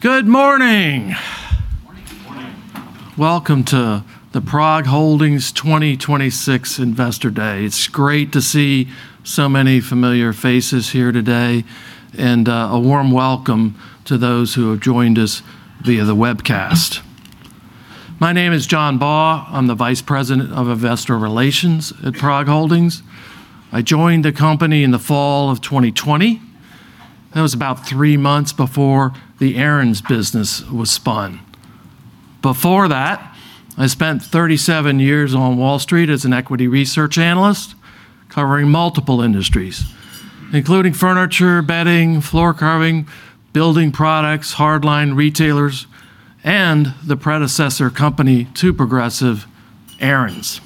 Good morning. Morning. Morning. Welcome to the PROG Holdings 2026 Investor Day. It's great to see so many familiar faces here today, and a warm welcome to those who have joined us via the webcast. My name is John Baugh. I'm the Vice President of Investor Relations at PROG Holdings. I joined the company in the fall of 2020. That was about three months before the Aaron's business was spun. Before that, I spent 37 years on Wall Street as an equity research analyst covering multiple industries, including furniture, bedding, floor covering, building products, hard line retailers, and the predecessor company to Progressive, Aaron's.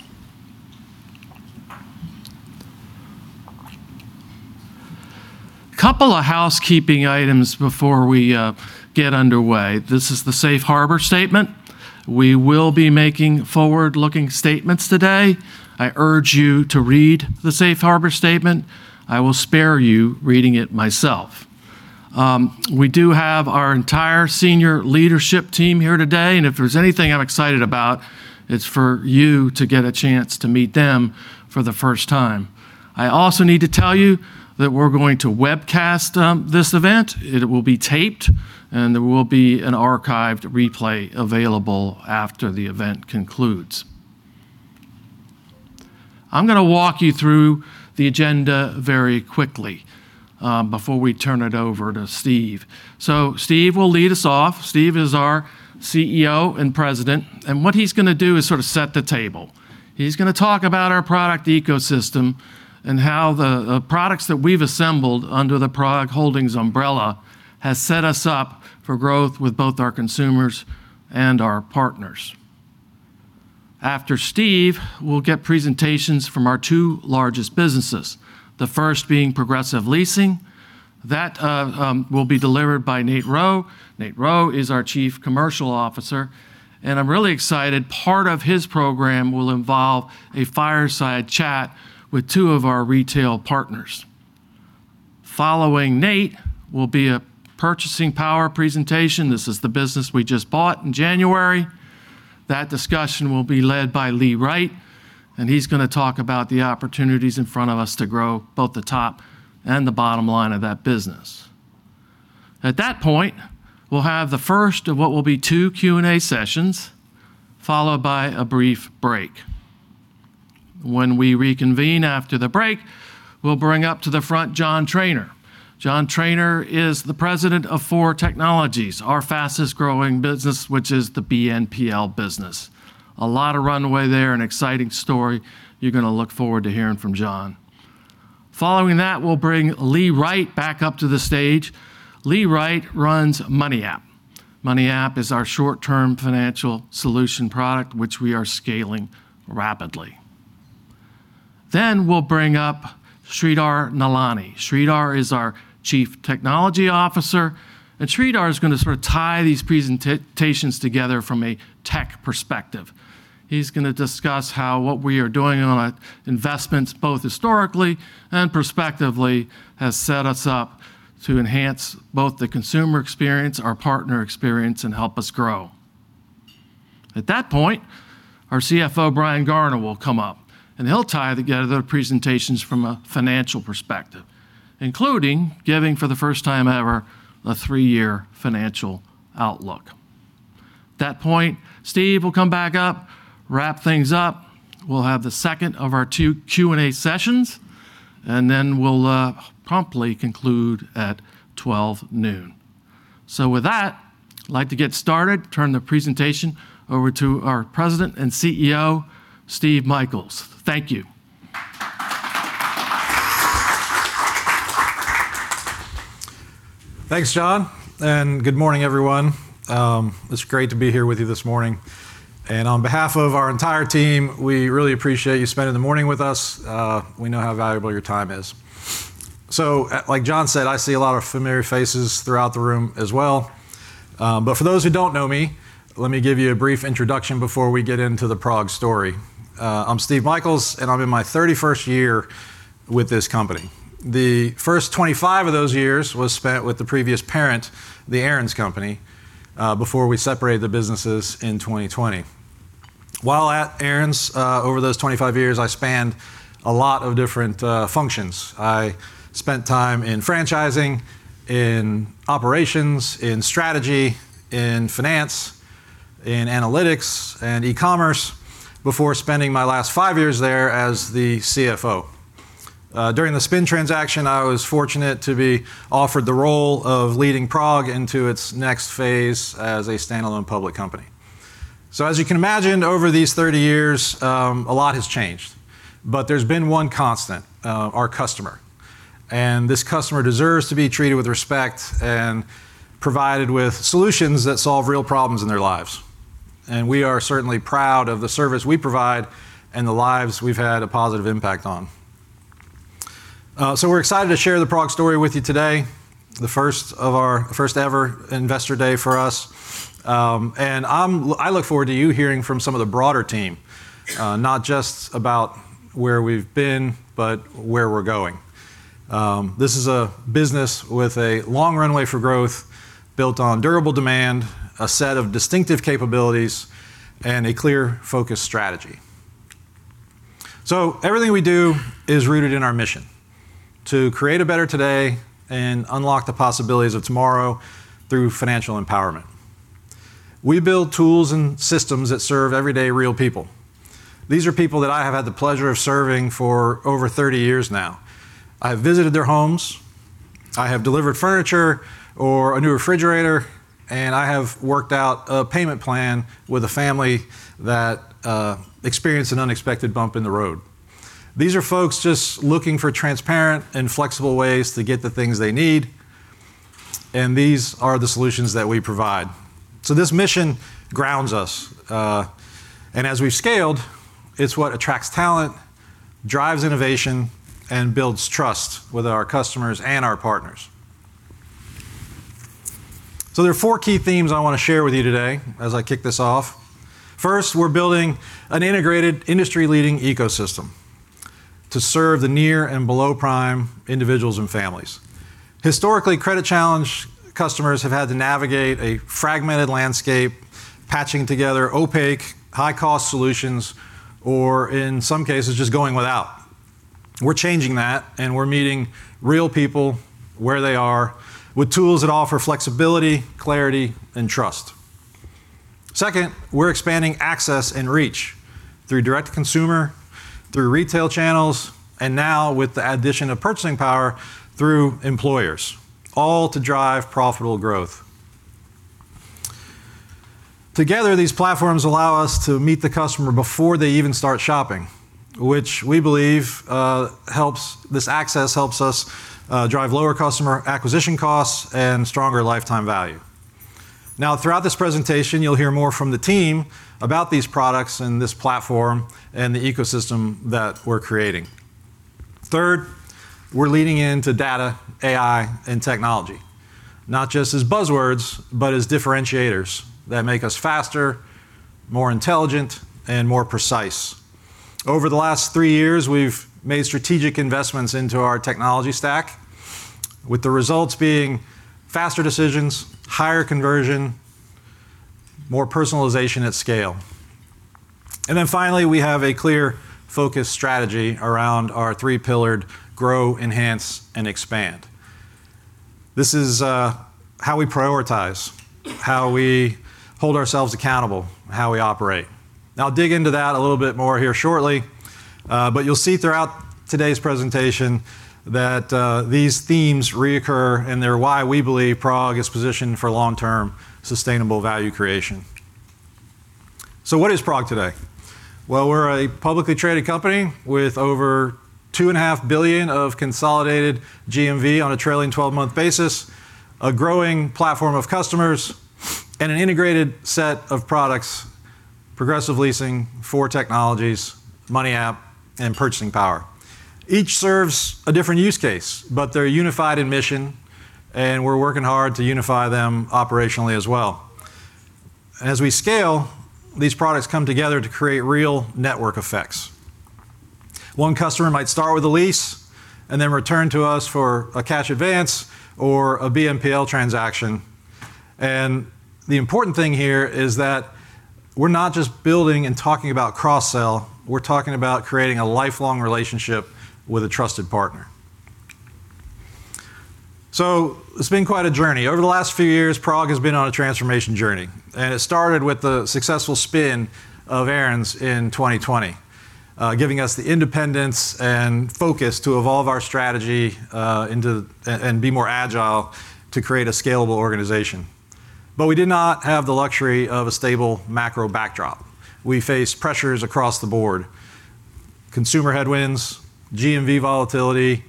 Couple of housekeeping items before we get underway. This is the safe harbor statement. We will be making forward-looking statements today. I urge you to read the safe harbor statement. I will spare you reading it myself. We do have our entire senior leadership team here today, and if there's anything I'm excited about, it's for you to get a chance to meet them for the first time. I also need to tell you that we're going to webcast this event. It will be taped, and there will be an archived replay available after the event concludes. I'm gonna walk you through the agenda very quickly before we turn it over to Steve. Steve will lead us off. Steve is our CEO and President, and what he's gonna do is sort of set the table. He's gonna talk about our product ecosystem and how the products that we've assembled under the PROG Holdings umbrella has set us up for growth with both our consumers and our partners. After Steve, we'll get presentations from our two largest businesses, the first being Progressive Leasing. That will be delivered by Nate Rowe. Nate Rowe is our Chief Commercial Officer, and I'm really excited. Part of his program will involve a fireside chat with two of our retail partners. Following Nate will be a Purchasing Power presentation. This is the business we just bought in January. That discussion will be led by Lee Wright, and he's gonna talk about the opportunities in front of us to grow both the top and the bottom line of that business. At that point, we'll have the first of what will be two Q&A sessions, followed by a brief break. When we reconvene after the break, we'll bring up to the front John Trainor. John Trainor is the President of Four Technologies, our fastest-growing business, which is the BNPL business. A lot of runway there, an exciting story. You're gonna look forward to hearing from John. Following that, we'll bring Lee Wright back up to the stage. Lee Wright runs Money App. Money App is our short-term financial solution product which we are scaling rapidly. We'll bring up Sridhar Nallani. Sridhar is our Chief Technology Officer, and Sridhar is gonna sort of tie these presentations together from a tech perspective. He's gonna discuss how what we are doing on investments, both historically and prospectively, has set us up to enhance both the consumer experience, our partner experience, and help us grow. At that point, our CFO, Brian Garner, will come up, and he'll tie together the presentations from a financial perspective, including giving, for the first time ever, a three-year financial outlook. At that point, Steve will come back up, wrap things up. We'll have the second of our two Q&A sessions, and then we'll promptly conclude at 12 noon. With that, I'd like to get started, turn the presentation over to our President and CEO, Steve Michaels. Thank you. Thanks, John, and good morning, everyone. It's great to be here with you this morning. On behalf of our entire team, we really appreciate you spending the morning with us. We know how valuable your time is. Like John said, I see a lot of familiar faces throughout the room as well. But for those who don't know me, let me give you a brief introduction before we get into the PROG story. I'm Steve Michaels, and I'm in my 31st year with this company. The first 25 of those years was spent with the previous parent, the Aaron's company, before we separated the businesses in 2020. While at Aaron's, over those 25 years, I spanned a lot of different functions. I spent time in franchising, in operations, in strategy, in finance, in analytics and e-commerce before spending my last five years there as the CFO. During the spin transaction, I was fortunate to be offered the role of leading PROG into its next phase as a standalone public company. As you can imagine, over these 30 years, a lot has changed, but there's been one constant, our customer. This customer deserves to be treated with respect and provided with solutions that solve real problems in their lives. We are certainly proud of the service we provide and the lives we've had a positive impact on. We're excited to share the PROG story with you today, the first ever investor day for us. I look forward to you hearing from some of the broader team, not just about where we've been, but where we're going. This is a business with a long runway for growth built on durable demand, a set of distinctive capabilities, and a clear focus strategy. Everything we do is rooted in our mission, to create a better today and unlock the possibilities of tomorrow through financial empowerment. We build tools and systems that serve everyday real people. These are people that I have had the pleasure of serving for over 30 years now. I've visited their homes, I have delivered furniture or a new refrigerator, and I have worked out a payment plan with a family that experienced an unexpected bump in the road. These are folks just looking for transparent and flexible ways to get the things they need, and these are the solutions that we provide. This mission grounds us, and as we've scaled, it's what attracts talent, drives innovation, and builds trust with our customers and our partners. There are four key themes I wanna share with you today as I kick this off. First, we're building an integrated industry-leading ecosystem to serve the near and below prime individuals and families. Historically, credit challenge customers have had to navigate a fragmented landscape, patching together opaque, high-cost solutions, or in some cases, just going without. We're changing that, and we're meeting real people where they are with tools that offer flexibility, clarity, and trust. Second, we're expanding access and reach through direct consumer, through retail channels, and now with the addition of Purchasing Power through employers, all to drive profitable growth. Together, these platforms allow us to meet the customer before they even start shopping, which we believe this access helps us drive lower customer acquisition costs and stronger lifetime value. Now, throughout this presentation, you'll hear more from the team about these products and this platform and the ecosystem that we're creating. Third, we're leaning into data, AI, and technology, not just as buzzwords, but as differentiators that make us faster, more intelligent, and more precise. Over the last three years, we've made strategic investments into our technology stack, with the results being faster decisions, higher conversion, more personalization at scale. Finally, we have a clear focus strategy around our three-pillared grow, enhance, and expand. This is how we prioritize, how we hold ourselves accountable, how we operate. I'll dig into that a little bit more here shortly, but you'll see throughout today's presentation that these themes reoccur and they're why we believe PROG is positioned for long-term sustainable value creation. What is PROG today? Well, we're a publicly traded company with over $2.5 billion of consolidated GMV on a trailing twelve-month basis, a growing platform of customers, and an integrated set of products, Progressive Leasing, Four Technologies, Money App, and Purchasing Power. Each serves a different use case, but they're unified in mission, and we're working hard to unify them operationally as well. As we scale, these products come together to create real network effects. One customer might start with a lease and then return to us for a cash advance or a BNPL transaction, and the important thing here is that we're not just building and talking about cross-sell, we're talking about creating a lifelong relationship with a trusted partner. It's been quite a journey. Over the last few years, PROG has been on a transformation journey, and it started with the successful spin of Aaron's in 2020, giving us the independence and focus to evolve our strategy and be more agile to create a scalable organization. We did not have the luxury of a stable macro backdrop. We faced pressures across the board, consumer headwinds, GMV volatility,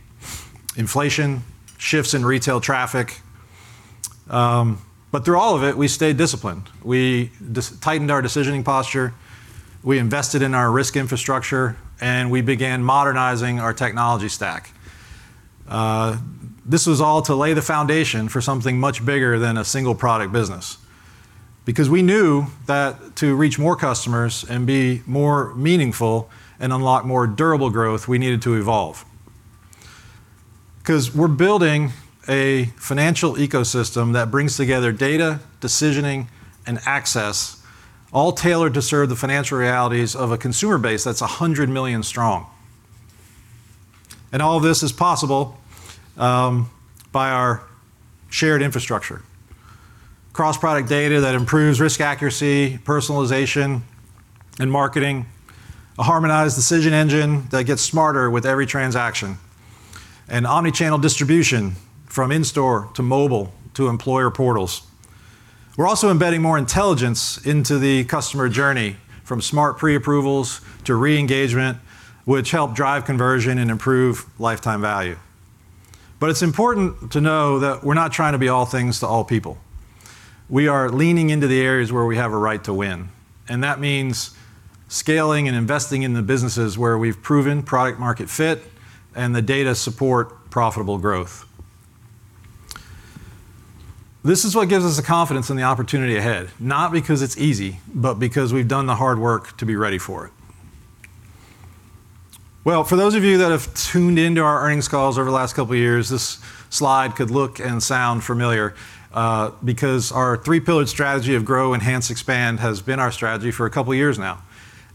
inflation, shifts in retail traffic, but through all of it, we stayed disciplined. We just tightened our decisioning posture, we invested in our risk infrastructure, and we began modernizing our technology stack. This was all to lay the foundation for something much bigger than a single product business, because we knew that to reach more customers and be more meaningful and unlock more durable growth, we needed to evolve. 'Cause we're building a financial ecosystem that brings together data, decisioning, and access, all tailored to serve the financial realities of a consumer base that's 100 million strong. All this is possible, by our shared infrastructure. Cross-product data that improves risk accuracy, personalization, and marketing, a harmonized decision engine that gets smarter with every transaction, and omni-channel distribution from in-store, to mobile, to employer portals. We're also embedding more intelligence into the customer journey from smart pre-approvals to re-engagement, which help drive conversion and improve lifetime value. It's important to know that we're not trying to be all things to all people. We are leaning into the areas where we have a right to win, and that means scaling and investing in the businesses where we've proven product market fit and the data support profitable growth. This is what gives us the confidence in the opportunity ahead, not because it's easy, but because we've done the hard work to be ready for it. Well, for those of you that have tuned into our earnings calls over the last couple of years, this slide could look and sound familiar, because our three-pillared strategy of grow, enhance, expand has been our strategy for a couple of years now,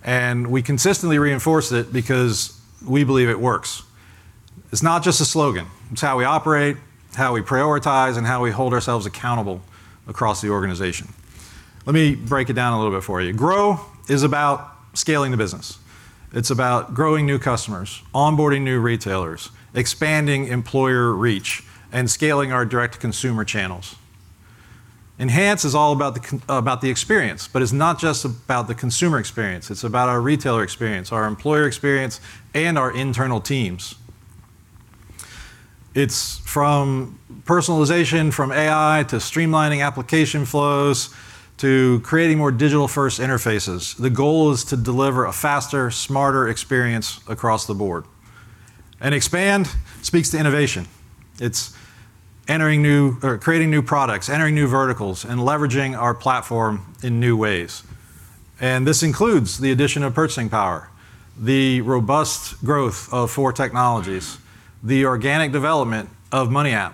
and we consistently reinforce it because we believe it works. It's not just a slogan, it's how we operate, it's how we prioritize, and how we hold ourselves accountable across the organization. Let me break it down a little bit for you. Grow is about scaling the business. It's about growing new customers, onboarding new retailers, expanding employer reach, and scaling our direct-to-consumer channels. Enhance is all about the experience, but it's not just about the consumer experience, it's about our retailer experience, our employer experience, and our internal teams. It's from personalization, from AI, to streamlining application flows, to creating more digital-first interfaces. The goal is to deliver a faster, smarter experience across the board. Expand speaks to innovation. It's entering new, or creating new products, entering new verticals, and leveraging our platform in new ways. This includes the addition of Purchasing Power, the robust growth of Four Technologies, the organic development of MoneyApp,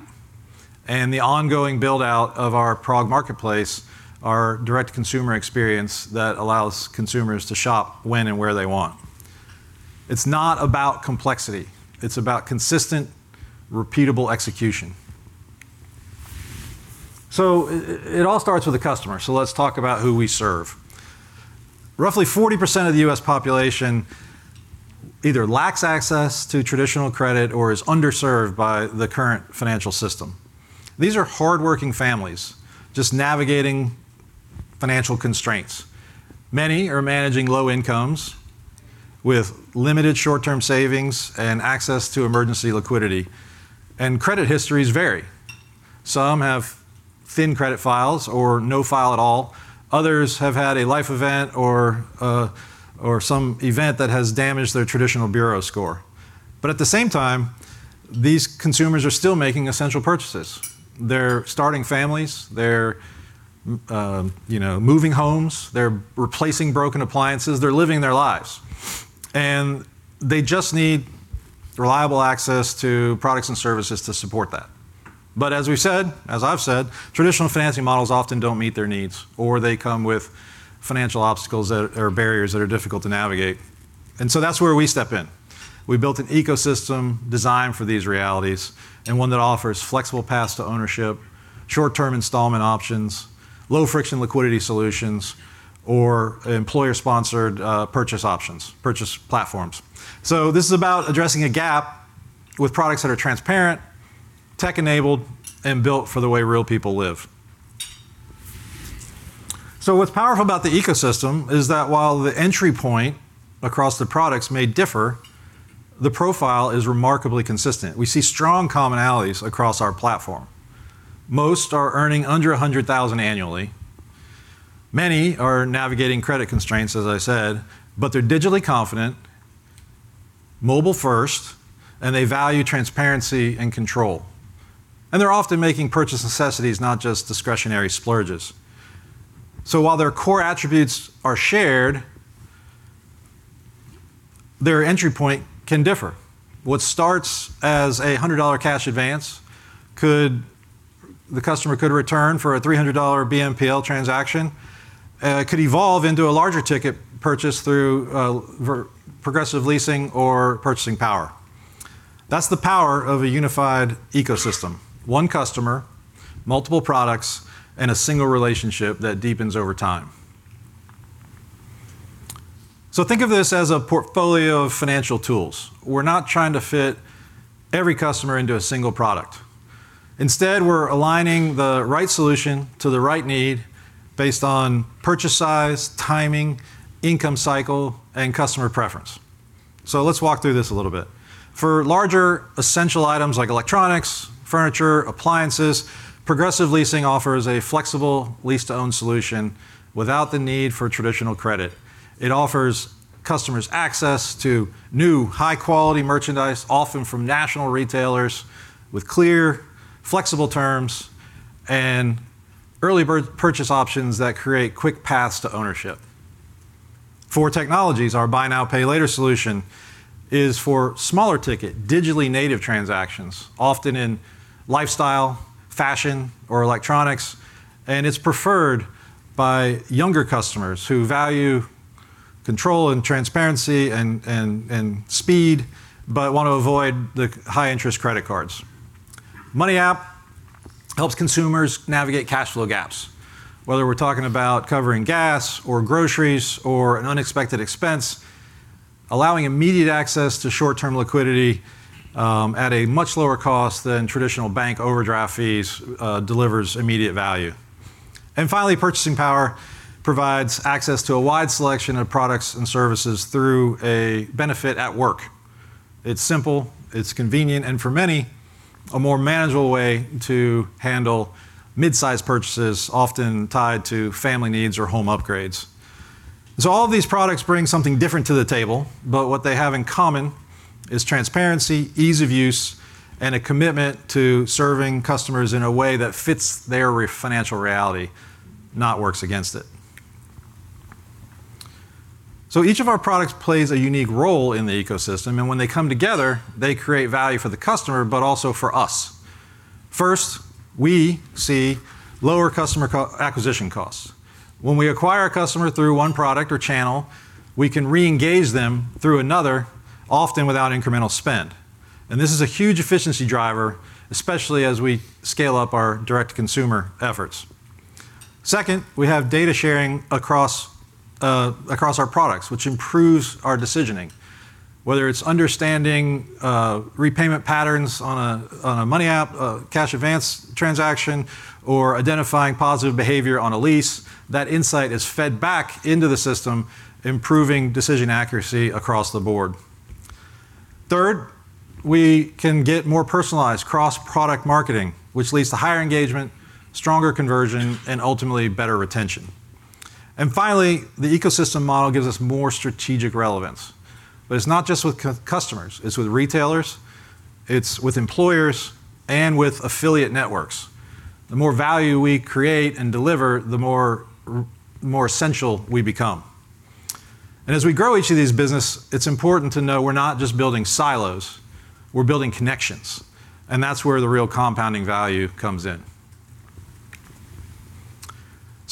and the ongoing build-out of our Prog Marketplace, our direct-to-consumer experience that allows consumers to shop when and where they want. It's not about complexity, it's about consistent, repeatable execution. It all starts with the customer, let's talk about who we serve. Roughly 40% of the U.S. population either lacks access to traditional credit or is underserved by the current financial system. These are hardworking families just navigating financial constraints. Many are managing low incomes with limited short-term savings and access to emergency liquidity. Credit histories vary. Some have thin credit files or no file at all. Others have had a life event or some event that has damaged their traditional bureau score. At the same time, these consumers are still making essential purchases. They're starting families, they're you know, moving homes, they're replacing broken appliances, they're living their lives, and they just need reliable access to products and services to support that. As we've said, as I've said, traditional financing models often don't meet their needs, or they come with financial barriers that are difficult to navigate. That's where we step in. We built an ecosystem designed for these realities, and one that offers flexible paths to ownership, short-term installment options, low-friction liquidity solutions or employer-sponsored purchase options, purchase platforms. This is about addressing a gap with products that are transparent, tech-enabled, and built for the way real people live. What's powerful about the ecosystem is that while the entry point across the products may differ, the profile is remarkably consistent. We see strong commonalities across our platform. Most are earning under $100,000 annually. Many are navigating credit constraints, as I said, but they're digitally confident, mobile first, and they value transparency and control. They're often making purchase necessities, not just discretionary splurges. While their core attributes are shared, their entry point can differ. What starts as a $100 cash advance could, the customer could return for a $300 BNPL transaction, could evolve into a larger ticket purchase through Progressive Leasing or Purchasing Power. That's the power of a unified ecosystem. One customer, multiple products, and a single relationship that deepens over time. Think of this as a portfolio of financial tools. We're not trying to fit every customer into a single product. Instead, we're aligning the right solution to the right need based on purchase size, timing, income cycle, and customer preference. Let's walk through this a little bit. For larger, essential items like electronics, furniture, appliances, Progressive Leasing offers a flexible lease-to-own solution without the need for traditional credit. It offers customers access to new, high-quality merchandise, often from national retailers with clear, flexible terms and early bird purchase options that create quick paths to ownership. For technologies, our buy now, pay later solution is for smaller ticket, digitally native transactions, often in lifestyle, fashion, or electronics. It's preferred by younger customers who value control and transparency and speed, but want to avoid the high-interest credit cards. MoneyApp helps consumers navigate cash flow gaps. Whether we're talking about covering gas or groceries or an unexpected expense, allowing immediate access to short-term liquidity at a much lower cost than traditional bank overdraft fees delivers immediate value. Finally, Purchasing Power provides access to a wide selection of products and services through a benefit at work. It's simple, it's convenient, and for many, a more manageable way to handle mid-size purchases often tied to family needs or home upgrades. All of these products bring something different to the table, but what they have in common is transparency, ease of use, and a commitment to serving customers in a way that fits their real financial reality, not works against it. Each of our products plays a unique role in the ecosystem, and when they come together, they create value for the customer, but also for us. First, we see lower customer acquisition costs. When we acquire a customer through one product or channel, we can re-engage them through another, often without incremental spend. This is a huge efficiency driver, especially as we scale up our direct consumer efforts. Second, we have data sharing across our products, which improves our decisioning. Whether it's understanding repayment patterns on a MoneyApp, a Cash Advance transaction, or identifying positive behavior on a lease, that insight is fed back into the system, improving decision accuracy across the board. Third, we can get more personalized cross-product marketing, which leads to higher engagement, stronger conversion, and ultimately better retention. Finally, the ecosystem model gives us more strategic relevance, but it's not just with customers, it's with retailers, it's with employers, and with affiliate networks. The more value we create and deliver, the more essential we become. As we grow each of these business, it's important to know we're not just building silos, we're building connections, and that's where the real compounding value comes in.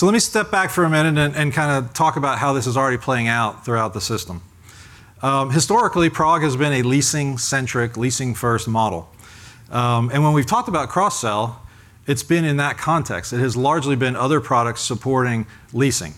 Let me step back for a minute and kinda talk about how this is already playing out throughout the system. Historically, PROG has been a leasing-centric, leasing-first model. When we've talked about cross-sell, it's been in that context. It has largely been other products supporting leasing.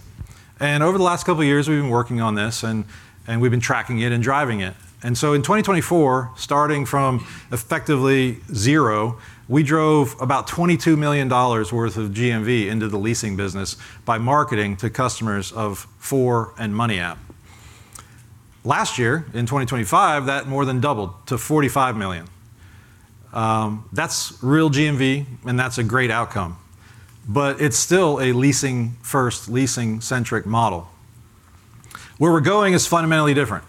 Over the last couple years, we've been working on this and we've been tracking it and driving it. In 2024, starting from effectively zero, we drove about $22 million worth of GMV into the leasing business by marketing to customers of Four and MoneyApp. Last year, in 2025, that more than doubled to $45 million. That's real GMV, and that's a great outcome. But it's still a leasing-first, leasing-centric model. Where we're going is fundamentally different.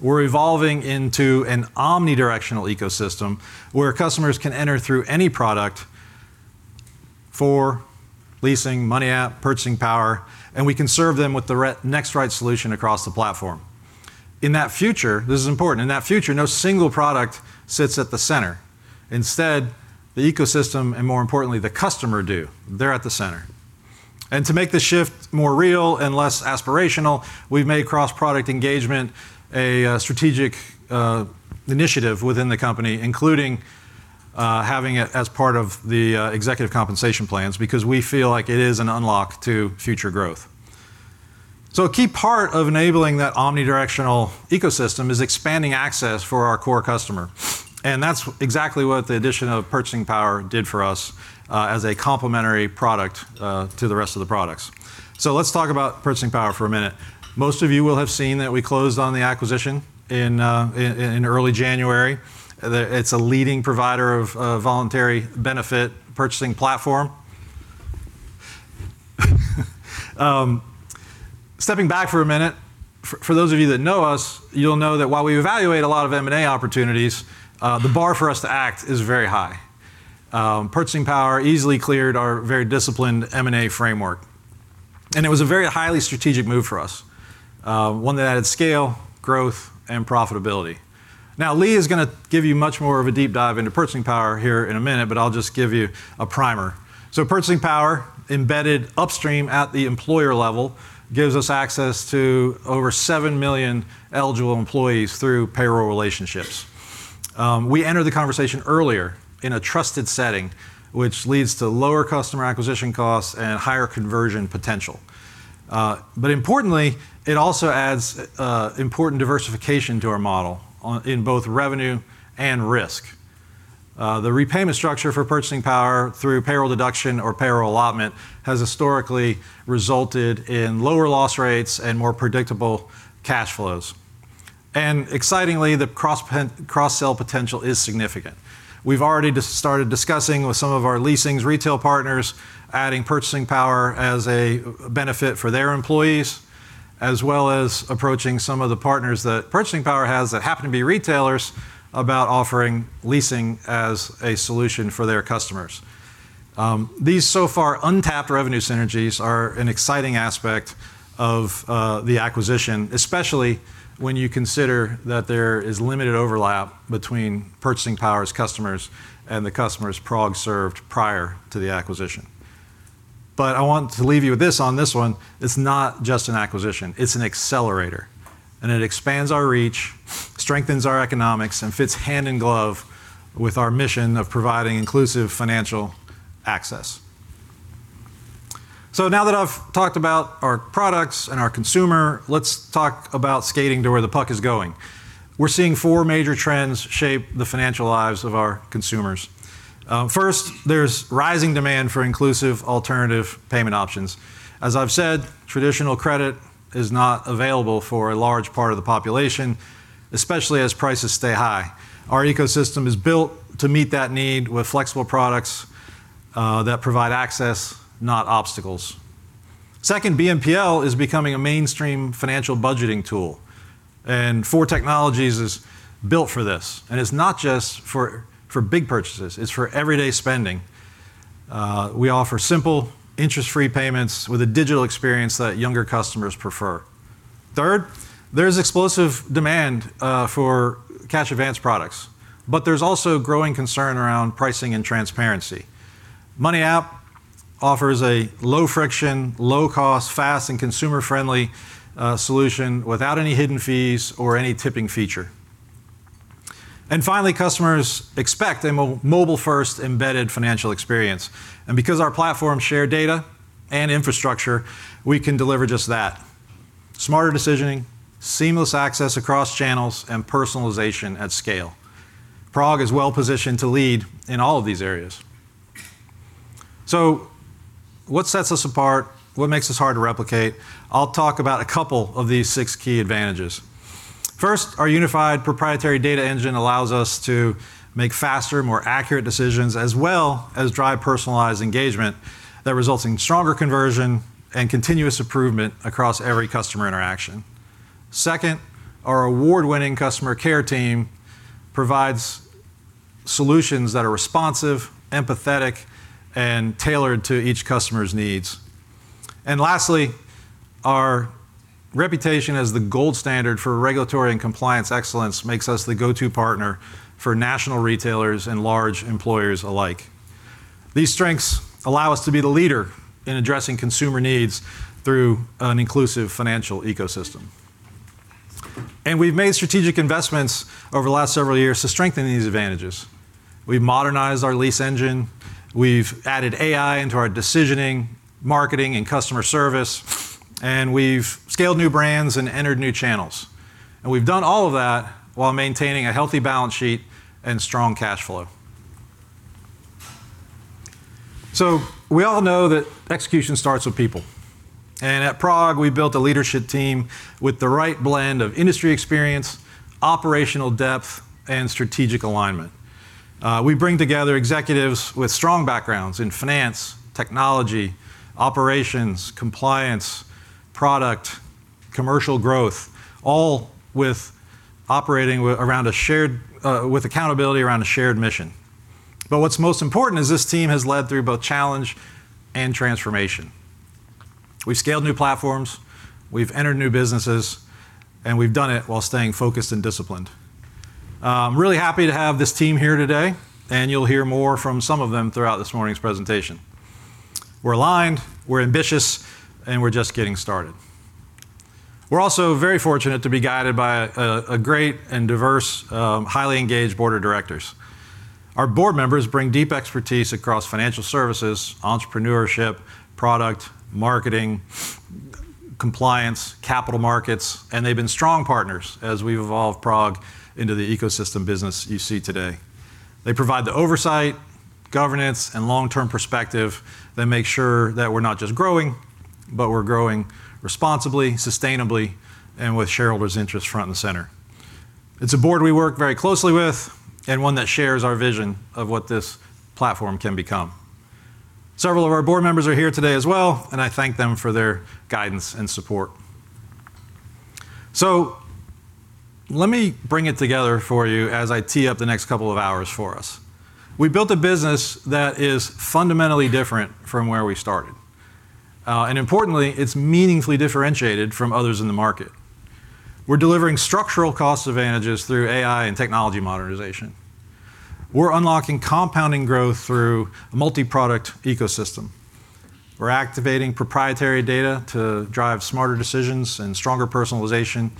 We're evolving into an omnidirectional ecosystem where customers can enter through any product, for leasing, Money App, Purchasing Power, and we can serve them with the next right solution across the platform. In that future, this is important, no single product sits at the center. Instead, the ecosystem, and more importantly, the customer do. They're at the center. To make the shift more real and less aspirational, we've made cross-product engagement a strategic initiative within the company, including having it as part of the executive compensation plans because we feel like it is an unlock to future growth. A key part of enabling that omnidirectional ecosystem is expanding access for our core customer, and that's exactly what the addition of Purchasing Power did for us, as a complementary product, to the rest of the products. Let's talk about Purchasing Power for a minute. Most of you will have seen that we closed on the acquisition in early January. It's a leading provider of voluntary benefit purchasing platform. Stepping back for a minute, for those of you that know us, you'll know that while we evaluate a lot of M&A opportunities, the bar for us to act is very high. Purchasing Power easily cleared our very disciplined M&A framework, and it was a very highly strategic move for us, one that added scale, growth, and profitability. Now, Lee is gonna give you much more of a deep dive into Purchasing Power here in a minute, but I'll just give you a primer. Purchasing Power embedded upstream at the employer level gives us access to over 7 million eligible employees through payroll relationships. We enter the conversation earlier in a trusted setting, which leads to lower customer acquisition costs and higher conversion potential. But importantly, it also adds important diversification to our model on, in both revenue and risk. The repayment structure for Purchasing Power through payroll deduction or payroll allotment has historically resulted in lower loss rates and more predictable cash flows. Excitingly, the cross-sell potential is significant. We've already started discussing with some of our leasing retail partners adding Purchasing Power as a benefit for their employees, as well as approaching some of the partners that Purchasing Power has that happen to be retailers about offering leasing as a solution for their customers. These so far untapped revenue synergies are an exciting aspect of the acquisition, especially when you consider that there is limited overlap between Purchasing Power's customers and the customers PROG served prior to the acquisition. I want to leave you with this on this one. It's not just an acquisition, it's an accelerator, and it expands our reach, strengthens our economics, and fits hand in glove with our mission of providing inclusive financial access. Now that I've talked about our products and our consumer, let's talk about skating to where the puck is going. We're seeing four major trends shape the financial lives of our consumers. First, there's rising demand for inclusive alternative payment options. As I've said, traditional credit is not available for a large part of the population, especially as prices stay high. Our ecosystem is built to meet that need with flexible products that provide access, not obstacles. Second, BNPL is becoming a mainstream financial budgeting tool, and Four Technologies is built for this. It's not just for big purchases, it's for everyday spending. We offer simple interest-free payments with a digital experience that younger customers prefer. Third, there's explosive demand for cash advance products, but there's also growing concern around pricing and transparency. MoneyApp offers a low-friction, low-cost, fast, and consumer-friendly solution without any hidden fees or any tipping feature. Finally, customers expect a mobile-first embedded financial experience. Because our platforms share data and infrastructure, we can deliver just that. Smarter decisioning, seamless access across channels, and personalization at scale. PROG is well-positioned to lead in all of these areas. What sets us apart? What makes us hard to replicate? I'll talk about a couple of these six key advantages. First, our unified proprietary data engine allows us to make faster, more accurate decisions, as well as drive personalized engagement that results in stronger conversion and continuous improvement across every customer interaction. Second, our award-winning customer care team provides solutions that are responsive, empathetic, and tailored to each customer's needs. Lastly, our reputation as the gold standard for regulatory and compliance excellence makes us the go-to partner for national retailers and large employers alike. These strengths allow us to be the leader in addressing consumer needs through an inclusive financial ecosystem. We've made strategic investments over the last several years to strengthen these advantages. We've modernized our lease engine, we've added AI into our decisioning, marketing, and customer service, and we've scaled new brands and entered new channels. We've done all of that while maintaining a healthy balance sheet and strong cash flow. We all know that execution starts with people, and at PROG we've built a leadership team with the right blend of industry experience, operational depth, and strategic alignment. We bring together executives with strong backgrounds in finance, technology, operations, compliance, product, commercial growth, all with accountability around a shared mission. What's most important is this team has led through both challenge and transformation. We've scaled new platforms, we've entered new businesses, and we've done it while staying focused and disciplined. I'm really happy to have this team here today, and you'll hear more from some of them throughout this morning's presentation. We're aligned, we're ambitious, and we're just getting started. We're also very fortunate to be guided by a great and diverse, highly engaged board of directors. Our board members bring deep expertise across financial services, entrepreneurship, product, marketing, compliance, capital markets, and they've been strong partners as we've evolved PROG into the ecosystem business you see today. They provide the oversight, governance, and long-term perspective that make sure that we're not just growing, but we're growing responsibly, sustainably, and with shareholders' interests front and center. It's a board we work very closely with and one that shares our vision of what this platform can become. Several of our board members are here today as well, and I thank them for their guidance and support. Let me bring it together for you as I tee up the next couple of hours for us. We built a business that is fundamentally different from where we started. And importantly, it's meaningfully differentiated from others in the market. We're delivering structural cost advantages through AI and technology modernization. We're unlocking compounding growth through a multi-product ecosystem. We're activating proprietary data to drive smarter decisions and stronger personalization,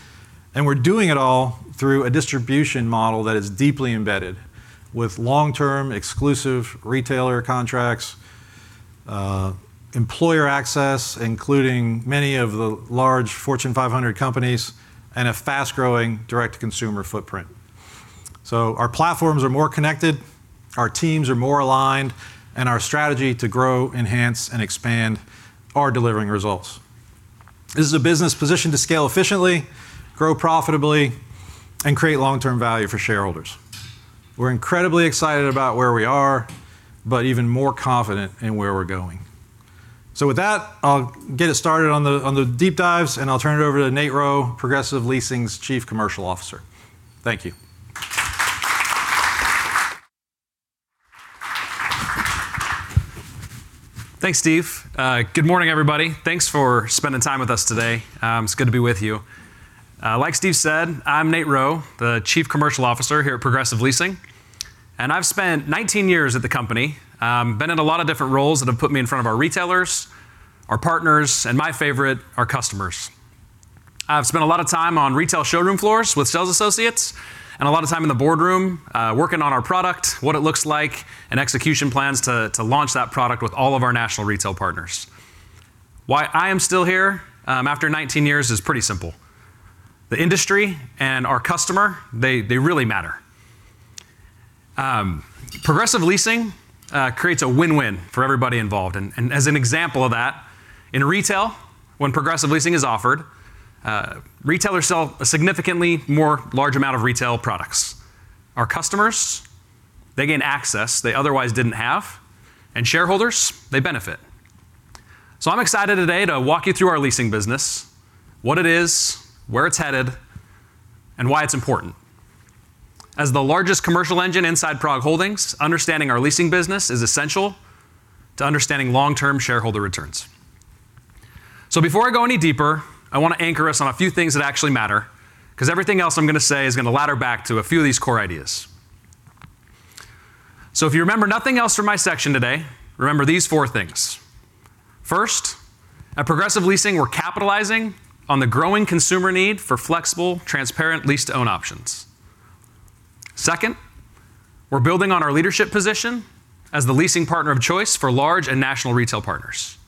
and we're doing it all through a distribution model that is deeply embedded with long-term exclusive retailer contracts, employer access, including many of the large Fortune 500 companies, and a fast-growing direct-to-consumer footprint. Our platforms are more connected, our teams are more aligned, and our strategy to grow, enhance, and expand are delivering results. This is a business positioned to scale efficiently, grow profitably, and create long-term value for shareholders. We're incredibly excited about where we are, but even more confident in where we're going. With that, I'll get us started on the deep dives, and I'll turn it over to Nate Rowe, Progressive Leasing's Chief Commercial Officer. Thank you. Thanks, Steve. Good morning, everybody. Thanks for spending time with us today. It's good to be with you. Like Steve said, I'm Nate Rowe, the Chief Commercial Officer here at Progressive Leasing, and I've spent 19 years at the company. Been in a lot of different roles that have put me in front of our retailers, our partners, and my favorite, our customers. I've spent a lot of time on retail showroom floors with sales associates and a lot of time in the boardroom, working on our product, what it looks like, and execution plans to launch that product with all of our national retail partners. Why I am still here, after 19 years, is pretty simple. The industry and our customer, they really matter. Progressive Leasing creates a win-win for everybody involved. As an example of that, in retail- When Progressive Leasing is offered, retailers sell a significantly more large amount of retail products. Our customers, they gain access they otherwise didn't have, and shareholders, they benefit. I'm excited today to walk you through our leasing business, what it is, where it's headed, and why it's important. As the largest commercial engine inside PROG Holdings, understanding our leasing business is essential to understanding long-term shareholder returns. Before I go any deeper, I want to anchor us on a few things that actually matter, 'cause everything else I'm gonna say is gonna ladder back to a few of these core ideas. If you remember nothing else from my section today, remember these four things. First, at Progressive Leasing, we're capitalizing on the growing consumer need for flexible, transparent lease-to-own options. Second, we're building on our leadership position as the leasing partner of choice for large and national retail partners.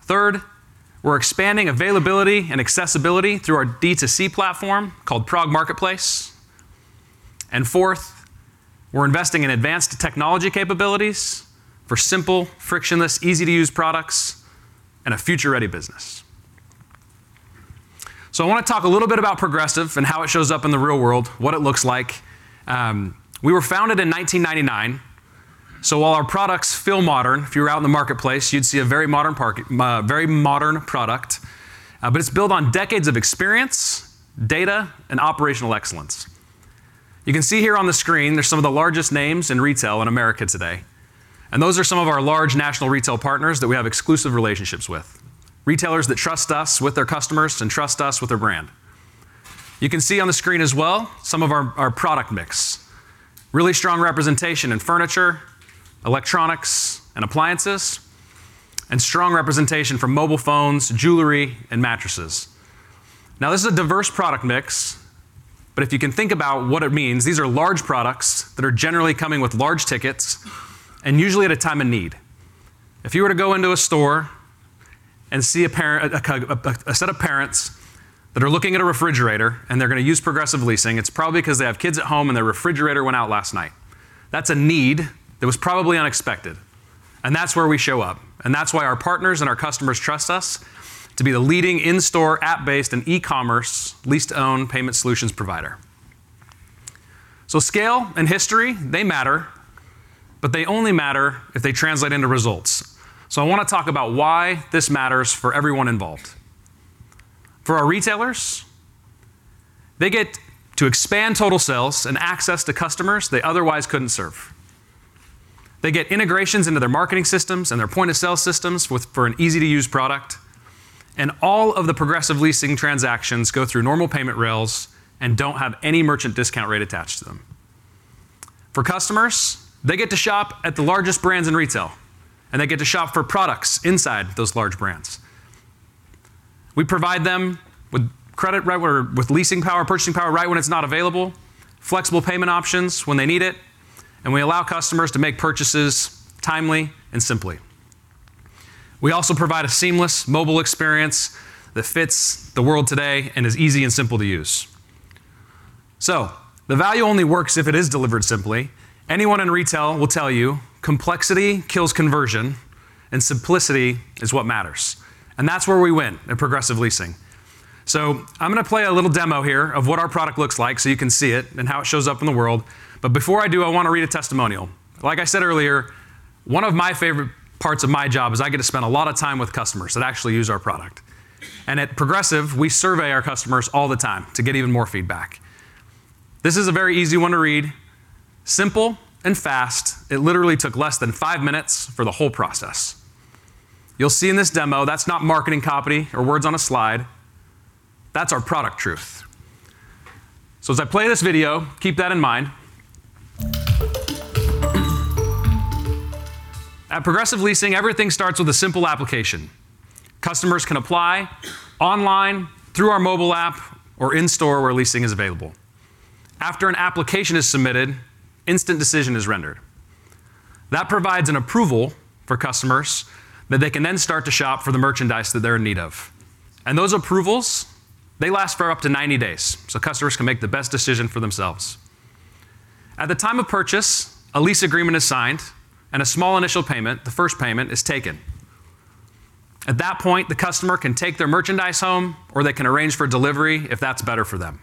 Third, we're expanding availability and accessibility through our D2C platform called Prog Marketplace. Fourth, we're investing in advanced technology capabilities for simple, frictionless, easy-to-use products and a future-ready business. I want to talk a little bit about Progressive and how it shows up in the real world, what it looks like. We were founded in 1999, so while our products feel modern, if you were out in the marketplace, you'd see a very modern product, but it's built on decades of experience, data, and operational excellence. You can see here on the screen, there's some of the largest names in retail in America today, and those are some of our large national retail partners that we have exclusive relationships with, retailers that trust us with their customers and trust us with their brand. You can see on the screen as well some of our product mix. Really strong representation in furniture, electronics, and appliances, and strong representation for mobile phones, jewelry, and mattresses. Now, this is a diverse product mix, but if you can think about what it means, these are large products that are generally coming with large tickets and usually at a time of need. If you were to go into a store and see a set of parents that are looking at a refrigerator, and they're gonna use Progressive Leasing, it's probably 'cause they have kids at home, and their refrigerator went out last night. That's a need that was probably unexpected, and that's where we show up, and that's why our partners and our customers trust us to be the leading in-store, app-based, and e-commerce lease-to-own payment solutions provider. Scale and history, they matter, but they only matter if they translate into results. I wanna talk about why this matters for everyone involved. For our retailers, they get to expand total sales and access to customers they otherwise couldn't serve. They get integrations into their marketing systems and their point-of-sale systems for an easy-to-use product, and all of the Progressive Leasing transactions go through normal payment rails and don't have any merchant discount rate attached to them. For customers, they get to shop at the largest brands in retail, and they get to shop for products inside those large brands. We provide them with credit right with leasing power, purchasing power right when it's not available, flexible payment options when they need it, and we allow customers to make purchases timely and simply. We also provide a seamless mobile experience that fits the world today and is easy and simple to use. The value only works if it is delivered simply. Anyone in retail will tell you complexity kills conversion and simplicity is what matters, and that's where we win at Progressive Leasing. I'm gonna play a little demo here of what our product looks like so you can see it and how it shows up in the world. Before I do, I want to read a testimonial. Like I said earlier, one of my favorite parts of my job is I get to spend a lot of time with customers that actually use our product. At Progressive, we survey our customers all the time to get even more feedback. This is a very easy one to read, simple and fast. It literally took less than five minutes for the whole process. You'll see in this demo that's not marketing copy or words on a slide. That's our product truth. As I play this video, keep that in mind. At Progressive Leasing, everything starts with a simple application. Customers can apply online, through our mobile app, or in-store where leasing is available. After an application is submitted, instant decision is rendered. That provides an approval for customers that they can then start to shop for the merchandise that they're in need of. Those approvals, they last for up to 90 days, so customers can make the best decision for themselves. At the time of purchase, a lease agreement is signed and a small initial payment, the first payment, is taken. At that point, the customer can take their merchandise home, or they can arrange for delivery if that's better for them.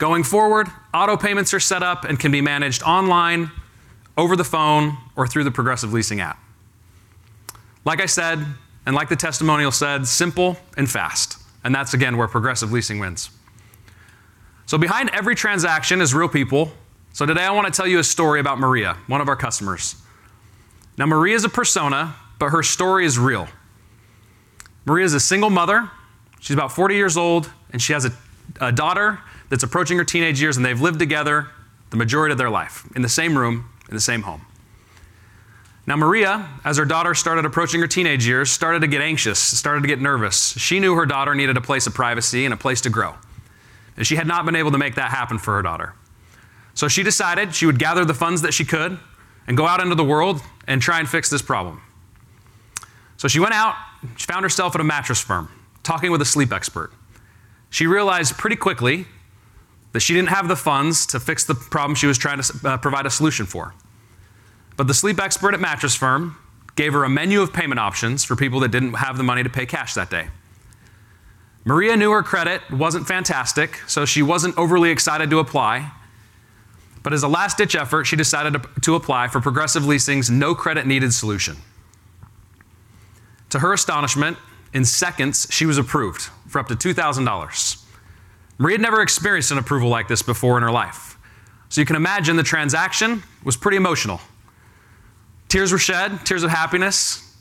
Going forward, auto-payments are set up and can be managed online, over the phone, or through the Progressive Leasing app. Like I said, and like the testimonial said, simple and fast, and that's again where Progressive Leasing wins. Behind every transaction is real people. Today I want to tell you a story about Maria, one of our customers. Now, Maria's a persona, but her story is real. Maria's a single mother. She's about 40 years old, and she has a daughter that's approaching her teenage years, and they've lived together the majority of their life in the same room, in the same home. Now, Maria, as her daughter started approaching her teenage years, started to get anxious, started to get nervous. She knew her daughter needed a place of privacy and a place to grow, and she had not been able to make that happen for her daughter. She decided she would gather the funds that she could and go out into the world and try and fix this problem. She went out. She found herself at a Mattress Firm talking with a sleep expert. She realized pretty quickly that she didn't have the funds to fix the problem she was trying to provide a solution for. The sleep expert at Mattress Firm gave her a menu of payment options for people that didn't have the money to pay cash that day. Maria knew her credit wasn't fantastic, so she wasn't overly excited to apply. As a last-ditch effort, she decided to apply for Progressive Leasing's no-credit-needed solution. To her astonishment, in seconds she was approved for up to $2,000. Maria had never experienced an approval like this before in her life, so you can imagine the transaction was pretty emotional. Tears were shed, tears of happiness,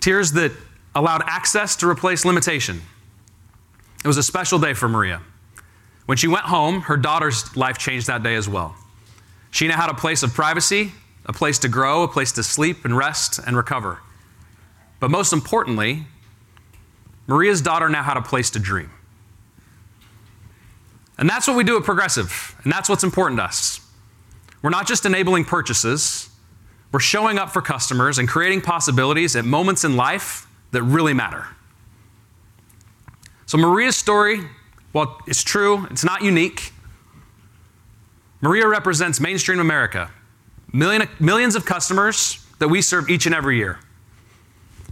tears that allowed access to replace limitation. It was a special day for Maria. When she went home, her daughter's life changed that day as well. She now had a place of privacy, a place to grow, a place to sleep and rest and recover. Most importantly, Maria's daughter now had a place to dream. That's what we do at Progressive, and that's what's important to us. We're not just enabling purchases, we're showing up for customers and creating possibilities at moments in life that really matter. Maria's story, while it's true, it's not unique. Maria represents mainstream America. Millions of customers that we serve each and every year.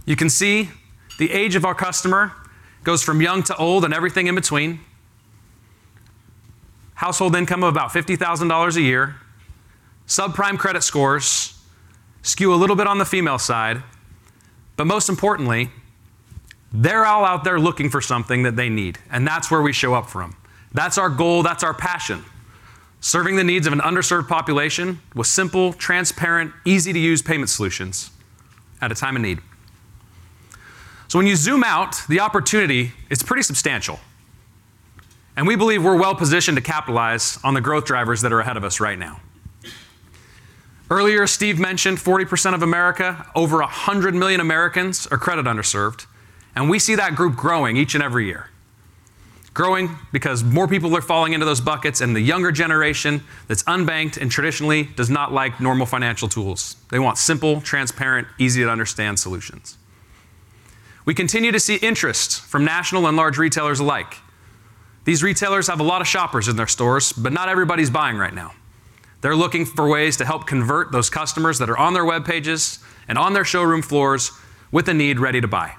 You can see the age of our customer goes from young to old and everything in between. Household income of about $50,000 a year. Subprime credit scores skew a little bit on the female side, but most importantly, they're all out there looking for something that they need, and that's where we show up for them. That's our goal, that's our passion. Serving the needs of an underserved population with simple, transparent, easy-to-use payment solutions at a time of need. When you zoom out, the opportunity is pretty substantial, and we believe we're well positioned to capitalize on the growth drivers that are ahead of us right now. Earlier, Steve mentioned 40% of America, over 100 million Americans, are credit underserved, and we see that group growing each and every year. Growing because more people are falling into those buckets, and the younger generation that's unbanked and traditionally does not like normal financial tools. They want simple, transparent, easy-to-understand solutions. We continue to see interest from national and large retailers alike. These retailers have a lot of shoppers in their stores, but not everybody's buying right now. They're looking for ways to help convert those customers that are on their web pages and on their showroom floors with a need ready to buy.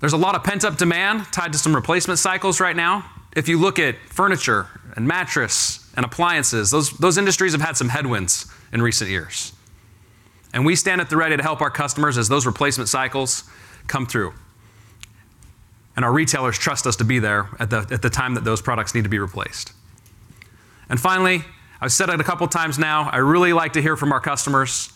There's a lot of pent-up demand tied to some replacement cycles right now. If you look at furniture and mattress and appliances, those industries have had some headwinds in recent years. We stand at the ready to help our customers as those replacement cycles come through. Our retailers trust us to be there at the time that those products need to be replaced. Finally, I've said it a couple times now, I really like to hear from our customers.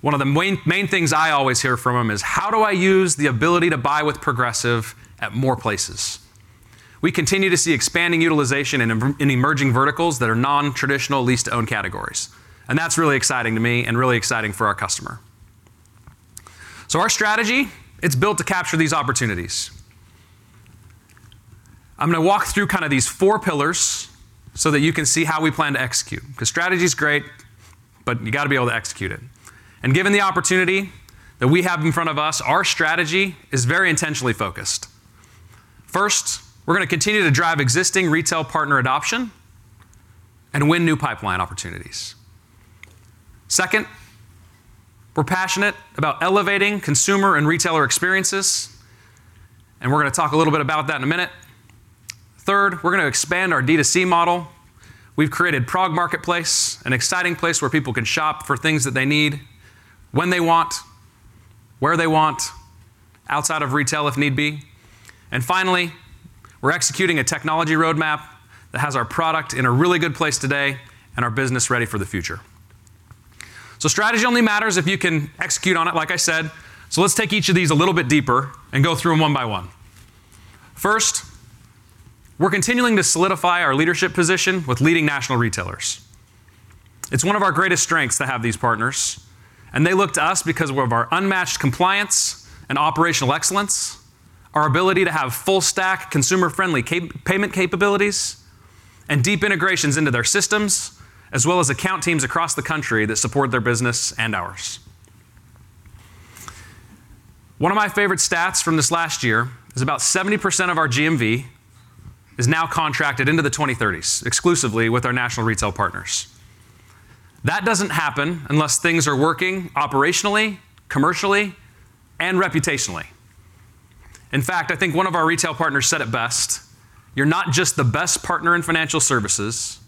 One of the main things I always hear from them is, "How do I use the ability to buy with Progressive at more places?" We continue to see expanding utilization in emerging verticals that are non-traditional lease-to-own categories, and that's really exciting to me and really exciting for our customer. Our strategy, it's built to capture these opportunities. I'm gonna walk through kinda these four pillars so that you can see how we plan to execute, 'cause strategy's great, but you gotta be able to execute it. Given the opportunity that we have in front of us, our strategy is very intentionally focused. First, we're gonna continue to drive existing retail partner adoption and win new pipeline opportunities. Second, we're passionate about elevating consumer and retailer experiences, and we're gonna talk a little bit about that in a minute. Third, we're gonna expand our D2C model. We've created Prog Marketplace, an exciting place where people can shop for things that they need when they want, where they want, outside of retail if need be. Finally, we're executing a technology roadmap that has our product in a really good place today and our business ready for the future. Strategy only matters if you can execute on it, like I said. Let's take each of these a little bit deeper and go through them one by one. First, we're continuing to solidify our leadership position with leading national retailers. It's one of our greatest strengths to have these partners, and they look to us because of our unmatched compliance and operational excellence, our ability to have full-stack consumer-friendly payment capabilities and deep integrations into their systems, as well as account teams across the country that support their business and ours. One of my favorite stats from this last year is about 70% of our GMV is now contracted into the 2030s, exclusively with our national retail partners. That doesn't happen unless things are working operationally, commercially, and reputationally. In fact, I think one of our retail partners said it best. "You're not just the best partner in financial services,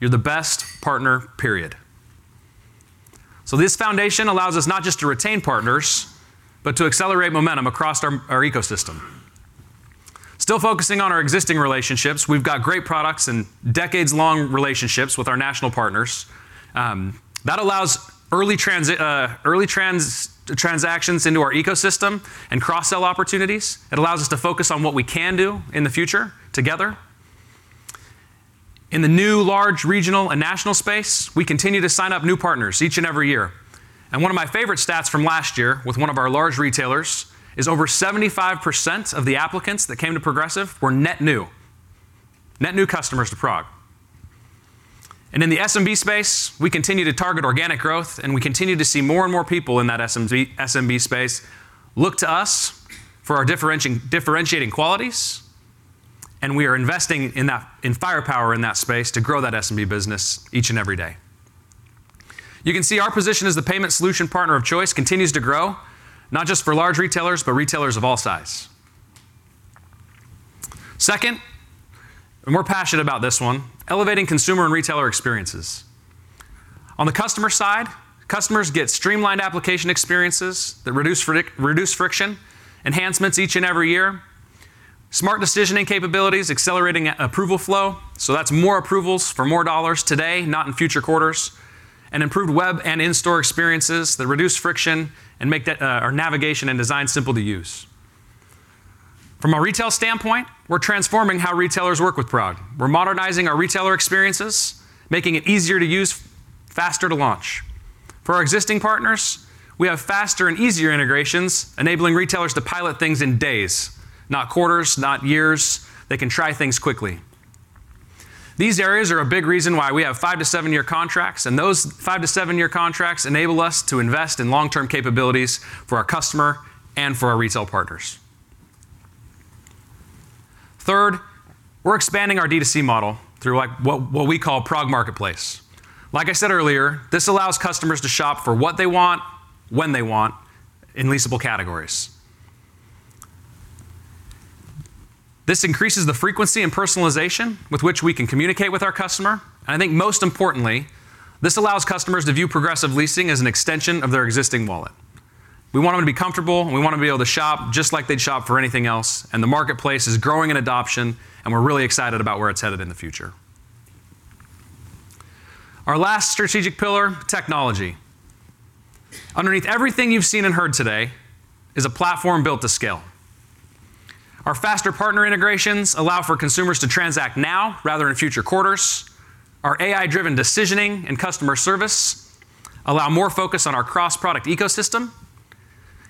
you're the best partner, period." This foundation allows us not just to retain partners, but to accelerate momentum across our ecosystem. Still focusing on our existing relationships, we've got great products and decades-long relationships with our national partners. That allows early transactions into our ecosystem and cross-sell opportunities. It allows us to focus on what we can do in the future together. In the new large regional and national space, we continue to sign up new partners each and every year. One of my favorite stats from last year with one of our large retailers is over 75% of the applicants that came to Progressive were net new. Net new customers to PROG. In the SMB space, we continue to target organic growth, and we continue to see more and more people in that SMB space look to us for our differentiating qualities. We are investing in that, in firepower in that space to grow that SMB business each and every day. You can see our position as the payment solution partner of choice continues to grow, not just for large retailers, but retailers of all size. Second, I'm more passionate about this one. Elevating consumer and retailer experiences. On the customer side, customers get streamlined application experiences that reduce friction, enhancements each and every year, smart decisioning capabilities accelerating approval flow. That's more approvals for more dollars today, not in future quarters, and improved web and in-store experiences that reduce friction and make our navigation and design simple to use. From a retail standpoint, we're transforming how retailers work with PROG. We're modernizing our retailer experiences, making it easier to use, faster to launch. For our existing partners, we have faster and easier integrations enabling retailers to pilot things in days, not quarters, not years. They can try things quickly. These areas are a big reason why we have 5-7-year contracts, and those 5-7-year contracts enable us to invest in long-term capabilities for our customer and for our retail partners. Third, we're expanding our D2C model through like what we call PROG Marketplace. Like I said earlier, this allows customers to shop for what they want, when they want, in leasable categories. This increases the frequency and personalization with which we can communicate with our customer, and I think most importantly, this allows customers to view Progressive Leasing as an extension of their existing wallet. We want them to be comfortable, and we want them to be able to shop just like they'd shop for anything else, and the marketplace is growing in adoption, and we're really excited about where it's headed in the future. Our last strategic pillar, technology. Underneath everything you've seen and heard today is a platform built to scale. Our faster partner integrations allow for consumers to transact now rather in future quarters. Our AI-driven decisioning and customer service allow more focus on our cross-product ecosystem,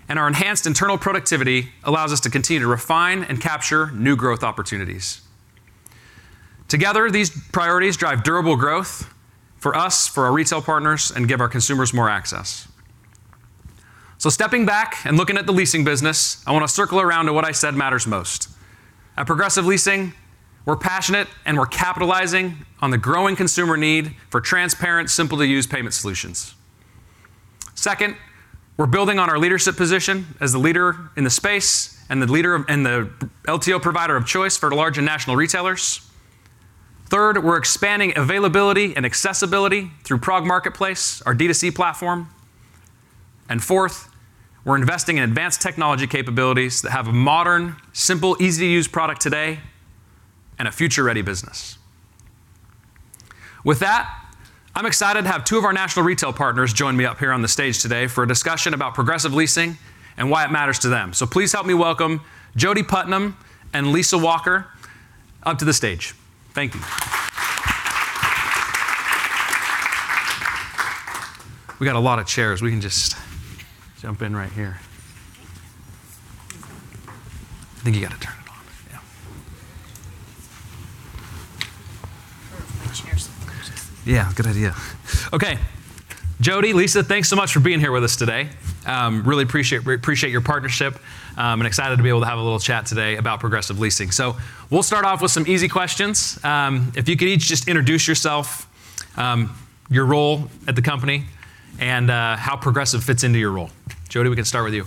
and our enhanced internal productivity allows us to continue to refine and capture new growth opportunities. Together, these priorities drive durable growth for us, for our retail partners, and give our consumers more access. Stepping back and looking at the leasing business, I wanna circle around to what I said matters most. At Progressive Leasing, we're passionate and we're capitalizing on the growing consumer need for transparent, simple-to-use payment solutions. Second, we're building on our leadership position as the leader in the space and the leader of, and the LTO provider of choice for the large and national retailers. Third, we're expanding availability and accessibility through Prog Marketplace, our D2C platform. Fourth, we're investing in advanced technology capabilities that have a modern, simple, easy-to-use product today and a future-ready business. With that, I'm excited to have two of our national retail partners join me up here on the stage today for a discussion about Progressive Leasing and why it matters to them. Please help me welcome Jody Putnam and Lisa Walker up to the stage. Thank you. We got a lot of chairs. We can just jump in right here. Thank you. I think you gotta turn it on. Yeah. More chairs. Yeah, good idea. Okay. Jody, Lisa, thanks so much for being here with us today. We appreciate your partnership, and excited to be able to have a little chat today about Progressive Leasing. We'll start off with some easy questions. If you could each just introduce yourself, your role at the company, and how Progressive fits into your role. Jody, we can start with you.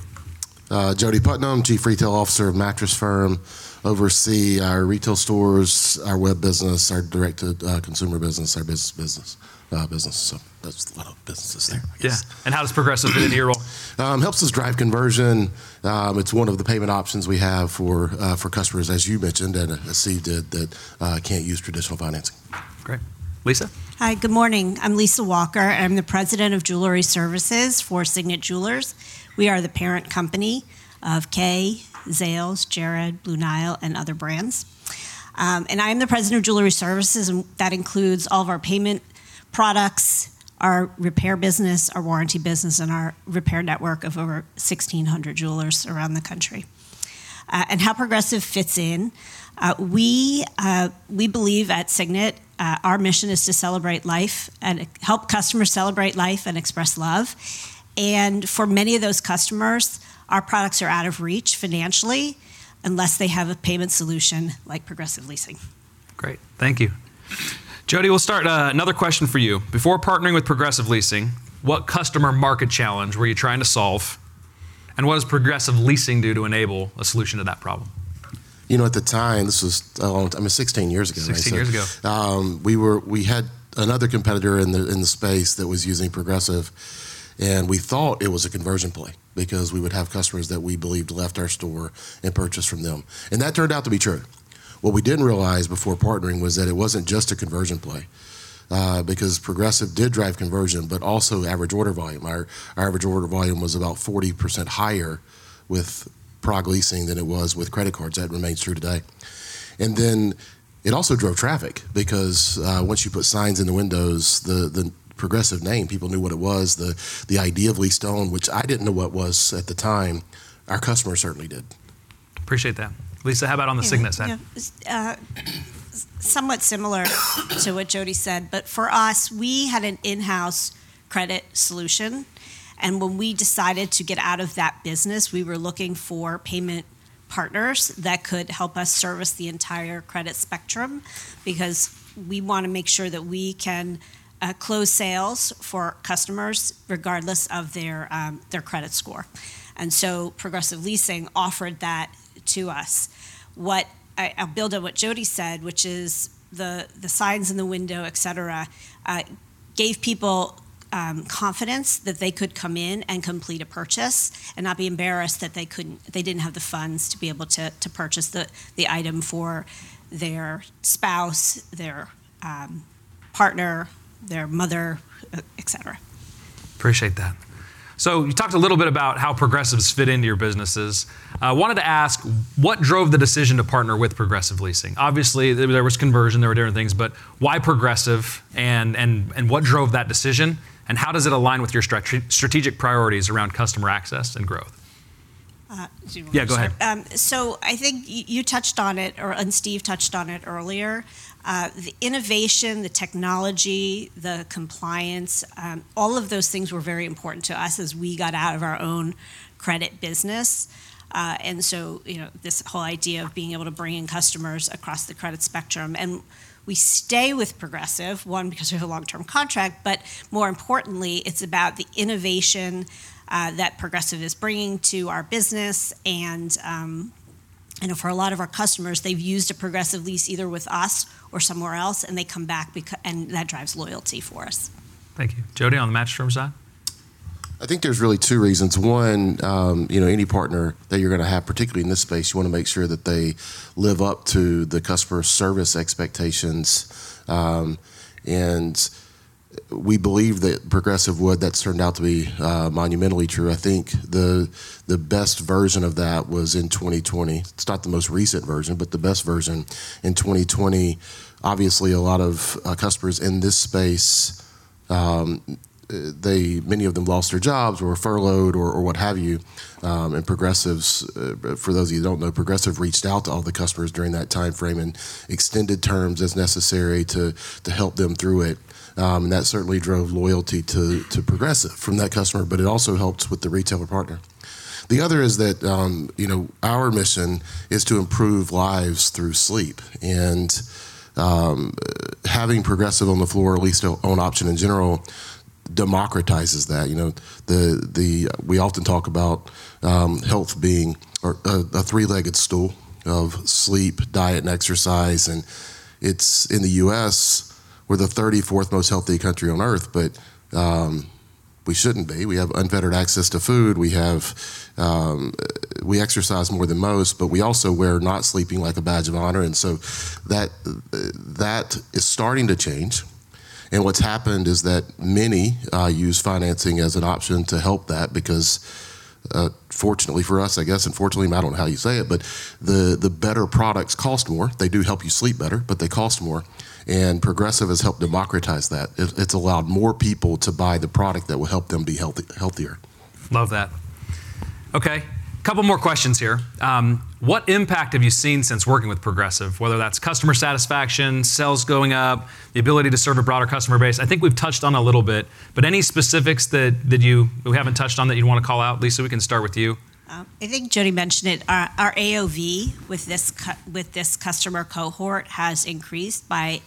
Jody Putnam, Chief Revenue Officer of Mattress Firm. Oversee our retail stores, our web business, our direct-to-consumer business, our B2B business. That's a lot of businesses there I guess. Yeah. How does Progressive fit into your role? Helps us drive conversion. It's one of the payment options we have for customers, as you mentioned, and I see that can't use traditional financing. Great. Lisa? Hi, good morning. I'm Lisa Walker. I'm the President of Jewelry Services for Signet Jewelers. We are the parent company of Kay, Zales, Jared, Blue Nile, and other brands. I'm the President of Jewelry Services, and that includes all of our payment products, our repair business, our warranty business, and our repair network of over 1,600 jewelers around the country. How Progressive fits in, we believe at Signet, our mission is to celebrate life and help customers celebrate life and express love. For many of those customers, our products are out of reach financially unless they have a payment solution like Progressive Leasing. Great. Thank you. Jody, we'll start another question for you. Before partnering with Progressive Leasing, what customer market challenge were you trying to solve, and what does Progressive Leasing do to enable a solution to that problem? You know, at the time, this was a long time, I mean, 16 years ago now. 16 years ago. We had another competitor in the space that was using Progressive Leasing, and we thought it was a conversion play because we would have customers that we believed left our store and purchased from them, and that turned out to be true. What we didn't realize before partnering was that it wasn't just a conversion play, because Progressive Leasing did drive conversion, but also average order value. Our average order value was about 40% higher with Progressive Leasing than it was with credit cards. That remains true today. It also drove traffic because once you put signs in the windows, the Progressive Leasing name, people knew what it was. The idea of lease-to-own, which I didn't know what was at the time, our customers certainly did. Appreciate that. Lisa, how about on the Signet side? Yeah. Somewhat similar to what Jody said. For us, we had an in-house credit solution. When we decided to get out of that business, we were looking for payment partners that could help us service the entire credit spectrum because we wanna make sure that we can close sales for customers regardless of their credit score. Progressive Leasing offered that to us. What I'll build on what Jody said, which is the signs in the window, et cetera, gave people confidence that they could come in and complete a purchase and not be embarrassed that they didn't have the funds to be able to purchase the item for their spouse, their partner, their mother, et cetera. Appreciate that. You talked a little bit about how Progressive Leasing's fit into your businesses. I wanted to ask what drove the decision to partner with Progressive Leasing? Obviously, there was conversion, there were different things, but why Progressive Leasing and what drove that decision, and how does it align with your strategic priorities around customer access and growth? Do you wanna go first? Yeah, go ahead. I think you touched on it, and Steve touched on it earlier. The innovation, the technology, the compliance, all of those things were very important to us as we got out of our own credit business. You know, this whole idea of being able to bring in customers across the credit spectrum. We stay with Progressive one because we have a long-term contract, but more importantly, it's about the innovation that Progressive is bringing to our business. I know for a lot of our customers, they've used a Progressive lease either with us or somewhere else, and they come back, and that drives loyalty for us. Thank you. Jody, on the Mattress Firm side? I think there's really two reasons. One, you know, any partner that you're gonna have, particularly in this space, you wanna make sure that they live up to the customer service expectations. We believe that Progressive would. That's turned out to be monumentally true. I think the best version of that was in 2020. It's not the most recent version, but the best version. In 2020, obviously, a lot of customers in this space, many of them lost their jobs or were furloughed or what have you. Progressive, for those of you who don't know, reached out to all the customers during that timeframe and extended terms as necessary to help them through it. That certainly drove loyalty to Progressive from that customer, but it also helped with the retailer partner. The other is that, you know, our mission is to improve lives through sleep. Having Progressive on the floor, a lease-to-own option in general, democratizes that. You know, we often talk about health being a three-legged stool of sleep, diet, and exercise. It's in the U.S., we're the 34th most healthy country on earth, but we shouldn't be. We have unfettered access to food. We have we exercise more than most, but we also, we're not sleeping like a badge of honor, and so that is starting to change. What's happened is that many use financing as an option to help that because, fortunately for us, I guess, and fortunately, I don't know how you say it, but the better products cost more. They do help you sleep better, but they cost more, and Progressive has helped democratize that. It's allowed more people to buy the product that will help them be healthier. Love that. Okay, couple more questions here. What impact have you seen since working with Progressive, whether that's customer satisfaction, sales going up, the ability to serve a broader customer base? I think we've touched on a little bit, but any specifics that we haven't touched on that you'd wanna call out? Lisa, we can start with you. I think Jody mentioned it. Our AOV with this customer cohort has increased by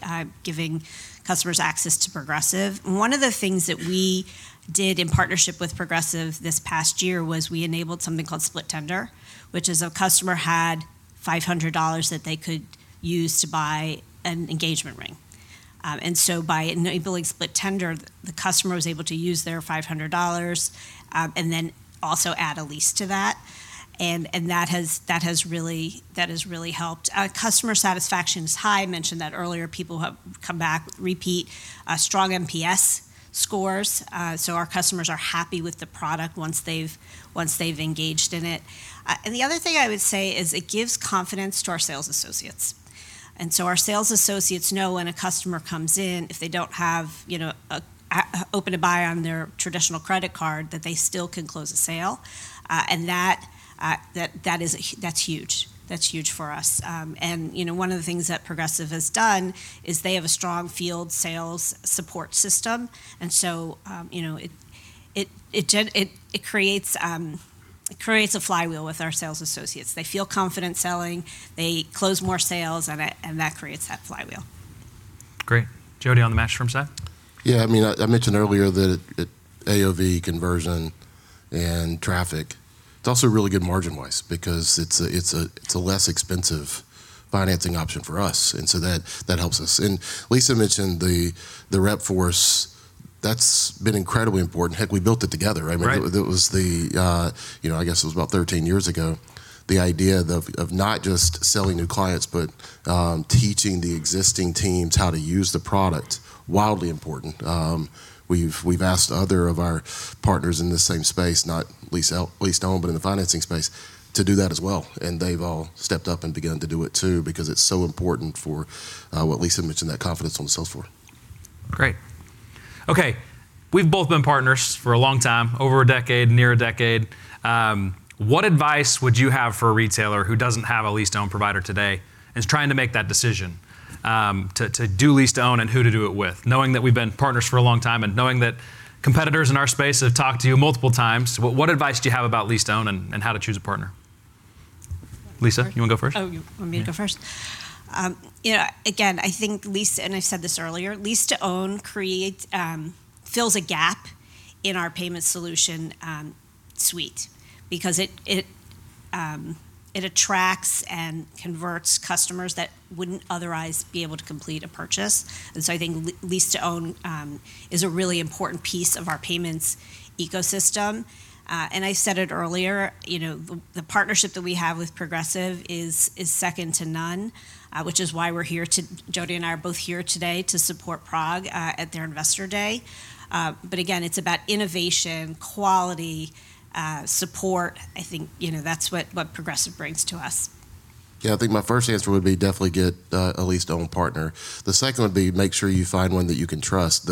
giving customers access to Progressive. One of the things that we did in partnership with Progressive this past year was we enabled something called split tender, which is a customer had $500 that they could use to buy an engagement ring. By enabling split tender, the customer was able to use their $500 and then also add a lease to that. That has really helped. Our customer satisfaction is high. I mentioned that earlier. People have come back, repeat. Strong NPS scores. Our customers are happy with the product once they've engaged in it. The other thing I would say is it gives confidence to our sales associates. Our sales associates know when a customer comes in, if they don't have, you know, a open to buy on their traditional credit card, that they still can close a sale. That is huge. That's huge for us. You know, one of the things that Progressive has done is they have a strong field sales support system. You know, it creates a flywheel with our sales associates. They feel confident selling. They close more sales, and that creates that flywheel. Great. Jody, on the Mattress Firm side? Yeah. I mean, I mentioned earlier that it AOV conversion and traffic. It's also really good margin-wise because it's a less expensive financing option for us, and so that helps us. Lisa mentioned the rep force. That's been incredibly important. Heck, we built it together, right? Right. It was the, you know, I guess it was about 13 years ago, the idea of not just selling new clients, but teaching the existing teams how to use the product. Wildly important. We've asked other of our partners in this same space, not lease to own, but in the financing space, to do that as well, and they've all stepped up and begun to do it too because it's so important for what Lisa mentioned, that confidence on the sales floor. Great. Okay. We've both been partners for a long time, over a decade, near a decade. What advice would you have for a retailer who doesn't have a lease-to-own provider today and is trying to make that decision, to do lease to own and who to do it with? Knowing that we've been partners for a long time and knowing that competitors in our space have talked to you multiple times, what advice do you have about lease to own and how to choose a partner? Lisa, you wanna go first? Oh, you want me to go first? Yeah, again, I think, and I said this earlier, lease-to-own creates fills a gap in our payment solution suite because it attracts and converts customers that wouldn't otherwise be able to complete a purchase. I think lease-to-own is a really important piece of our payments ecosystem. I said it earlier, you know, the partnership that we have with Progressive is second to none, which is why Jody and I are both here today to support Prog at their Investor Day. Again, it's about innovation, quality, support. I think, you know, that's what Progressive brings to us. Yeah. I think my first answer would be definitely get a lease-to-own partner. The second would be make sure you find one that you can trust.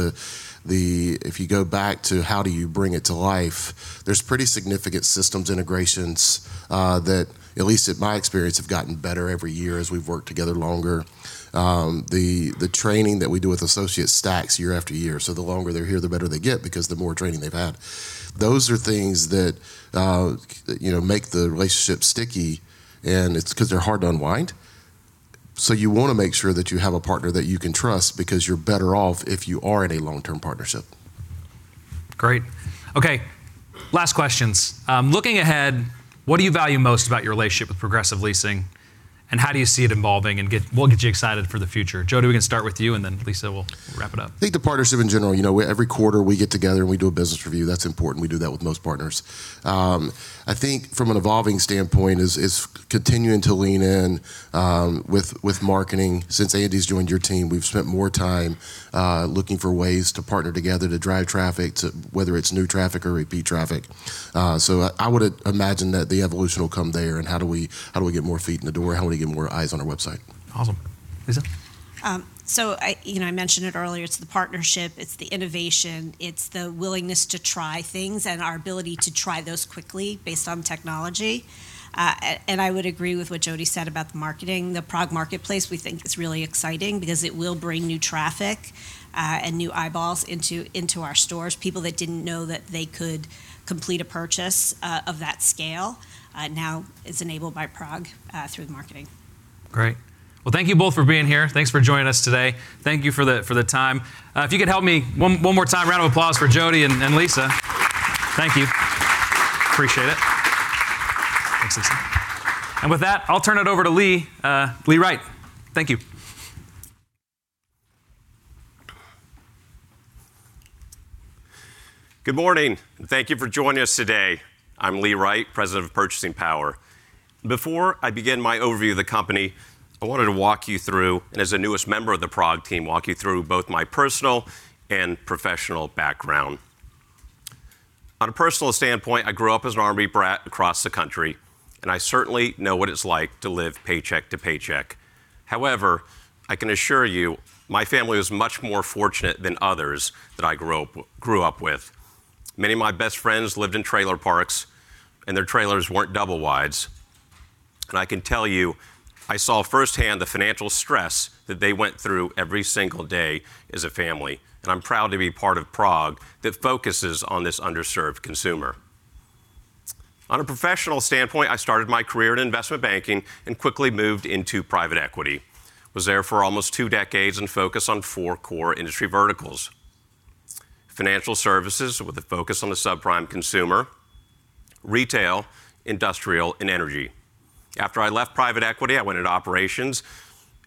If you go back to how do you bring it to life, there's pretty significant systems integrations that at least in my experience have gotten better every year as we've worked together longer. The training that we do with associates stacks year after year. The longer they're here, the better they get because the more training they've had. Those are things that you know make the relationship sticky, and it's 'cause they're hard to unwind. You wanna make sure that you have a partner that you can trust because you're better off if you are in a long-term partnership. Great. Okay. Last questions. Looking ahead, what do you value most about your relationship with Progressive Leasing, and how do you see it evolving and what gets you excited for the future? Jody, we can start with you, and then Lisa, we'll wrap it up. I think the partnership in general. You know, every quarter we get together and we do a business review. That's important. We do that with most partners. I think from an evolving standpoint is continuing to lean in with marketing. Since Andy's joined your team, we've spent more time looking for ways to partner together to drive traffic to whether it's new traffic or repeat traffic. I would imagine that the evolution will come there and how do we get more feet in the door? How do we get more eyes on our website? Awesome. Lisa? I, you know, I mentioned it earlier. It's the partnership. It's the innovation. It's the willingness to try things and our ability to try those quickly based on technology. I would agree with what Jody said about the marketing. The Prog Marketplace we think is really exciting because it will bring new traffic and new eyeballs into our stores. People that didn't know that they could complete a purchase of that scale now is enabled by Prog through the marketing. Great. Well, thank you both for being here. Thanks for joining us today. Thank you for the time. If you could help me one more time, round of applause for Jody and Lisa. Thank you. Appreciate it. Thanks, Lisa. With that, I'll turn it over to Lee Wright. Thank you. Good morning, and thank you for joining us today. I'm Lee Wright, President of Purchasing Power. Before I begin my overview of the company, I wanted to walk you through, as the newest member of the PROG team, both my personal and professional background. On a personal standpoint, I grew up as an Army brat across the country, and I certainly know what it's like to live paycheck to paycheck. However, I can assure you my family was much more fortunate than others that I grew up with. Many of my best friends lived in trailer parks, and their trailers weren't double wides. I can tell you, I saw firsthand the financial stress that they went through every single day as a family. I'm proud to be part of PROG that focuses on this underserved consumer. On a professional standpoint, I started my career in investment banking and quickly moved into private equity. I was there for almost two decades and focused on four core industry verticals, financial services with a focus on the subprime consumer, retail, industrial, and energy. After I left private equity, I went into operations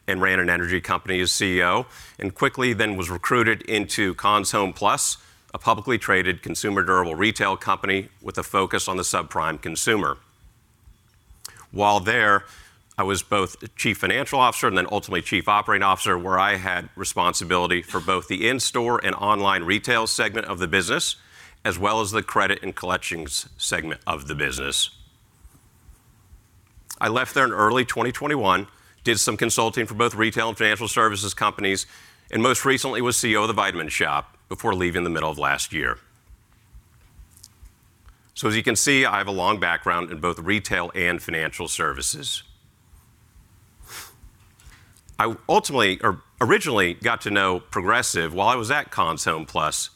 and ran an energy company as CEO, and quickly then was recruited into Conn's HomePlus, a publicly traded consumer durable retail company with a focus on the subprime consumer. While there, I was both chief financial officer and then ultimately chief operating officer, where I had responsibility for both the in-store and online retail segment of the business, as well as the credit and collections segment of the business. I left there in early 2021, did some consulting for both retail and financial services companies, and most recently was CEO of The Vitamin Shoppe before leaving in the middle of last year. As you can see, I have a long background in both retail and financial services. I ultimately or originally got to know Progressive while I was at Conn's HomePlus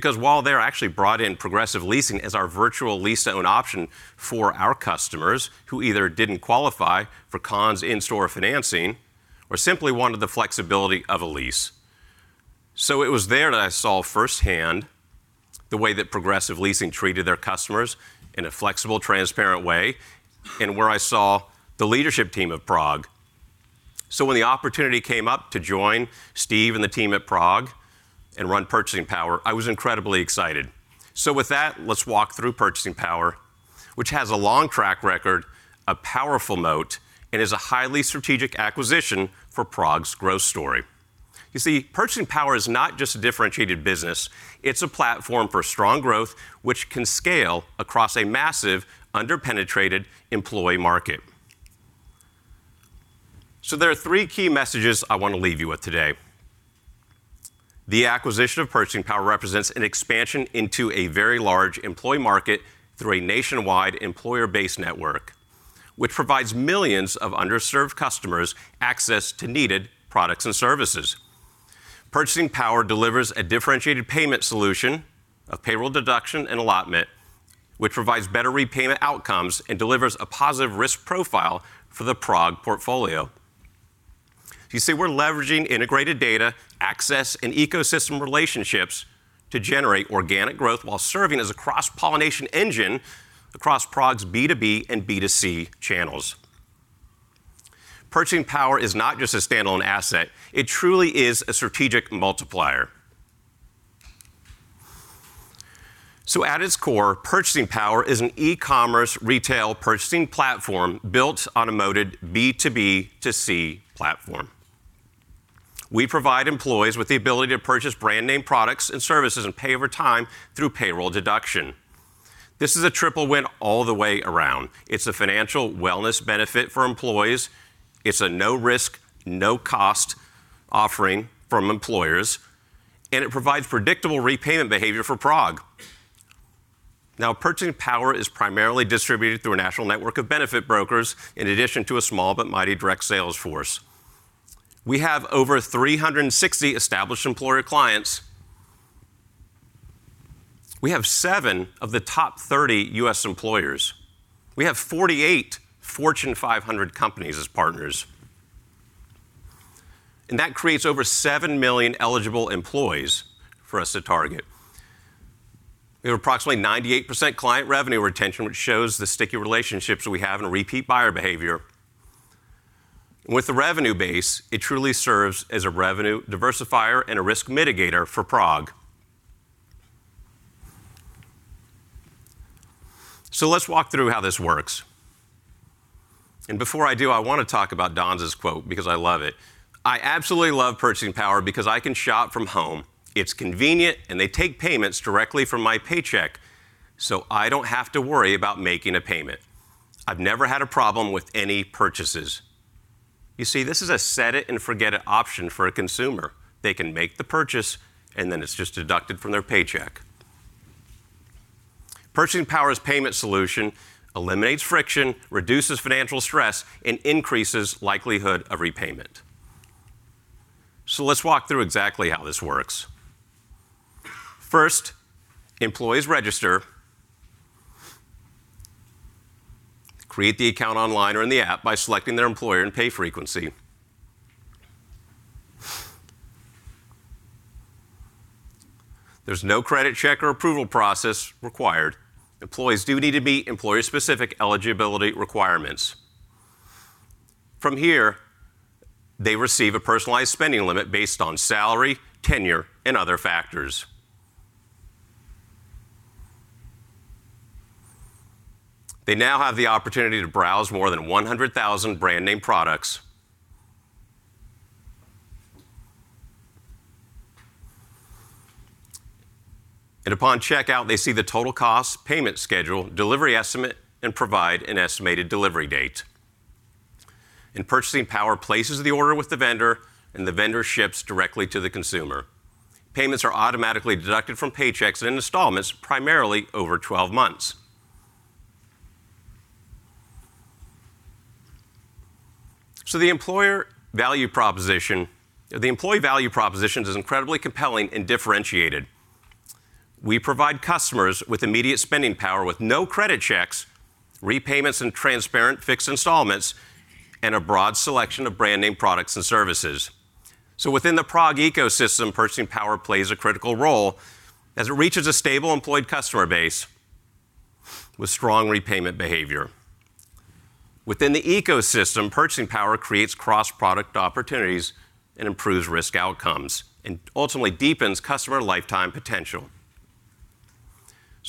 because while there I actually brought in Progressive Leasing as our virtual lease-to-own option for our customers who either didn't qualify for Conn's in-store financing or simply wanted the flexibility of a lease. It was there that I saw firsthand the way that Progressive Leasing treated their customers in a flexible, transparent way and where I saw the leadership team of Prog. When the opportunity came up to join Steve and the team at Prog and run Purchasing Power, I was incredibly excited. With that, let's walk through Purchasing Power, which has a long track record, a powerful moat, and is a highly strategic acquisition for PROG's growth story. You see, Purchasing Power is not just a differentiated business, it's a platform for strong growth, which can scale across a massive under-penetrated employee market. There are three key messages I want to leave you with today. The acquisition of Purchasing Power represents an expansion into a very large employee market through a nationwide employer-based network, which provides millions of underserved customers access to needed products and services. Purchasing Power delivers a differentiated payment solution of payroll deduction and allotment, which provides better repayment outcomes and delivers a positive risk profile for the PROG portfolio. You see, we're leveraging integrated data access and ecosystem relationships to generate organic growth while serving as a cross-pollination engine across PROG's B2B and B2C channels. Purchasing Power is not just a standalone asset, it truly is a strategic multiplier. At its core, Purchasing Power is an e-commerce retail purchasing platform built on a B2B2C platform. We provide employees with the ability to purchase brand name products and services and pay over time through payroll deduction. This is a triple win all the way around. It's a financial wellness benefit for employees, it's a no risk, no cost offering from employers, and it provides predictable repayment behavior for PROG. Now, Purchasing Power is primarily distributed through a national network of benefit brokers in addition to a small but mighty direct sales force. We have over 360 established employer clients. We have 7 of the top 30 U.S. employers. We have 48 Fortune 500 companies as partners. That creates over 7 million eligible employees for us to target. We have approximately 98% client revenue retention, which shows the sticky relationships we have and repeat buyer behavior. With the revenue base, it truly serves as a revenue diversifier and a risk mitigator for PROG. Let's walk through how this works. Before I do, I wanna talk about Donza's quote because I love it. "I absolutely love Purchasing Power because I can shop from home. It's convenient, and they take payments directly from my paycheck, so I don't have to worry about making a payment. I've never had a problem with any purchases." You see, this is a set it and forget it option for a consumer. They can make the purchase, and then it's just deducted from their paycheck. Purchasing Power's payment solution eliminates friction, reduces financial stress, and increases likelihood of repayment. Let's walk through exactly how this works. First, employees register, create the account online or in the app by selecting their employer and pay frequency. There's no credit check or approval process required. Employees do need to meet employer-specific eligibility requirements. From here, they receive a personalized spending limit based on salary, tenure, and other factors. They now have the opportunity to browse more than 100,000 brand name products. Upon checkout, they see the total cost, payment schedule, delivery estimate, and provide an estimated delivery date. Purchasing Power places the order with the vendor, and the vendor ships directly to the consumer. Payments are automatically deducted from paychecks in installments primarily over 12 months. The employer value proposition, the employee value propositions is incredibly compelling and differentiated. We provide customers with immediate spending power with no credit checks, repayments and transparent fixed installments, and a broad selection of brand name products and services. Within the PROG ecosystem, Purchasing Power plays a critical role as it reaches a stable employed customer base with strong repayment behavior. Within the ecosystem, Purchasing Power creates cross-product opportunities and improves risk outcomes and ultimately deepens customer lifetime potential.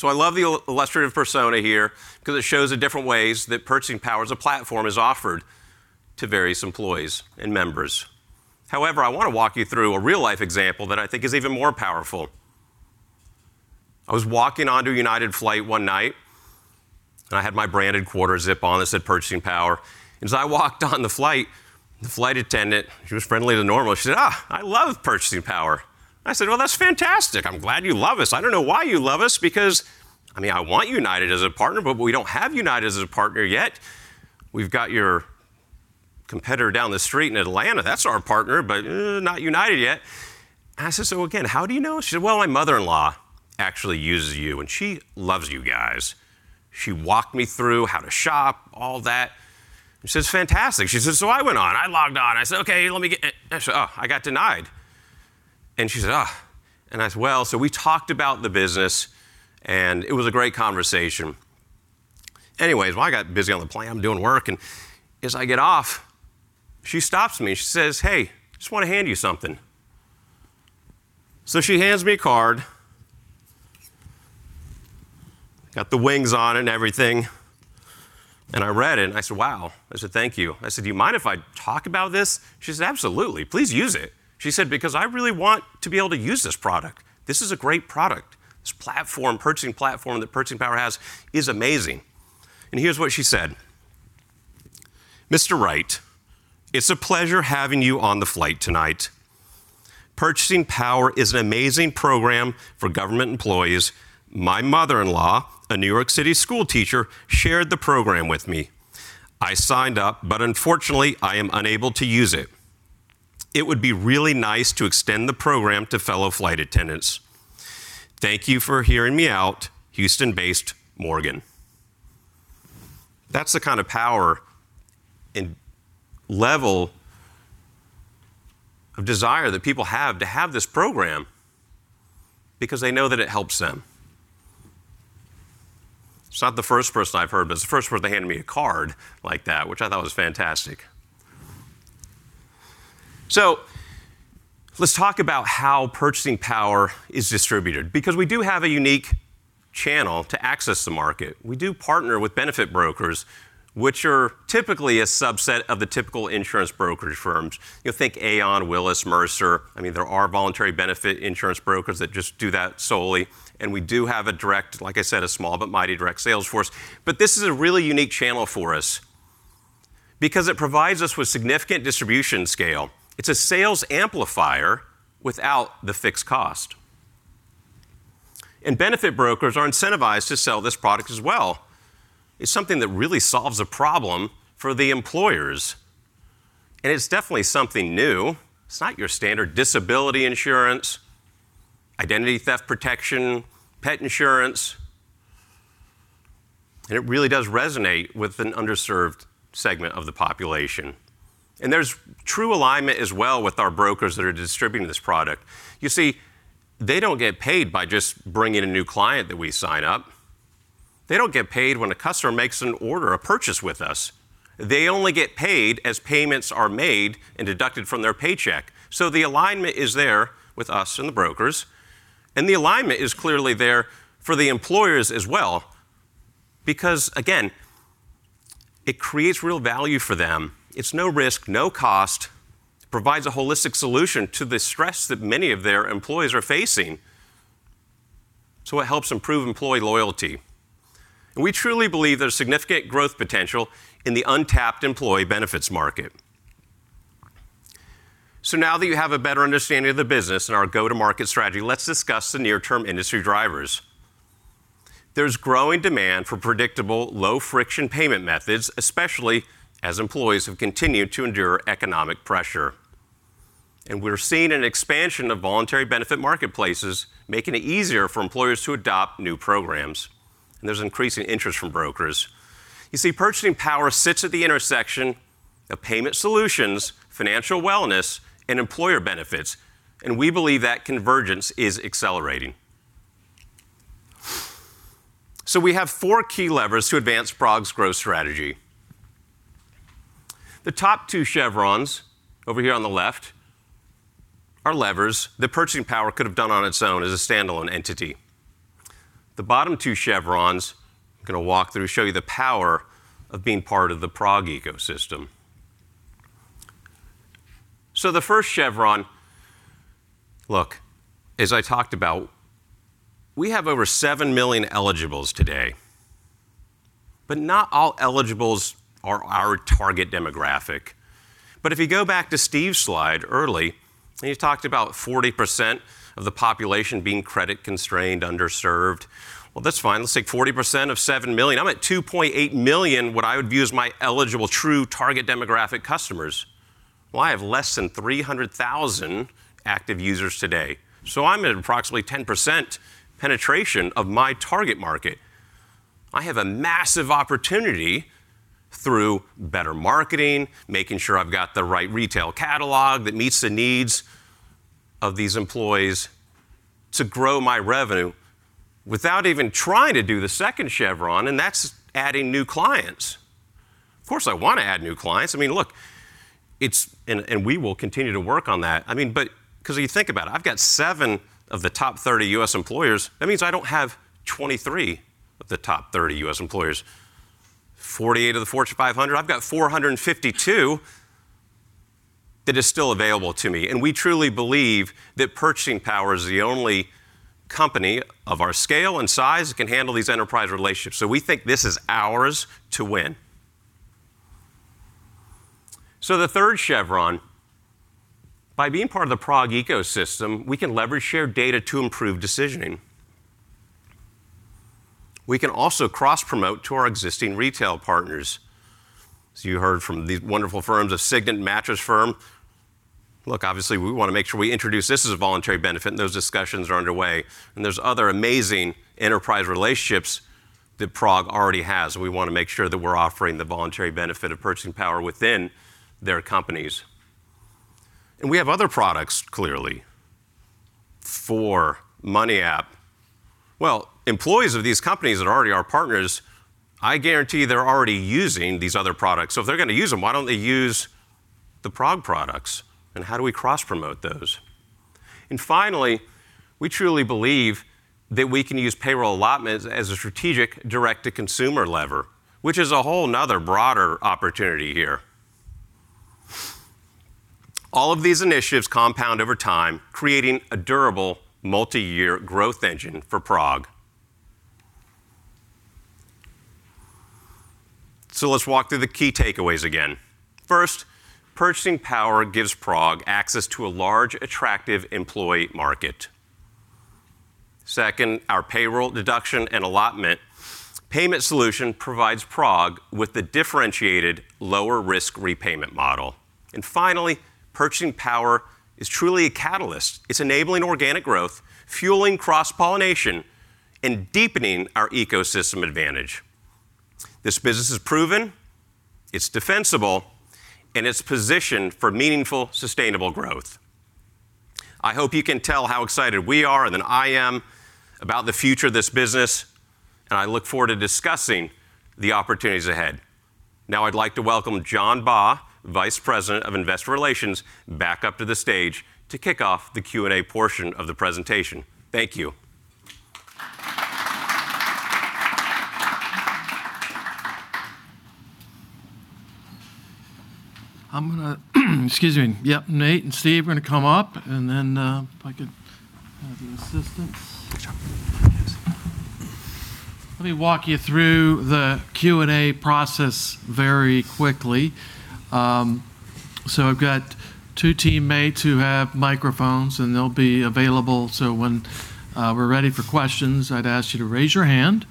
I love the illustrative persona here because it shows the different ways that Purchasing Power as a platform is offered to various employees and members. However, I wanna walk you through a real-life example that I think is even more powerful. I was walking onto a United flight one night, and I had my branded quarter zip on that said Purchasing Power. As I walked on the flight, the flight attendant, she was friendlier than normal. She said, "I love Purchasing Power." I said, "Well, that's fantastic. I'm glad you love us. I don't know why you love us because, I mean, I want United as a partner, but we don't have United as a partner yet. We've got your competitor down the street in Atlanta. That's our partner, but not United yet." I said, "So again, how do you know?" She said, "Well, my mother-in-law actually uses you, and she loves you guys. She walked me through how to shop, all that." I said, "It's fantastic." She said, "So I went on. I logged on." and she said, "Oh, I got denied." She said, "Ugh." I said, "Well," so we talked about the business, and it was a great conversation. Anyways, well, I got busy on the plane, doing work, and as I get off, she stops me. She says, "Hey, just wanna hand you something." She hands me a card, got the wings on and everything, and I read it, and I said, "Wow." I said, "Thank you." I said, "Do you mind if I talk about this?" She said, "Absolutely. Please use it." She said, "Because I really want to be able to use this product. This is a great product. This platform, purchasing platform, that Purchasing Power has is amazing." Here's what she said. "Mr. Wright, it's a pleasure having you on the flight tonight. Purchasing Power is an amazing program for government employees. My mother-in-law, a New York City school teacher, shared the program with me. I signed up, but unfortunately I am unable to use it. It would be really nice to extend the program to fellow flight attendants. Thank you for hearing me out, Houston-based Morgan. That's the kind of power and level of desire that people have to have this program because they know that it helps them. It's not the first person I've heard, but it's the first person to hand me a card like that, which I thought was fantastic. Let's talk about how Purchasing Power is distributed, because we do have a unique channel to access the market. We do partner with benefit brokers, which are typically a subset of the typical insurance brokerage firms. You'll think Aon, Willis, Mercer. I mean, there are voluntary benefit insurance brokers that just do that solely, and we do have a direct, like I said, a small but mighty direct sales force, but this is a really unique channel for us because it provides us with significant distribution scale. It's a sales amplifier without the fixed cost. Benefit brokers are incentivized to sell this product as well. It's something that really solves a problem for the employers, and it's definitely something new. It's not your standard disability insurance, identity theft protection, pet insurance. It really does resonate with an underserved segment of the population. There's true alignment as well with our brokers that are distributing this product. You see, they don't get paid by just bringing a new client that we sign up. They don't get paid when a customer makes an order, a purchase with us. They only get paid as payments are made and deducted from their paycheck. The alignment is there with us and the brokers, and the alignment is clearly there for the employers as well because, again, it creates real value for them. It's no risk, no cost. It provides a holistic solution to the stress that many of their employees are facing. It helps improve employee loyalty. We truly believe there's significant growth potential in the untapped employee benefits market. Now that you have a better understanding of the business and our go-to-market strategy, let's discuss the near-term industry drivers. There's growing demand for predictable, low-friction payment methods, especially as employees have continued to endure economic pressure. We're seeing an expansion of voluntary benefit marketplaces, making it easier for employers to adopt new programs. There's increasing interest from brokers. You see, Purchasing Power sits at the intersection of payment solutions, financial wellness, and employer benefits, and we believe that convergence is accelerating. We have four key levers to advance PROG's growth strategy. The top two chevrons over here on the left are levers that Purchasing Power could have done on its own as a standalone entity. The bottom two chevrons, I'm gonna walk through, show you the power of being part of the PROG ecosystem. The first chevron, look, as I talked about, we have over 7 million eligibles today, but not all eligibles are our target demographic. If you go back to Steve's slide early, and he talked about 40% of the population being credit-constrained, underserved. Well, that's fine. Let's take 40% of 7 million. I'm at 2.8 million, what I would view as my eligible true target demographic customers. I have less than 300,000 active users today. I'm at approximately 10% penetration of my target market. I have a massive opportunity through better marketing, making sure I've got the right retail catalog that meets the needs of these employees to grow my revenue without even trying to do the second lever, and that's adding new clients. Of course, I wanna add new clients. I mean, look, it's and we will continue to work on that. I mean, but 'cause if you think about it, I've got 7 of the top 30 U.S. employers. That means I don't have 23 of the top 30 U.S. employers. 48 of the Fortune 500. I've got 452 that is still available to me. We truly believe that Purchasing Power is the only company of our scale and size that can handle these enterprise relationships. We think this is ours to win. The third chevron, by being part of the PROG ecosystem, we can leverage shared data to improve decisioning. We can also cross-promote to our existing retail partners. You heard from these wonderful firms of Signet, Mattress Firm. Look, obviously, we wanna make sure we introduce this as a voluntary benefit, and those discussions are underway. There's other amazing enterprise relationships that PROG already has. We wanna make sure that we're offering the voluntary benefit of Purchasing Power within their companies. We have other products, clearly, for MoneyApp. Well, employees of these companies that are already our partners, I guarantee they're already using these other products. If they're gonna use them, why don't they use the PROG products, and how do we cross-promote those? Finally, we truly believe that we can use payroll allotments as a strategic direct-to-consumer lever, which is a whole another broader opportunity here. All of these initiatives compound over time, creating a durable multi-year growth engine for PROG. Let's walk through the key takeaways again. First, Purchasing Power gives PROG access to a large, attractive employee market. Second, our payroll deduction and allotment payment solution provides PROG with the differentiated lower risk repayment model. Finally, Purchasing Power is truly a catalyst. It's enabling organic growth, fueling cross-pollination, and deepening our ecosystem advantage. This business is proven, it's defensible, and it's positioned for meaningful, sustainable growth. I hope you can tell how excited we are, and I am about the future of this business, and I look forward to discussing the opportunities ahead. Now I'd like to welcome John Baugh, Vice President of Investor Relations, back up to the stage to kick off the Q&A portion of the presentation. Thank you. I'm gonna excuse me. Yep, Nate and Steve are gonna come up, and then if I could have the assistance. Good job. Let me walk you through the Q&A process very quickly. I've got two teammates who have microphones, and they'll be available, so when we're ready for questions, I'd ask you to raise your hand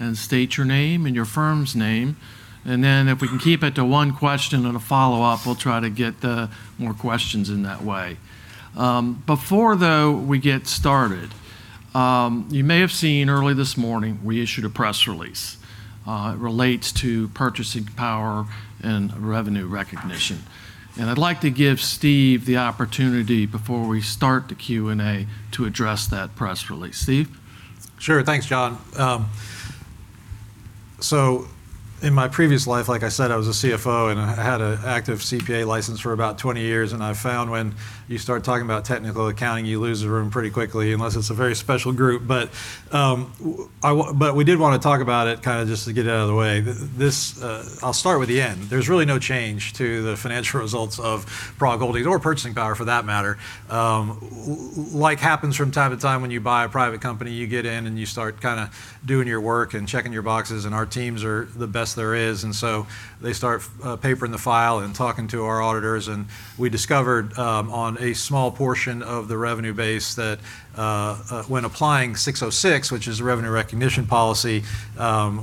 and state your name and your firm's name. If we can keep it to one question and a follow-up, we'll try to get more questions in that way. Before though we get started, you may have seen early this morning we issued a press release. It relates to Purchasing Power and revenue recognition. I'd like to give Steve the opportunity before we start the Q&A to address that press release. Steve? Sure. Thanks, John. In my previous life, like I said, I was a CFO, and I had an active CPA license for about 20 years, and I've found when you start talking about technical accounting, you lose the room pretty quickly, unless it's a very special group. We did wanna talk about it kinda just to get it out of the way. This, I'll start with the end. There's really no change to the financial results of PROG Holdings or Purchasing Power for that matter. Happens from time to time when you buy a private company, you get in and you start kinda doing your work and checking your boxes, and our teams are the best there is. They start papering the file and talking to our auditors, and we discovered on a small portion of the revenue base that when applying ASC 606, which is a revenue recognition policy,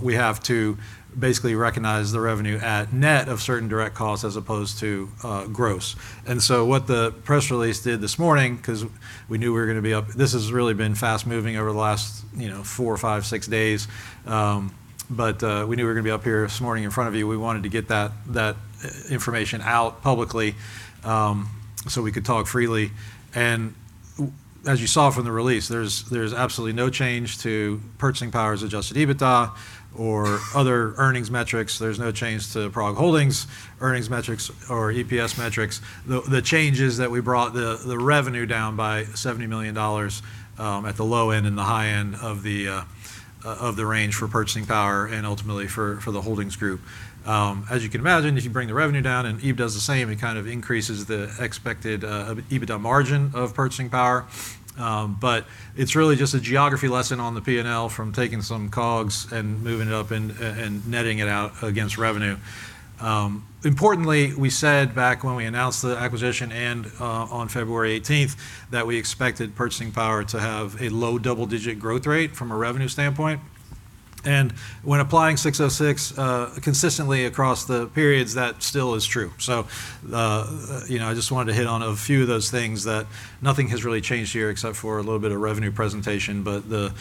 we have to basically recognize the revenue at net of certain direct costs as opposed to gross. What the press release did this morning, 'cause we knew we were gonna be up. This has really been fast moving over the last, you know, 4, 5, 6 days. We knew we were gonna be up here this morning in front of you. We wanted to get that information out publicly, so we could talk freely. As you saw from the release, there's absolutely no change to Purchasing Power's adjusted EBITDA or other earnings metrics. There's no change to PROG Holdings earnings metrics or EPS metrics. The changes that we brought the revenue down by $70 million at the low end and the high end of the range for Purchasing Power and ultimately for PROG Holdings. As you can imagine, if you bring the revenue down and EBITDA does the same, it kind of increases the expected EBITDA margin of Purchasing Power. But it's really just a geography lesson on the P&L from taking some COGS and moving it up and netting it out against revenue. Importantly, we said back when we announced the acquisition on February eighteenth that we expected Purchasing Power to have a low double-digit growth rate from a revenue standpoint. When applying ASC 606 consistently across the periods, that still is true. You know, I just wanted to hit on a few of those things that nothing has really changed here except for a little bit of revenue presentation, but the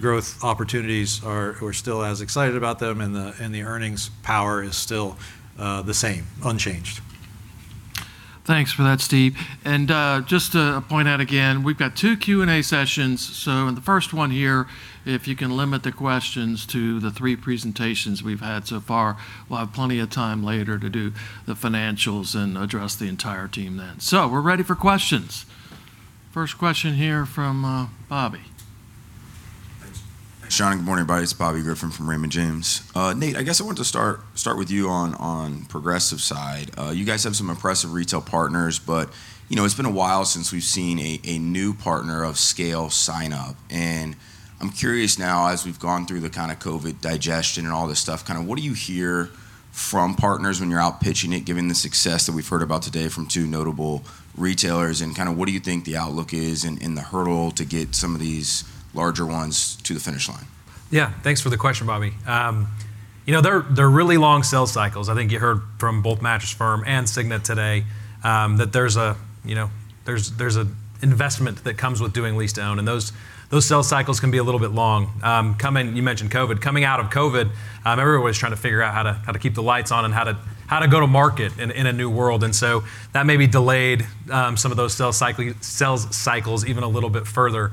growth opportunities are. We're still as excited about them, and the earnings power is still the same, unchanged. Thanks for that, Steve. Just to point out again, we've got two Q&A sessions, so in the first one here, if you can limit the questions to the three presentations we've had so far. We'll have plenty of time later to do the financials and address the entire team then. We're ready for questions. First question here from Bobby. Thanks. Thanks, John. Good morning, everybody. It's Bobby Griffin from Raymond James. Nate, I guess I wanted to start with you on Progressive's side. You guys have some impressive retail partners, but, you know, it's been a while since we've seen a new partner of scale sign up. I'm curious now, as we've gone through the kind of COVID digestion and all this stuff, kind of what do you hear from partners when you're out pitching it, given the success that we've heard about today from two notable retailers? Kinda what do you think the outlook is and the hurdle to get some of these larger ones to the finish line? Yeah. Thanks for the question, Bobby. You know, they're really long sales cycles. I think you heard from both Mattress Firm and Signet today that there's an investment that comes with doing lease-to-own, and those sales cycles can be a little bit long. You mentioned COVID. Coming out of COVID, everybody was trying to figure out how to keep the lights on and how to go to market in a new world. That maybe delayed some of those sales cycles even a little bit further.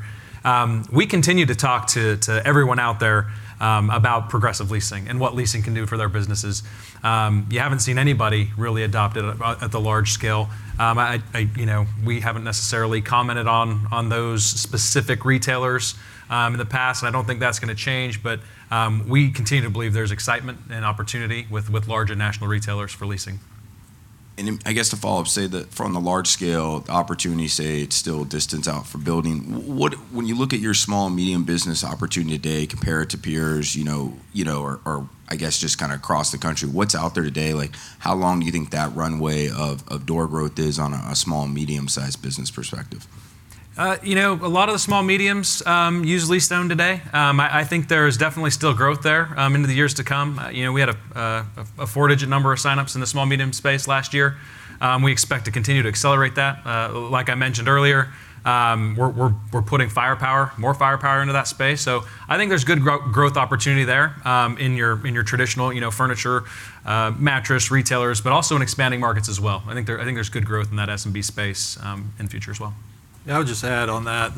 We continue to talk to everyone out there about Progressive Leasing and what leasing can do for their businesses. You haven't seen anybody really adopt it at the large scale. You know, we haven't necessarily commented on those specific retailers in the past, and I don't think that's gonna change, but we continue to believe there's excitement and opportunity with larger national retailers for leasing. Then I guess to follow up, say that from the large scale, the opportunity, say it's still a distance out for building. When you look at your small and medium business opportunity today, compare it to peers, you know, or I guess just kinda across the country, what's out there today? Like, how long do you think that runway of door growth is on a small and medium sized business perspective? You know, a lot of the small mediums use lease-to-own today. I think there is definitely still growth there into the years to come. You know, we had a four-digit number of signups in the small, medium space last year. We expect to continue to accelerate that. Like I mentioned earlier, we're putting more firepower into that space. I think there's good growth opportunity there in your traditional, you know, furniture, mattress retailers, but also in expanding markets as well. I think there's good growth in that SMB space in future as well. Yeah. I would just add on that,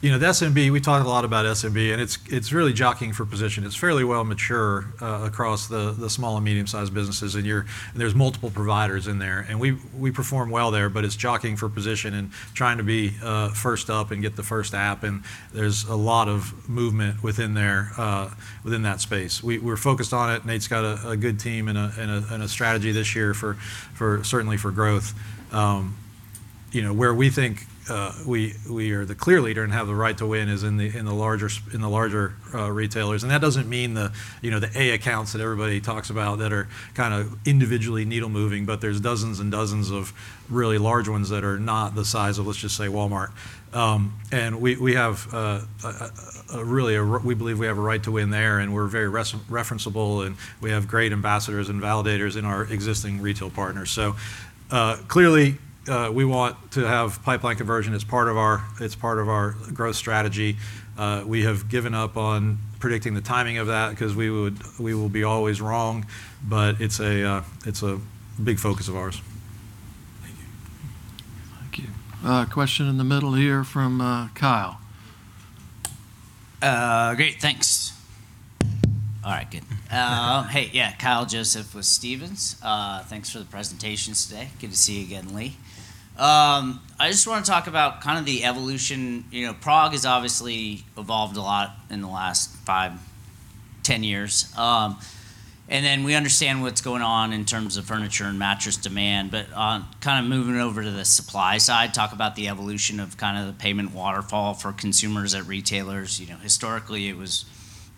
you know, the SMB we talk a lot about SMB, and it's really jockeying for position. It's fairly well mature across the small and medium-sized businesses, and there's multiple providers in there. We perform well there, but it's jockeying for position and trying to be first up and get the first app, and there's a lot of movement within that space. We're focused on it, and Nate's got a good team and a strategy this year certainly for growth. You know, where we think we are the clear leader and have the right to win is in the larger retailers. That doesn't mean the A accounts that everybody talks about that are kinda individually needle moving, but there's dozens and dozens of really large ones that are not the size of, let's just say, Walmart. We believe we have a right to win there, and we're very referenceable, and we have great ambassadors and validators in our existing retail partners. Clearly, we want to have pipeline conversion as part of our growth strategy. We have given up on predicting the timing of that 'cause we will be always wrong. It's a big focus of ours. Thank you. Thank you. Question in the middle here from Kyle. Great. Thanks. All right, good. Hey, Kyle Joseph with Stephens. Thanks for the presentations today. Good to see you again, Lee. I just wanna talk about kind of the evolution. You know, PROG has obviously evolved a lot in the last 5, 10 years. We understand what's going on in terms of furniture and mattress demand, but kind of moving over to the supply side, talk about the evolution of kind of the payment waterfall for consumers at retailers. You know, historically, it was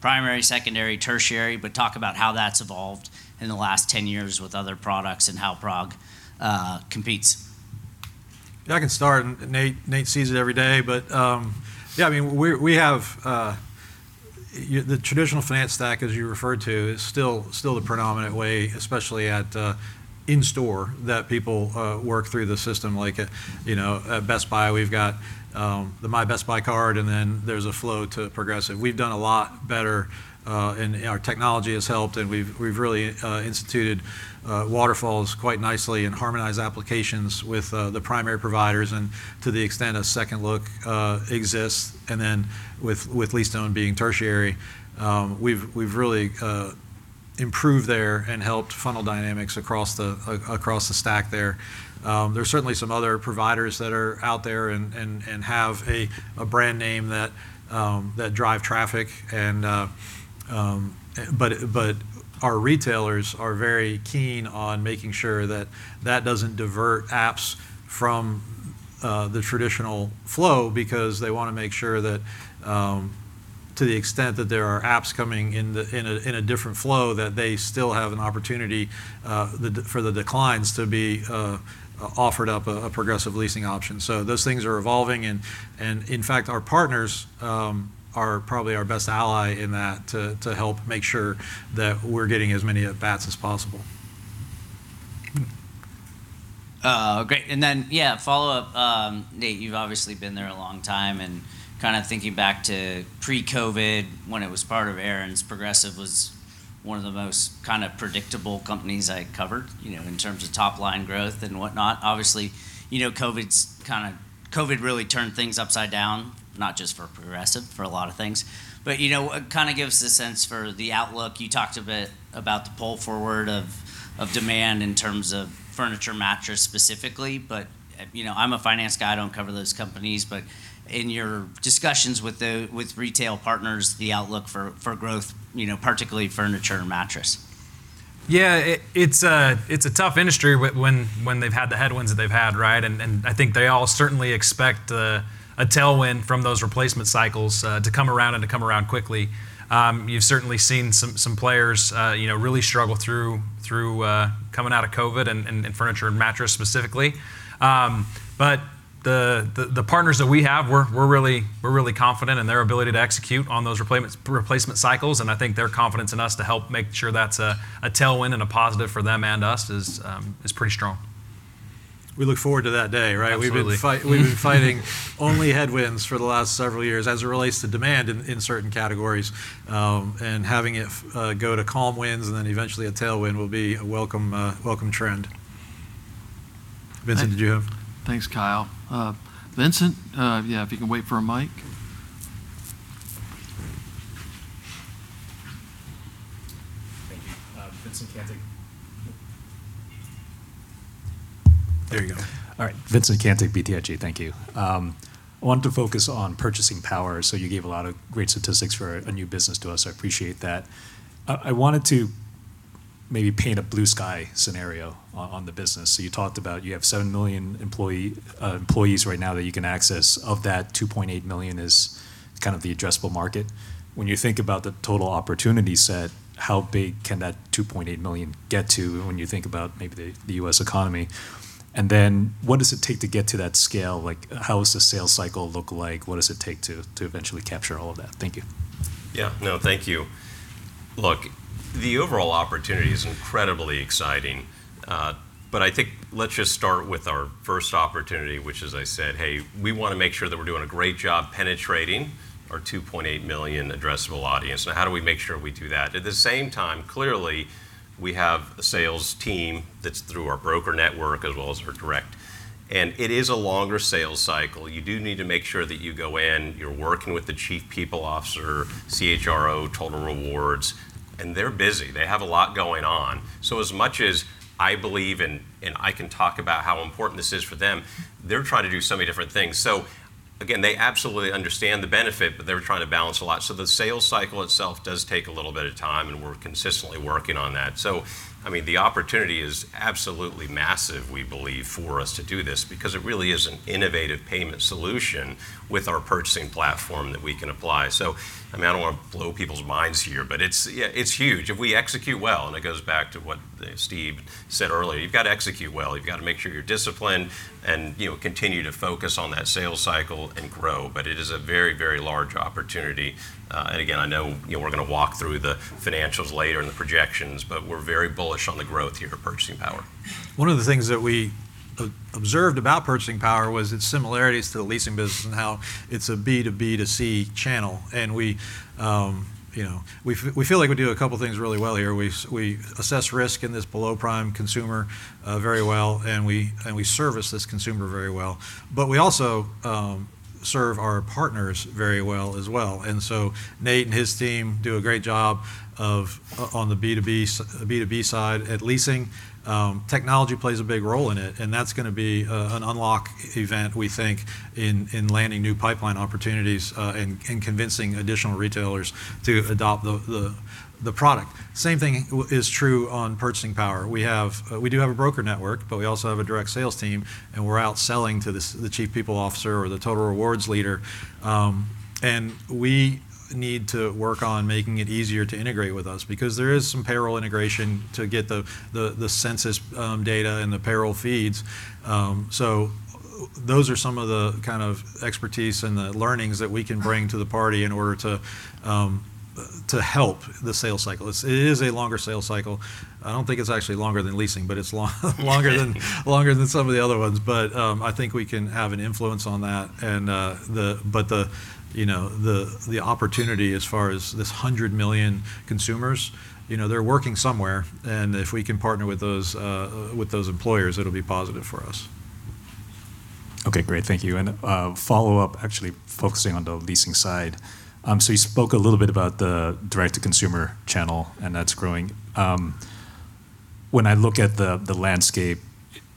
primary, secondary, tertiary, but talk about how that's evolved in the last 10 years with other products and how PROG competes. Yeah, I can start, and Nate sees it every day. Yeah, I mean, we have the traditional finance stack, as you referred to, is still the predominant way, especially at in-store, that people work through the system. Like, you know, at Best Buy, we've got the My Best Buy card, and then there's a flow to Progressive. We've done a lot better and our technology has helped, and we've really instituted waterfalls quite nicely and harmonized applications with the primary providers and to the extent a second look exists. With lease-to-own being tertiary, we've really improved there and helped funnel dynamics across the stack there. There's certainly some other providers that are out there and have a brand name that drive traffic. Our retailers are very keen on making sure that doesn't divert apps from the traditional flow because they wanna make sure that, to the extent that there are apps coming in a different flow, that they still have an opportunity for the declines to be offered up a Progressive Leasing option. Those things are evolving, and in fact, our partners are probably our best ally in that to help make sure that we're getting as many at-bats as possible. Great. Follow-up. Nate, you've obviously been there a long time, kind of thinking back to pre-COVID, when it was part of Aaron's, Progressive was one of the most kind of predictable companies I covered, you know, in terms of top-line growth and whatnot. Obviously, COVID really turned things upside down, not just for Progressive, for a lot of things. You know, kind of give us a sense for the outlook. You talked a bit about the pull forward of demand in terms of furniture and mattress specifically. You know, I'm a finance guy. I don't cover those companies. In your discussions with retail partners, the outlook for growth, particularly furniture and mattress. Yeah. It's a tough industry when they've had the headwinds that they've had, right? I think they all certainly expect a tailwind from those replacement cycles to come around quickly. You've certainly seen some players, you know, really struggle through coming out of COVID in furniture and mattress specifically. The partners that we have, we're really confident in their ability to execute on those replacement cycles, and I think their confidence in us to help make sure that's a tailwind and a positive for them and us is pretty strong. We look forward to that day, right? Absolutely. We've been fighting only headwinds for the last several years as it relates to demand in certain categories, and having it go to calm winds and then eventually a tailwind will be a welcome trend. Vincent, did you have- Thanks, Kyle. Vincent, yeah, if you can wait for a mic. Thank you. Vincent Caintic. There you go. All right. Vincent Caintic, BTIG. Thank you. I wanted to focus on Purchasing Power, so you gave a lot of great statistics for a new business to us. I appreciate that. I wanted to maybe paint a blue sky scenario on the business. You talked about you have 7 million employees right now that you can access. Of that, 2.8 million is kind of the addressable market. When you think about the total opportunity set, how big can that 2.8 million get to when you think about maybe the U.S. economy? What does it take to get to that scale? Like, how does the sales cycle look like? What does it take to eventually capture all of that? Thank you. Yeah. No, thank you. Look, the overall opportunity is incredibly exciting, but I think let's just start with our first opportunity, which as I said, hey, we wanna make sure that we're doing a great job penetrating our 2.8 million addressable audience, and how do we make sure we do that? At the same time, clearly, we have a sales team that's through our broker network as well as our direct. It is a longer sales cycle. You do need to make sure that you go in, you're working with the chief people officer, CHRO, total rewards, and they're busy. They have a lot going on. As much as I believe and I can talk about how important this is for them, they're trying to do so many different things. Again, they absolutely understand the benefit, but they're trying to balance a lot. The sales cycle itself does take a little bit of time, and we're consistently working on that. I mean, the opportunity is absolutely massive, we believe, for us to do this because it really is an innovative payment solution with our purchasing platform that we can apply. I mean, I don't wanna blow people's minds here, but it's, yeah, it's huge. If we execute well, and it goes back to what, Steve said earlier, you've gotta execute well. You've gotta make sure you're disciplined and, you know, continue to focus on that sales cycle and grow. It is a very, very large opportunity. And again, I know, you know, we're gonna walk through the financials later and the projections, but we're very bullish on the growth here for Purchasing Power. One of the things that we observed about Purchasing Power was its similarities to the leasing business and how it's a B2B2C channel. We feel like we do a couple things really well here. We assess risk in this below-prime consumer very well, and we service this consumer very well. We also serve our partners very well as well. Nate and his team do a great job of on the B2B side. At leasing, technology plays a big role in it, and that's gonna be an unlock event, we think, in landing new pipeline opportunities and convincing additional retailers to adopt the product. Same thing is true on Purchasing Power. We have we do have a broker network, but we also have a direct sales team, and we're out selling to the chief people officer or the total rewards leader. We need to work on making it easier to integrate with us because there is some payroll integration to get the census data and the payroll feeds. Those are some of the kind of expertise and the learnings that we can bring to the party in order to help the sales cycle. It is a longer sales cycle. I don't think it's actually longer than leasing, but it's longer than some of the other ones. I think we can have an influence on that. The opportunity as far as this 100 million consumers, you know, they're working somewhere, and if we can partner with those employers, it'll be positive for us. Okay, great. Thank you. A follow-up, actually focusing on the leasing side. So you spoke a little bit about the direct-to-consumer channel, and that's growing. When I look at the landscape,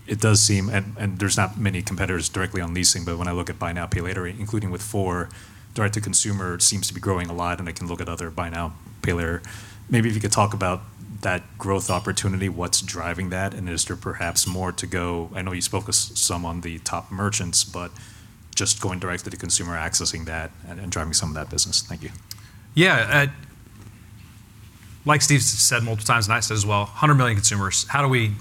it does seem, and there's not many competitors directly on leasing, but when I look at buy now, pay later, including with Four, direct-to-consumer seems to be growing a lot, and I can look at other buy now, pay later. Maybe if you could talk about that growth opportunity, what's driving that, and is there perhaps more to go? I know you spoke some on the top merchants, but just going direct to the consumer, accessing that and driving some of that business. Thank you. Yeah. Like Steve said multiple times, and I said as well, 100 million consumers. How do we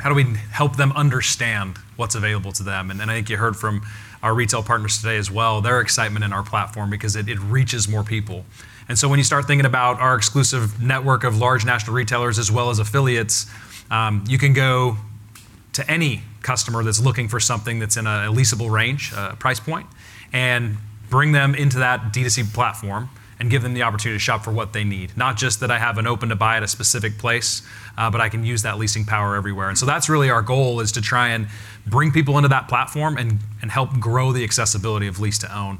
help them understand what's available to them? Then I think you heard from our retail partners today as well, their excitement in our platform because it reaches more people. When you start thinking about our exclusive network of large national retailers as well as affiliates, you can go to any customer that's looking for something that's in a leasable range, price point, and bring them into that D2C platform and give them the opportunity to shop for what they need. Not just that I have an open to buy at a specific place, but I can use that leasing power everywhere. That's really our goal is to try and bring people into that platform and help grow the accessibility of lease to own,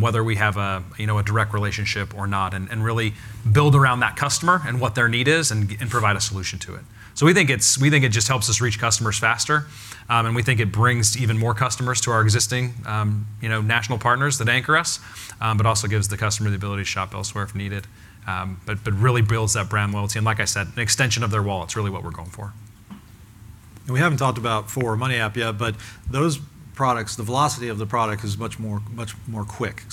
whether we have a, you know, a direct relationship or not, and really build around that customer and what their need is and provide a solution to it. We think it just helps us reach customers faster, and we think it brings even more customers to our existing, you know, national partners that anchor us, but also gives the customer the ability to shop elsewhere if needed, but really builds that brand loyalty. Like I said, an extension of their wallet's really what we're going for. We haven't talked about Four, MoneyApp yet, but those products, the velocity of the product is much more quick.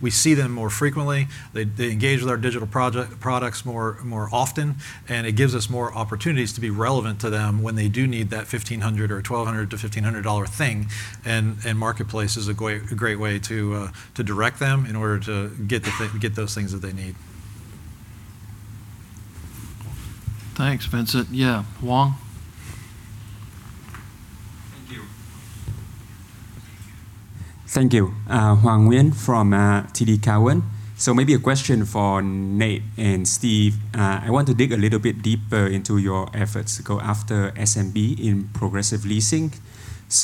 We see them more frequently. They engage with our digital products more often, and it gives us more opportunities to be relevant to them when they do need that $1,500 or $1,200-$1,500 thing, and Marketplace is a great way to direct them in order to get those things that they need. Thanks, Vincent. Yeah. Hoang? Thank you. Hoang Nguyen from TD Cowen. Maybe a question for Nate and Steve. I want to dig a little bit deeper into your efforts to go after SMB in Progressive Leasing.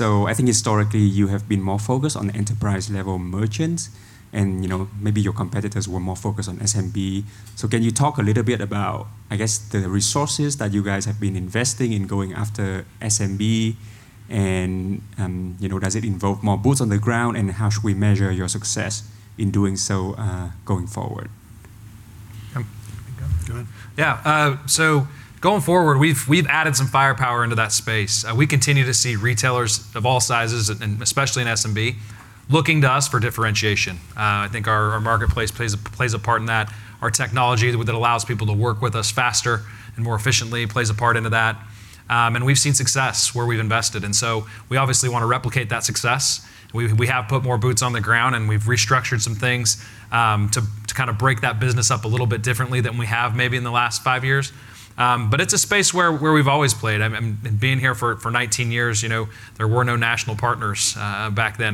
I think historically you have been more focused on enterprise-level merchants and, you know, maybe your competitors were more focused on SMB. Can you talk a little bit about, I guess, the resources that you guys have been investing in going after SMB and, you know, does it involve more boots on the ground, and how should we measure your success in doing so, going forward? Go ahead. Go ahead. Yeah, going forward, we've added some firepower into that space. We continue to see retailers of all sizes and especially in SMB looking to us for differentiation. I think our marketplace plays a part in that. Our technology that allows people to work with us faster and more efficiently plays a part into that. We've seen success where we've invested, and so we obviously wanna replicate that success. We have put more boots on the ground, and we've restructured some things to kind of break that business up a little bit differently than we have maybe in the last five years. It's a space where we've always played. I've been here for 19 years, you know, there were no national partners back then.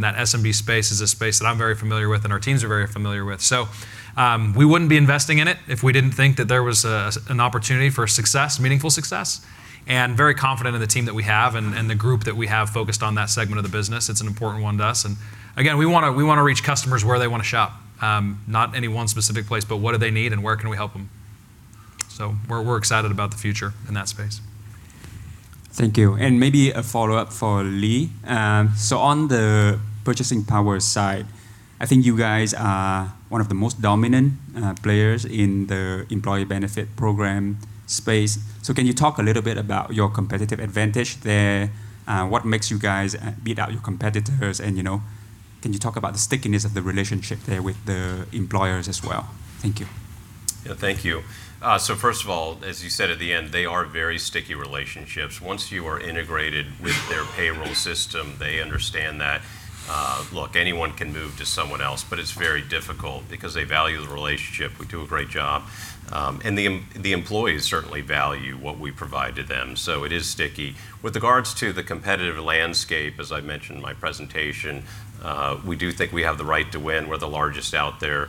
That SMB space is a space that I'm very familiar with, and our teams are very familiar with. We wouldn't be investing in it if we didn't think that there was an opportunity for success, meaningful success. Very confident in the team that we have and the group that we have focused on that segment of the business. It's an important one to us, and again, we wanna reach customers where they wanna shop, not any one specific place, but what do they need and where can we help them? We're excited about the future in that space. Thank you. Maybe a follow-up for Lee. On the Purchasing Power side, I think you guys are one of the most dominant players in the employee benefit program space. Can you talk a little bit about your competitive advantage there? What makes you guys beat out your competitors? You know, can you talk about the stickiness of the relationship there with the employers as well? Thank you. Yeah. Thank you. So first of all, as you said at the end, they are very sticky relationships. Once you are integrated with their payroll system, they understand that, look, anyone can move to someone else, but it's very difficult because they value the relationship. We do a great job. The employees certainly value what we provide to them, so it is sticky. With regards to the competitive landscape, as I mentioned in my presentation, we do think we have the right to win. We're the largest out there.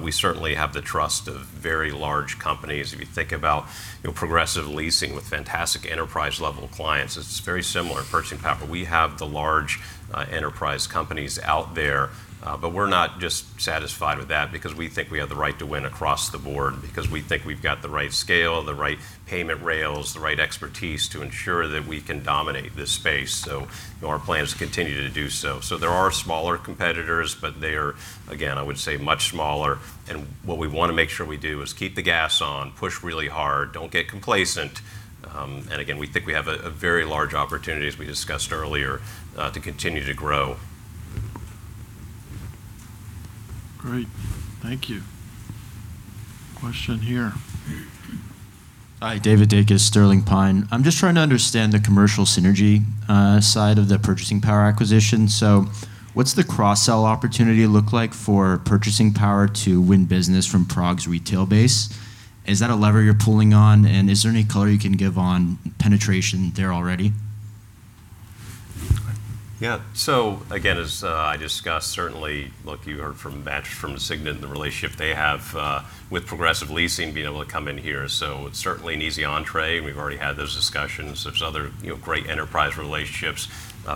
We certainly have the trust of very large companies. If you think about, you know, Progressive Leasing with fantastic enterprise level clients, it's very similar at Purchasing Power. We have the large enterprise companies out there, but we're not just satisfied with that because we think we have the right to win across the board because we think we've got the right scale, the right payment rails, the right expertise to ensure that we can dominate this space. Our plan is to continue to do so. There are smaller competitors, but they are, again, I would say much smaller. What we wanna make sure we do is keep the gas on, push really hard, don't get complacent. Again, we think we have a very large opportunity, as we discussed earlier, to continue to grow. Great. Thank you. Question here. Hi, David Dakis, Sterling Pine. I'm just trying to understand the commercial synergy side of the Purchasing Power acquisition. What's the cross-sell opportunity look like for Purchasing Power to win business from PROG's retail base? Is that a lever you're pulling on, and is there any color you can give on penetration there already? Yeah. Again, as I discussed, certainly look, you heard from Matt from Signet and the relationship they have with Progressive Leasing being able to come in here. It's certainly an easy entry. We've already had those discussions. There are other, you know, great enterprise relationships,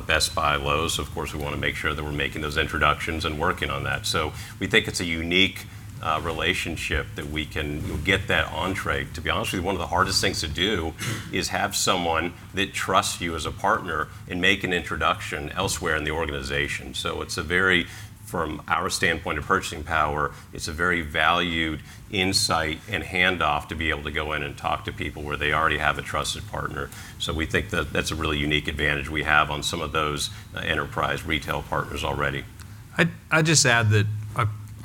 Best Buy, Lowe's, of course, we wanna make sure that we're making those introductions and working on that. We think it's a unique relationship that we can get that entry. To be honest with you, one of the hardest things to do is have someone that trusts you as a partner and make an introduction elsewhere in the organization. It's a very, from our standpoint of Purchasing Power, it's a very valued insight and handoff to be able to go in and talk to people where they already have a trusted partner. We think that that's a really unique advantage we have on some of those enterprise retail partners already. I'd just add that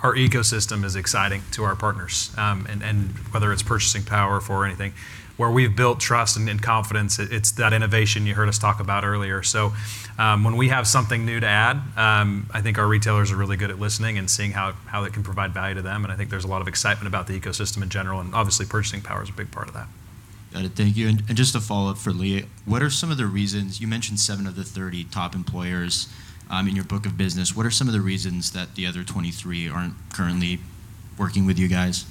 our ecosystem is exciting to our partners, and whether it's Purchasing Power or anything, where we've built trust and confidence, it's that innovation you heard us talk about earlier. When we have something new to add, I think our retailers are really good at listening and seeing how they can provide value to them. I think there's a lot of excitement about the ecosystem in general, and obviously Purchasing Power is a big part of that. Got it. Thank you. Just a follow-up for Lee. You mentioned 7 of the 30 top employers in your book of business. What are some of the reasons that the other 23 aren't currently working with you guys?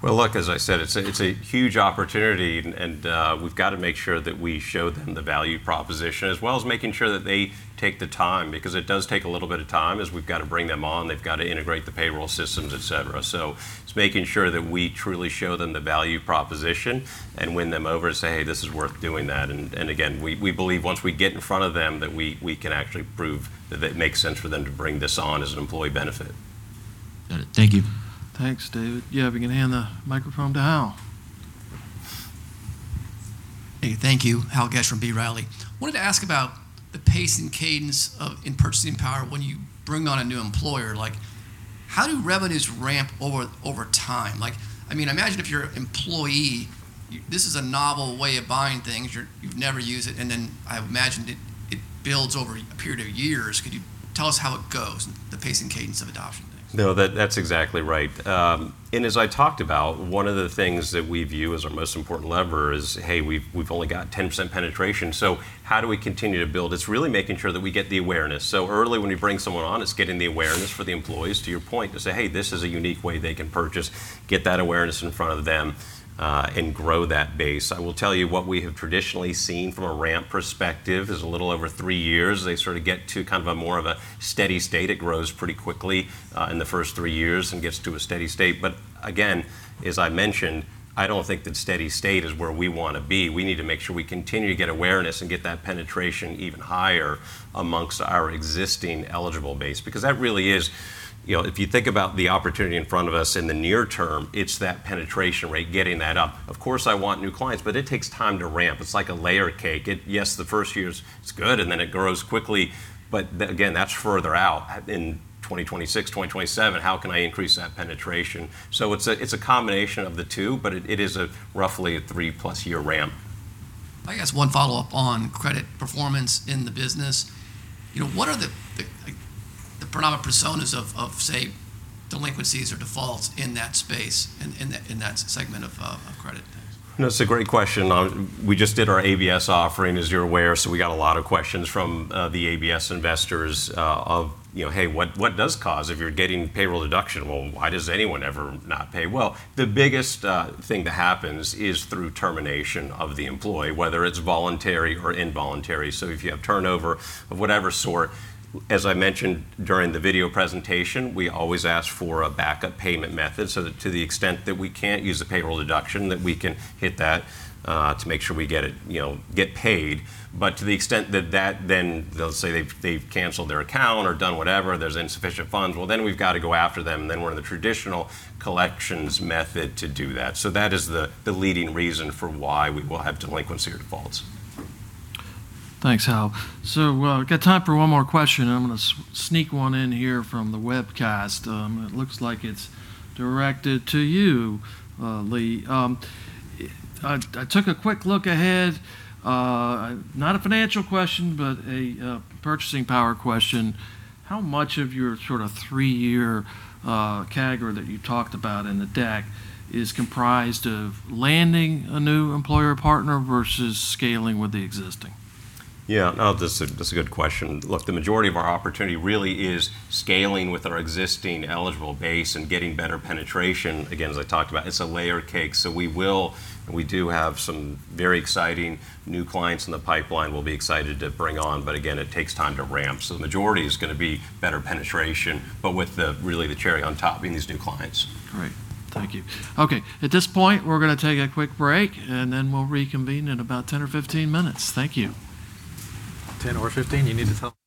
Well, look, as I said, it's a huge opportunity and we've gotta make sure that we show them the value proposition as well as making sure that they take the time, because it does take a little bit of time as we've gotta bring them on. They've gotta integrate the payroll systems, et cetera. It's making sure that we truly show them the value proposition and win them over to say, "Hey, this is worth doing that." Again, we believe once we get in front of them that we can actually prove that it makes sense for them to bring this on as an employee benefit. Got it. Thank you. Thanks, David. Yeah, if you can hand the microphone to Hal. Hey, thank you. Hal Goetsch from B. Riley. Wanted to ask about the pace and cadence of, in Purchasing Power when you bring on a new employer, like how do revenues ramp over time? Like, I mean, imagine if you're an employee, this is a novel way of buying things. You're, you've never used it, and then I imagined it builds over a period of years. Could you tell us how it goes, the pace and cadence of adoption? Thanks. No, that's exactly right. As I talked about, one of the things that we view as our most important lever is, hey, we've only got 10% penetration, so how do we continue to build? It's really making sure that we get the awareness. Early, when we bring someone on, it's getting the awareness for the employees, to your point, to say, "Hey, this is a unique way they can purchase." Get that awareness in front of them and grow that base. I will tell you what we have traditionally seen from a ramp perspective is a little over three years. They sort of get to kind of a more of a steady state. It grows pretty quickly in the first three years and gets to a steady state. Again, as I mentioned, I don't think that steady state is where we wanna be. We need to make sure we continue to get awareness and get that penetration even higher among our existing eligible base, because that really is. You know, if you think about the opportunity in front of us in the near term, it's that penetration rate, getting that up. Of course, I want new clients, but it takes time to ramp. It's like a layer cake. Yes, the first year is good, and then it grows quickly. But again, that's further out in 2026, 2027. How can I increase that penetration? It's a combination of the two, but it is roughly a 3+ year ramp. I guess one follow-up on credit performance in the business. You know, what are the, like, the predominant personas of say delinquencies or defaults in that space, in that segment of credit? No, it's a great question. We just did our ABS offering, as you're aware, so we got a lot of questions from the ABS investors of, you know, "Hey, what's the cause if you're getting payroll deduction? Well, why does anyone ever not pay?" The biggest thing that happens is through termination of the employee, whether it's voluntary or involuntary. If you have turnover of whatever sort. As I mentioned during the video presentation, we always ask for a backup payment method so that to the extent that we can't use the payroll deduction, that we can hit that to make sure we get it, you know, get paid. To the extent that then they'll say they've canceled their account or done whatever, there's insufficient funds. Well, then we've got to go after them, then we're in the traditional collections method to do that. That is the leading reason for why we will have delinquency or defaults. Thanks, Hal. We've got time for one more question, and I'm gonna sneak one in here from the webcast. It looks like it's directed to you, Lee. I took a quick look ahead. Not a financial question, but a Purchasing Power question. How much of your sort of three-year CAGR that you talked about in the deck is comprised of landing a new employer partner versus scaling with the existing? Yeah. No, that's a good question. Look, the majority of our opportunity really is scaling with our existing eligible base and getting better penetration. Again, as I talked about, it's a layer cake. We will, and we do have some very exciting new clients in the pipeline we'll be excited to bring on, but again, it takes time to ramp. The majority is gonna be better penetration, but with really the cherry on top being these new clients. Great. Thank you. Okay. At this point, we're gonna take a quick break, and then we'll reconvene in about 10 or 15 minutes. Thank you. 10 or 15? You need to tell-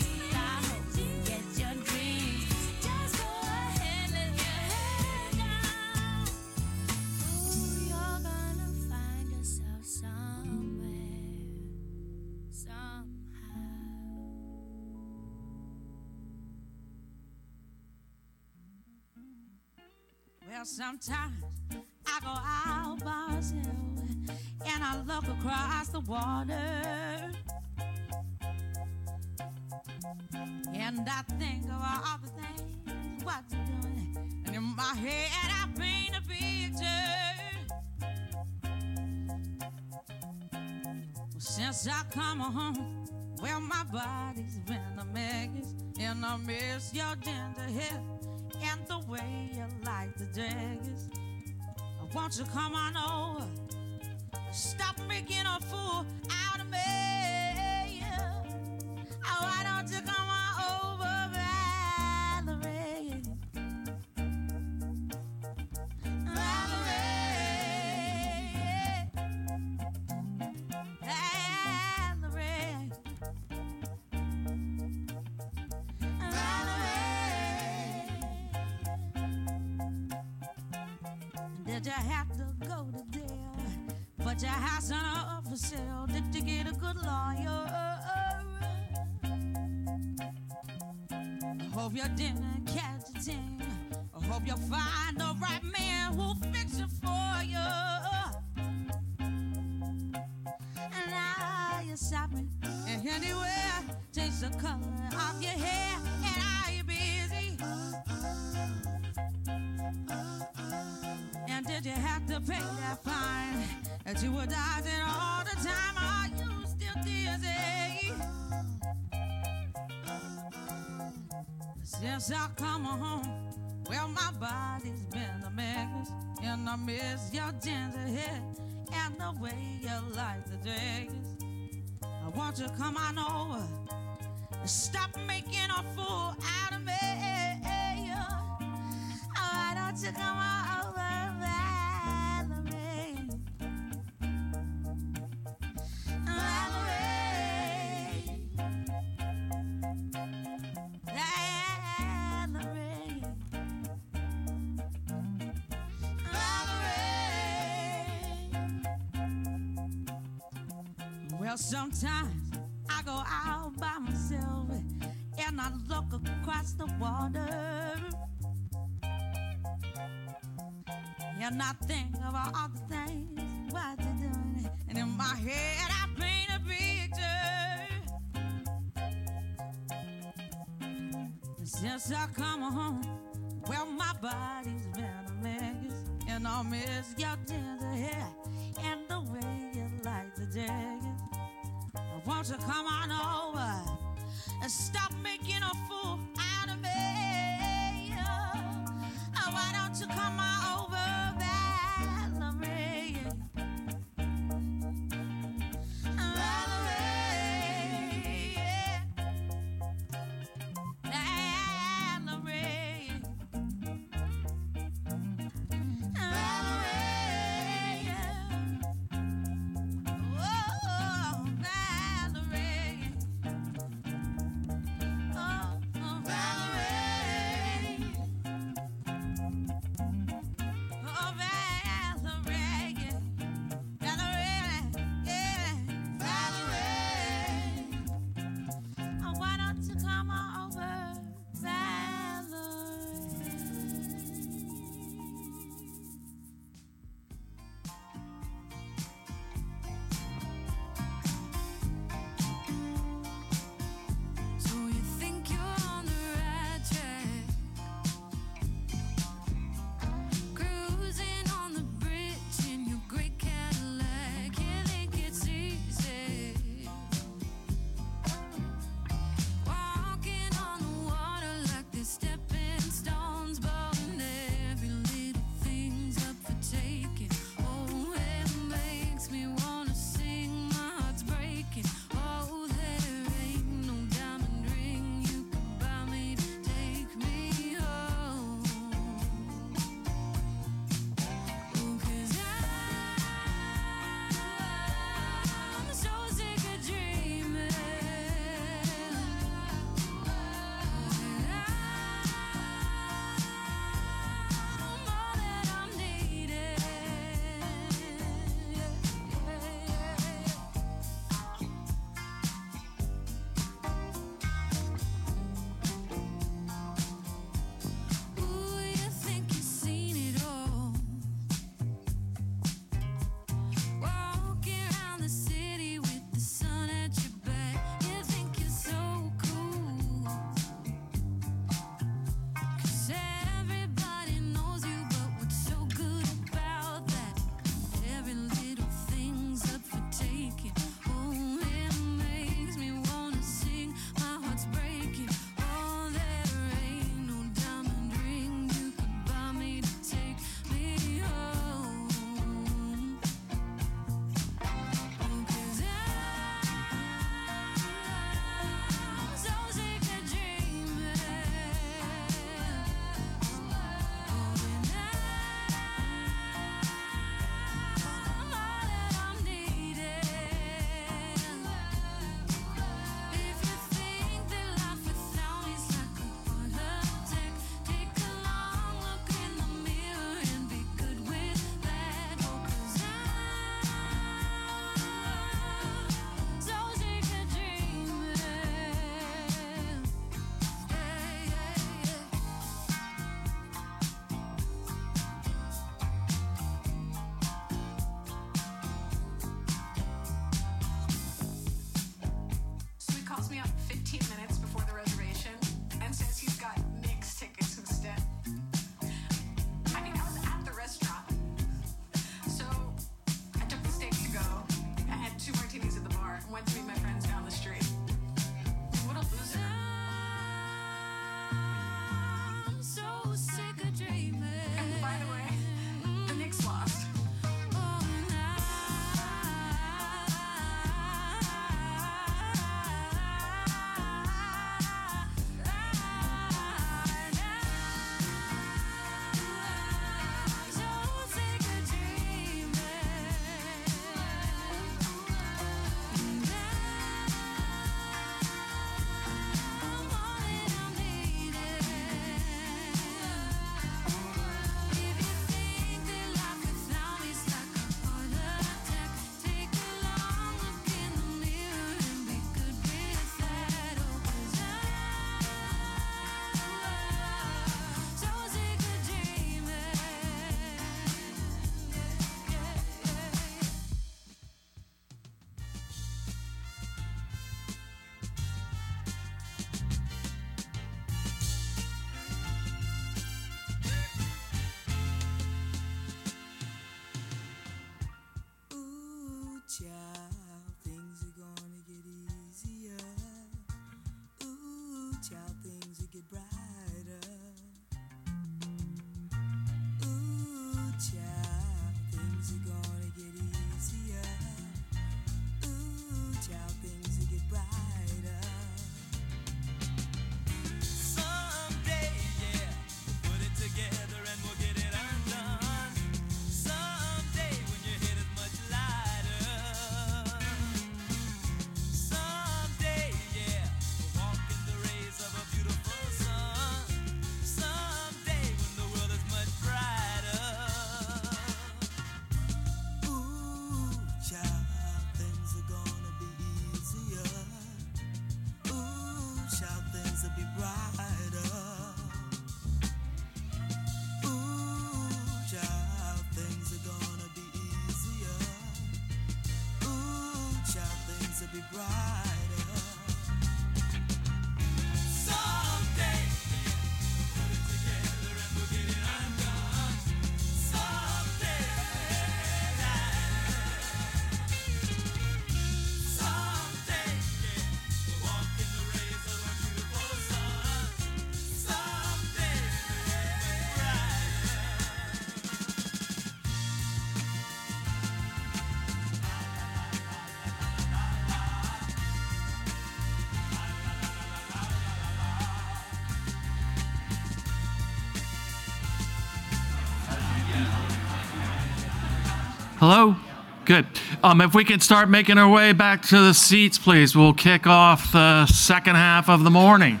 Hello. Good. If we could start making our way back to the seats, please. We'll kick off the second half of the morning.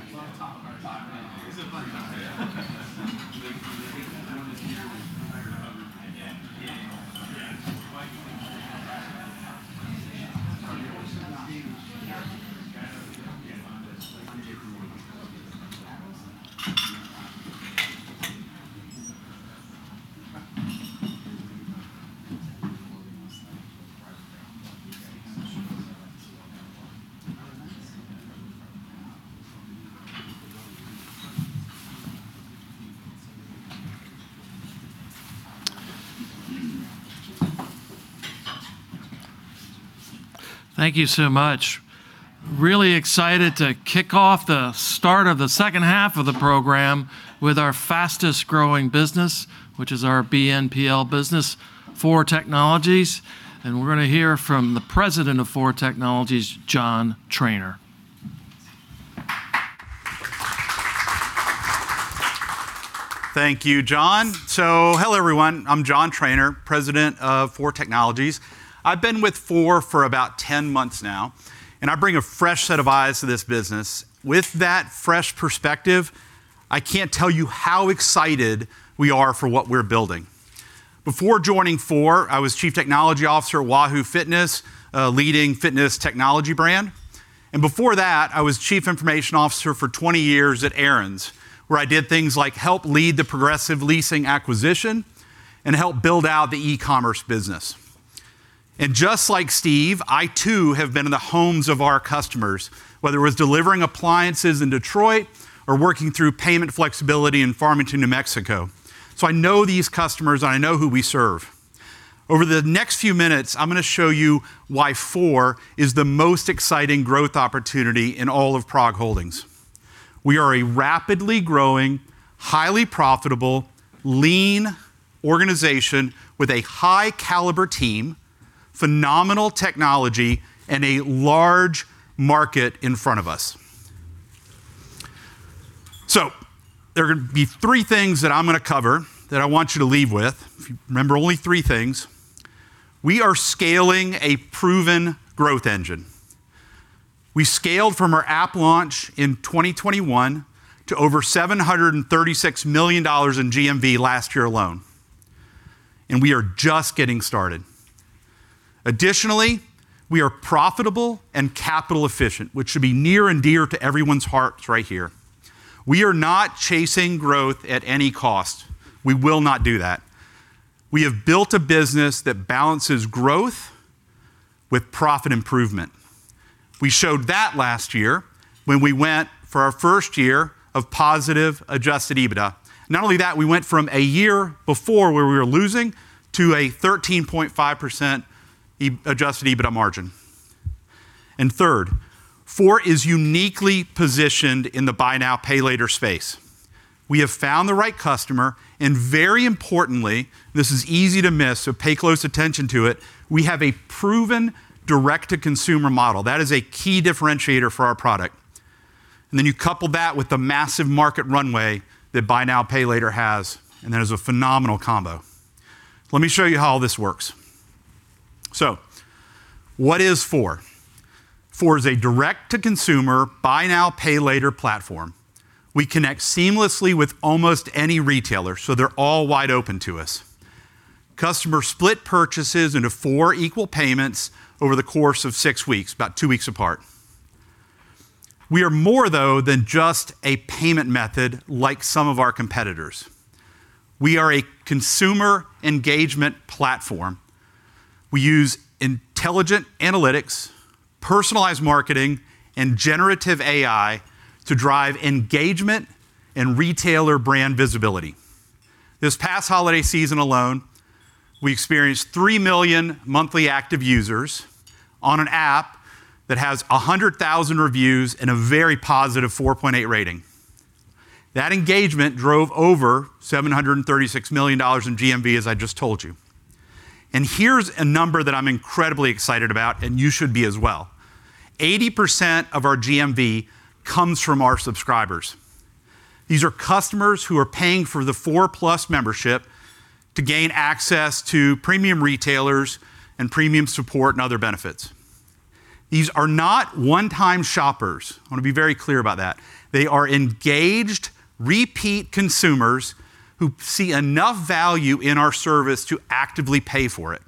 Thank you so much. Really excited to kick off the start of the second half of the program with our fastest growing business, which is our BNPL business, Four Technologies, and we're gonna hear from the President of Four Technologies, John Trainor. Thank you, John. Hello, everyone. I'm John Trainor, President of Four Technologies. I've been with Four for about 10 months now, and I bring a fresh set of eyes to this business. With that fresh perspective, I can't tell you how excited we are for what we're building. Before joining Four, I was Chief Technology Officer at Wahoo Fitness, a leading fitness technology brand. Before that, I was Chief Information Officer for 20 years at Aaron's, where I did things like help lead the Progressive Leasing acquisition and help build out the e-commerce business. Just like Steve, I too have been in the homes of our customers, whether it was delivering appliances in Detroit or working through payment flexibility in Farmington, New Mexico. I know these customers, and I know who we serve. Over the next few minutes, I'm gonna show you why Four is the most exciting growth opportunity in all of PROG Holdings. We are a rapidly growing, highly profitable, lean organization with a high-caliber team, phenomenal technology, and a large market in front of us. There are gonna be three things that I'm gonna cover that I want you to leave with. If you remember only three things. We are scaling a proven growth engine. We scaled from our app launch in 2021 to over $736 million in GMV last year alone, and we are just getting started. Additionally, we are profitable and capital efficient, which should be near and dear to everyone's hearts right here. We are not chasing growth at any cost. We will not do that. We have built a business that balances growth with profit improvement. We showed that last year when we went for our first year of positive adjusted EBITDA. Not only that, we went from a year before where we were losing to a 13.5% adjusted EBITDA margin. Third, Four is uniquely positioned in the buy now, pay later space. We have found the right customer, and very importantly, this is easy to miss, so pay close attention to it. We have a proven direct-to-consumer model. That is a key differentiator for our product. You couple that with the massive market runway that buy now, pay later has, and that is a phenomenal combo. Let me show you how all this works. What is Four? Four is a direct-to-consumer, buy now, pay later platform. We connect seamlessly with almost any retailer, so they're all wide open to us. Customers split purchases into four equal payments over the course of six weeks, about two weeks apart. We are more though than just a payment method like some of our competitors. We are a consumer engagement platform. We use intelligent analytics, personalized marketing, and generative AI to drive engagement and retailer brand visibility. This past holiday season alone, we experienced 3 million monthly active users on an app that has 100,000 reviews and a very positive 4.8 rating. That engagement drove over $736 million in GMV, as I just told you. Here's a number that I'm incredibly excited about, and you should be as well. 80% of our GMV comes from our subscribers. These are customers who are paying for the Four Plus membership to gain access to premium retailers and premium support and other benefits. These are not one-time shoppers. I wanna be very clear about that. They are engaged, repeat consumers who see enough value in our service to actively pay for it.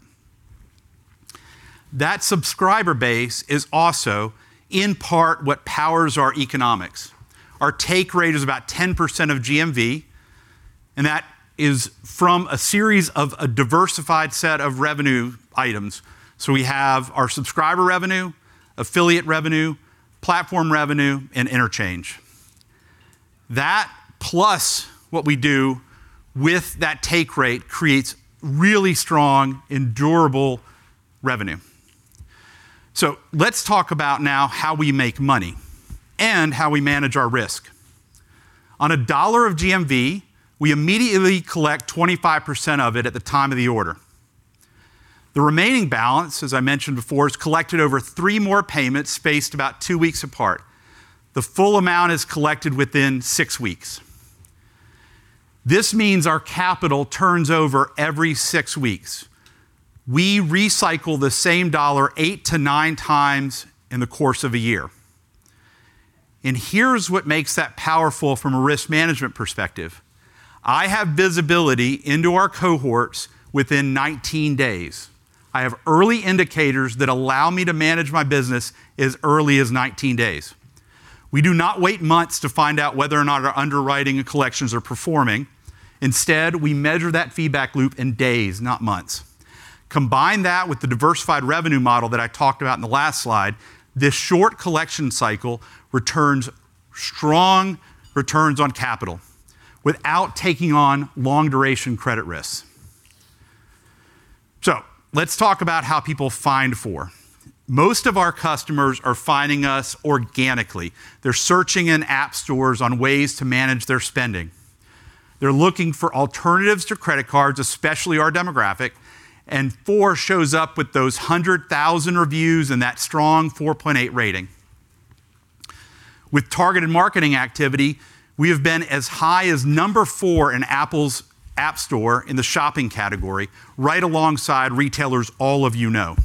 That subscriber base is also, in part, what powers our economics. Our take rate is about 10% of GMV, and that is from a series of a diversified set of revenue items. We have our subscriber revenue, affiliate revenue, platform revenue, and interchange. That plus what we do with that take rate creates really strong and durable revenue. Let's talk about now how we make money and how we manage our risk. On a $1 of GMV, we immediately collect 25% of it at the time of the order. The remaining balance, as I mentioned before, is collected over three more payments spaced about two weeks apart. The full amount is collected within six weeks. This means our capital turns over every six weeks. We recycle the same dollar 8-9 times in the course of a year. Here's what makes that powerful from a risk management perspective. I have visibility into our cohorts within 19 days. I have early indicators that allow me to manage my business as early as 19 days. We do not wait months to find out whether or not our underwriting and collections are performing. Instead, we measure that feedback loop in days, not months. Combine that with the diversified revenue model that I talked about in the last slide. This short collection cycle returns strong returns on capital without taking on long-duration credit risks. Let's talk about how people find Four. Most of our customers are finding us organically. They're searching in app stores on ways to manage their spending. They're looking for alternatives to credit cards, especially our demographic, and Four shows up with those 100,000 reviews and that strong 4.8 rating. With targeted marketing activity, we have been as high as number four in Apple's App Store in the shopping category, right alongside retailers all of you know.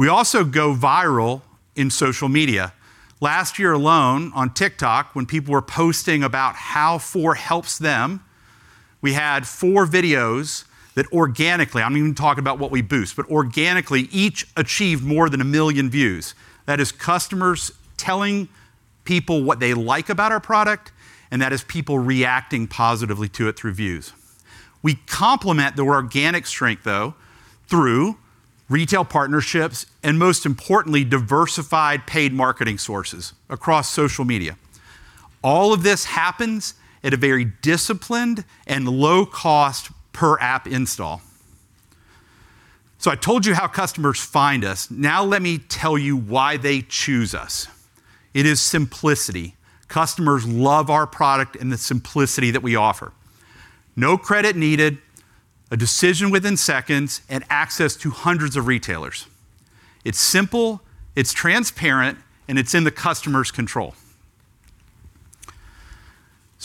We also go viral in social media. Last year alone on TikTok, when people were posting about how Four helps them, we had four videos that organically, I'm not even talking about what we boost, but organically each achieved more than 1 million views. That is customers telling people what they like about our product, and that is people reacting positively to it through views. We complement the organic strength, though, through retail partnerships and, most importantly, diversified paid marketing sources across social media. All of this happens at a very disciplined and low cost per app install. I told you how customers find us. Now let me tell you why they choose us. It is simplicity. Customers love our product and the simplicity that we offer. No credit needed, a decision within seconds, and access to hundreds of retailers. It's simple, it's transparent, and it's in the customer's control.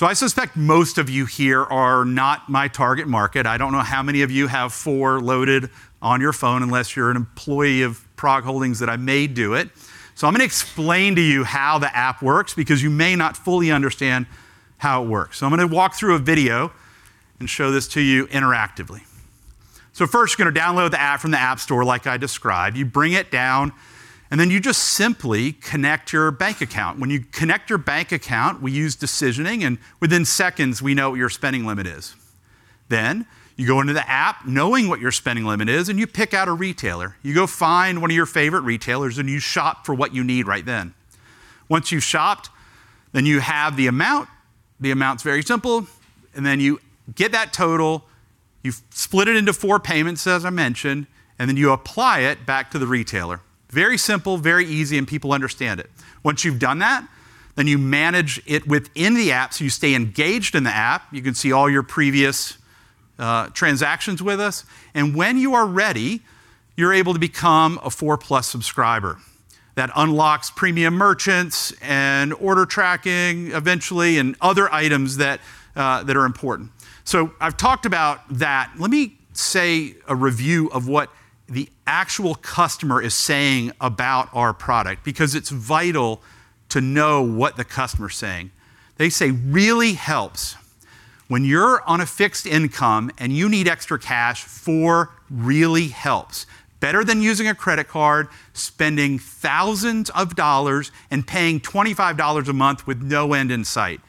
I suspect most of you here are not my target market. I don't know how many of you have Four loaded on your phone unless you're an employee of PROG Holdings that I made do it. I'm gonna explain to you how the app works because you may not fully understand how it works. I'm gonna walk through a video and show this to you interactively. First, you're gonna download the app from the App Store like I described. You bring it down, and then you just simply connect your bank account. When you connect your bank account, we use decisioning, and within seconds, we know what your spending limit is. You go into the app knowing what your spending limit is, and you pick out a retailer. You go find one of your favorite retailers, and you shop for what you need right then. Once you've shopped, then you have the amount. The amount's very simple. You get that total. You split it into four payments, as I mentioned, and then you apply it back to the retailer. Very simple, very easy, and people understand it. Once you've done that, then you manage it within the app, so you stay engaged in the app. You can see all your previous, transactions with us. When you are ready, you're able to become a Four plus subscriber. That unlocks premium merchants and order tracking eventually, and other items that are important. I've talked about that. Let me say a review of what the actual customer is saying about our product, because it's vital to know what the customer's saying. They say, "Really helps. When you're on a fixed income and you need extra cash, Four really helps. Better than using a credit card, spending thousands of dollars and paying $25 a month with no end in sight.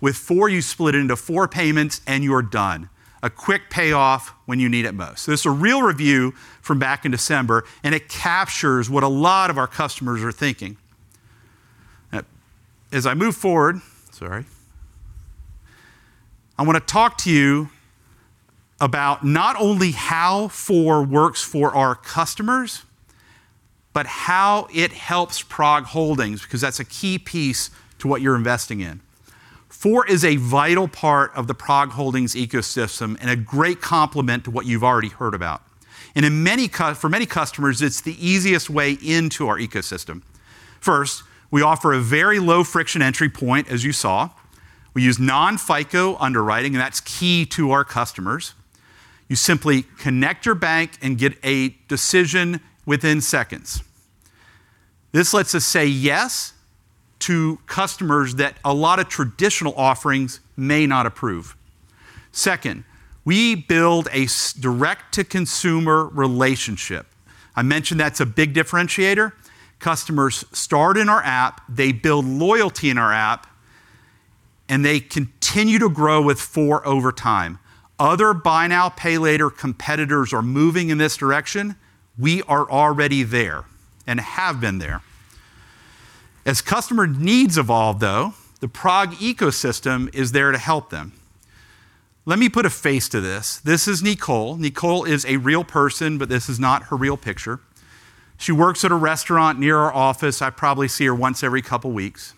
With Four, you split it into four payments and you're done. A quick payoff when you need it most." This is a real review from back in December, and it captures what a lot of our customers are thinking. I want to talk to you about not only how Four works for our customers, but how it helps PROG Holdings, because that's a key piece to what you're investing in. Four is a vital part of the PROG Holdings ecosystem and a great complement to what you've already heard about. For many customers, it's the easiest way into our ecosystem. First, we offer a very low-friction entry point, as you saw. We use non-FICO underwriting, and that's key to our customers. You simply connect your bank and get a decision within seconds. This lets us say yes to customers that a lot of traditional offerings may not approve. Second, we build a direct-to-consumer relationship. I mentioned that's a big differentiator. Customers start in our app, they build loyalty in our app, and they continue to grow with Four over time. Other buy now, pay later competitors are moving in this direction. We are already there and have been there. As customer needs evolve, though, the PROG ecosystem is there to help them. Let me put a face to this. This is Nicole. Nicole is a real person, but this is not her real picture. She works at a restaurant near our office. I probably see her once every couple weeks,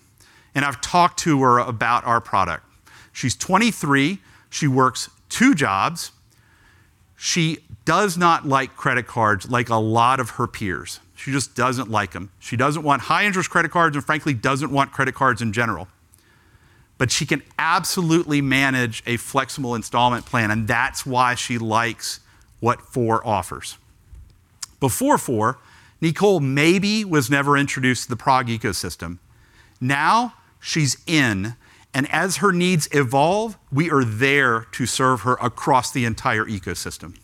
and I've talked to her about our product. She's 23. She works two jobs. She does not like credit cards like a lot of her peers. She just doesn't like them. She doesn't want high-interest credit cards and frankly doesn't want credit cards in general. But she can absolutely manage a flexible installment plan, and that's why she likes what Four offers. Before Four, Nicole maybe was never introduced to the PROG ecosystem. Now she's in, and as her needs evolve, we are there to serve her across the entire ecosystem.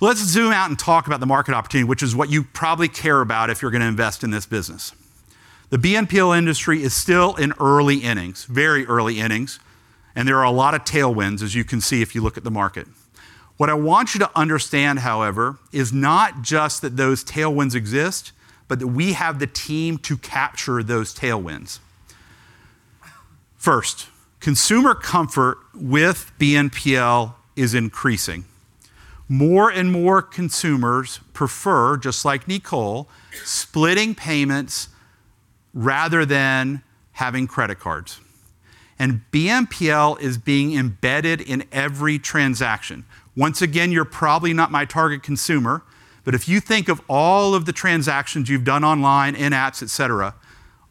Let's zoom out and talk about the market opportunity, which is what you probably care about if you're gonna invest in this business. The BNPL industry is still in early innings, very early innings, and there are a lot of tailwinds, as you can see if you look at the market. What I want you to understand, however, is not just that those tailwinds exist, but that we have the team to capture those tailwinds. First, consumer comfort with BNPL is increasing. More and more consumers prefer, just like Nicole, splitting payments rather than having credit cards. BNPL is being embedded in every transaction. Once again, you're probably not my target consumer, but if you think of all of the transactions you've done online, in apps, et cetera,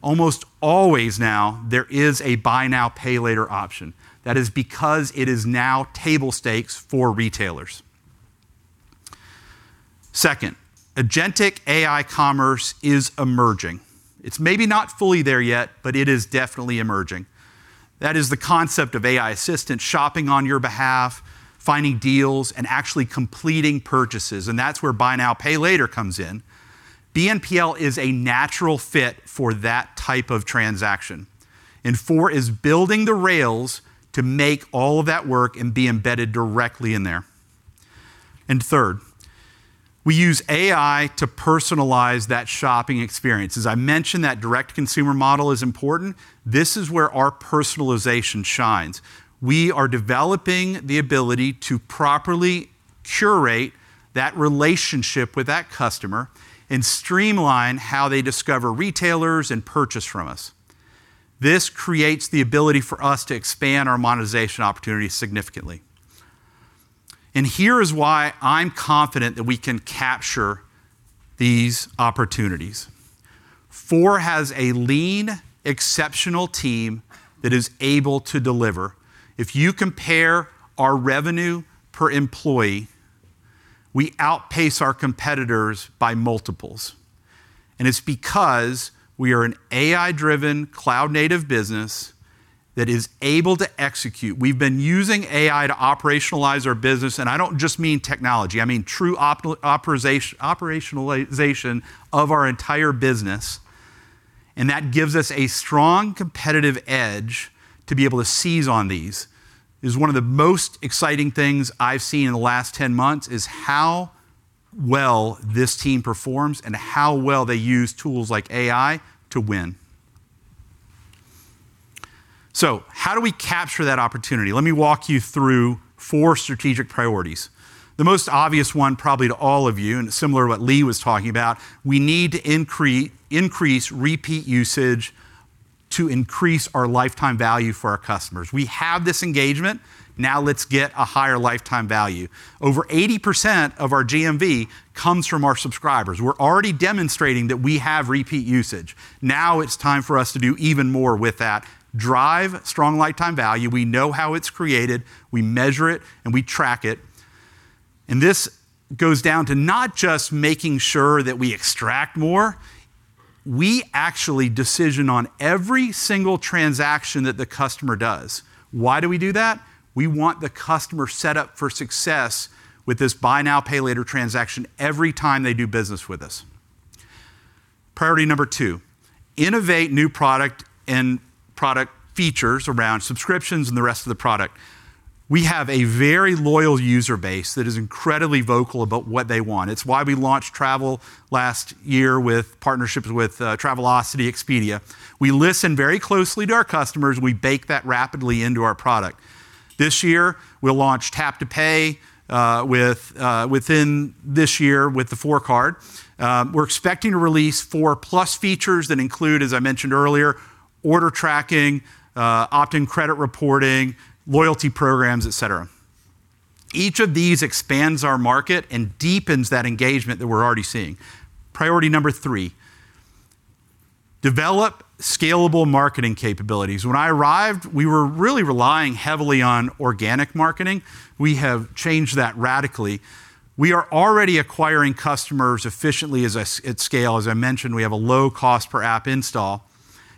almost always now there is a buy now, pay later option. That is because it is now table stakes for retailers. Second, agentic AI commerce is emerging. It's maybe not fully there yet, but it is definitely emerging. That is the concept of AI assistants shopping on your behalf, finding deals, and actually completing purchases, and that's where buy now, pay later comes in. BNPL is a natural fit for that type of transaction, and Four is building the rails to make all of that work and be embedded directly in there. Third, we use AI to personalize that shopping experience. As I mentioned, that direct-to-consumer model is important. This is where our personalization shines. We are developing the ability to properly curate that relationship with that customer and streamline how they discover retailers and purchase from us. This creates the ability for us to expand our monetization opportunities significantly. Here is why I'm confident that we can capture these opportunities. Four has a lean, exceptional team that is able to deliver. If you compare our revenue per employee, we outpace our competitors by multiples, and it's because we are an AI-driven, cloud-native business that is able to execute. We've been using AI to operationalize our business, and I don't just mean technology. I mean true operationalization of our entire business, and that gives us a strong competitive edge to be able to seize on these. It is one of the most exciting things I've seen in the last 10 months, is how well this team performs and how well they use tools like AI to win. So how do we capture that opportunity? Let me walk you through four strategic priorities. The most obvious one probably to all of you, and similar to what Lee was talking about, we need to increase repeat usage to increase our lifetime value for our customers. We have this engagement, now let's get a higher lifetime value. Over 80% of our GMV comes from our subscribers. We're already demonstrating that we have repeat usage. Now it's time for us to do even more with that. Drive strong lifetime value. We know how it's created, we measure it, and we track it. This goes down to not just making sure that we extract more, we actually decide on every single transaction that the customer does. Why do we do that? We want the customer set up for success with this buy now, pay later transaction every time they do business with us. Priority number two, innovate new product and product features around subscriptions and the rest of the product. We have a very loyal user base that is incredibly vocal about what they want. It's why we launched travel last year with partnerships with Travelocity, Expedia. We listen very closely to our customers and we bake that rapidly into our product. This year we'll launch tap to pay with within this year with the Four Card. We're expecting to release Four+ features that include, as I mentioned earlier, order tracking, opt-in credit reporting, loyalty programs, et cetera. Each of these expands our market and deepens that engagement that we're already seeing. Priority number three, develop scalable marketing capabilities. When I arrived, we were really relying heavily on organic marketing. We have changed that radically. We are already acquiring customers efficiently at scale. As I mentioned, we have a low cost per app install.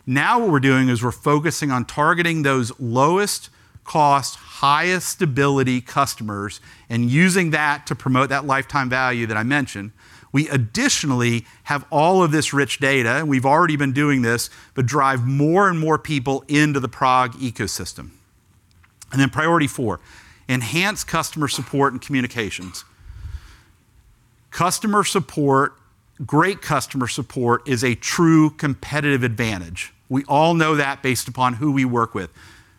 Now what we're doing is we're focusing on targeting those lowest cost, highest stability customers and using that to promote that lifetime value that I mentioned. We additionally have all of this rich data, and we've already been doing this, but drive more and more people into the PROG ecosystem. Priority four, enhance customer support and communications. Customer support, great customer support is a true competitive advantage. We all know that based upon who we work with.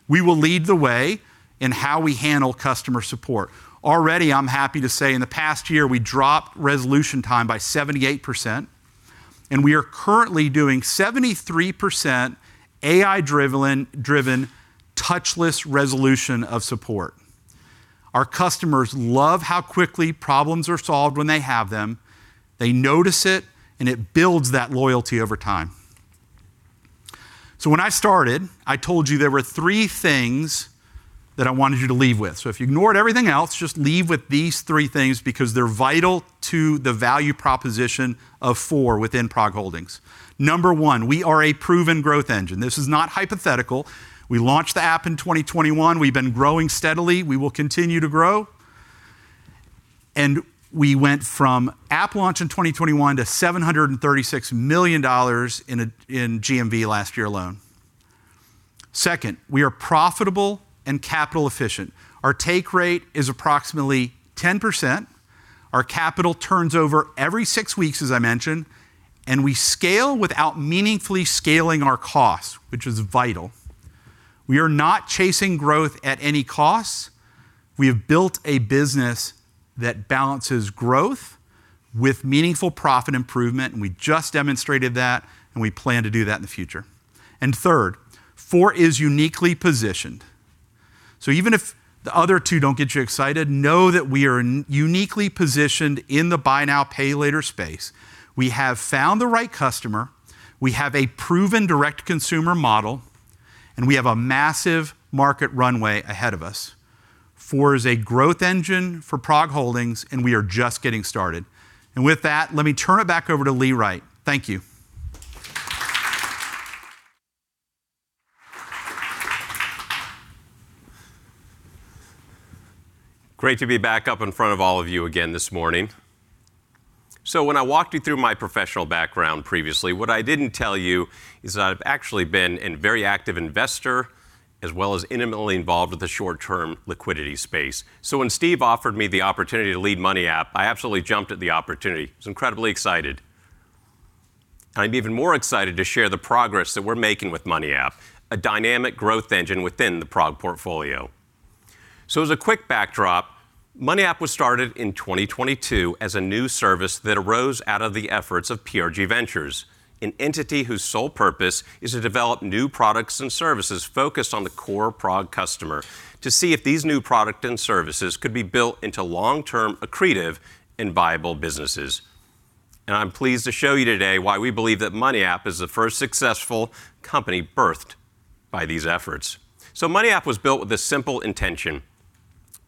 We will lead the way in how we handle customer support. Already, I'm happy to say in the past year, we dropped resolution time by 78%, and we are currently doing 73% AI-driven touchless resolution of support. Our customers love how quickly problems are solved when they have them. They notice it, and it builds that loyalty over time. When I started, I told you there were three things that I wanted you to leave with. If you ignored everything else, just leave with these three things because they're vital to the value proposition of Four within PROG Holdings. Number one, we are a proven growth engine. This is not hypothetical. We launched the app in 2021. We've been growing steadily. We will continue to grow. We went from app launch in 2021 to $736 million in GMV last year alone. Second, we are profitable and capital efficient. Our take rate is approximately 10%. Our capital turns over every six weeks, as I mentioned, and we scale without meaningfully scaling our costs, which is vital. We are not chasing growth at any cost. We have built a business that balances growth with meaningful profit improvement, and we just demonstrated that, and we plan to do that in the future. Third, Four is uniquely positioned. Even if the other two don't get you excited, know that we are uniquely positioned in the buy now, pay later space. We have found the right customer, we have a proven direct consumer model, and we have a massive market runway ahead of us. Four is a growth engine for PROG Holdings and we are just getting started. With that, let me turn it back over to Lee Wright. Thank you. Great to be back up in front of all of you again this morning. When I walked you through my professional background previously, what I didn't tell you is that I've actually been a very active investor as well as intimately involved with the short-term liquidity space. When Steve offered me the opportunity to lead Money App, I absolutely jumped at the opportunity. I was incredibly excited. I'm even more excited to share the progress that we're making with Money App, a dynamic growth engine within the PROG portfolio. As a quick backdrop, Money App was started in 2022 as a new service that arose out of the efforts of PRG Ventures, an entity whose sole purpose is to develop new products and services focused on the core PROG customer to see if these new product and services could be built into long-term accretive and viable businesses. I'm pleased to show you today why we believe that Money App is the first successful company birthed by these efforts. Money App was built with a simple intention,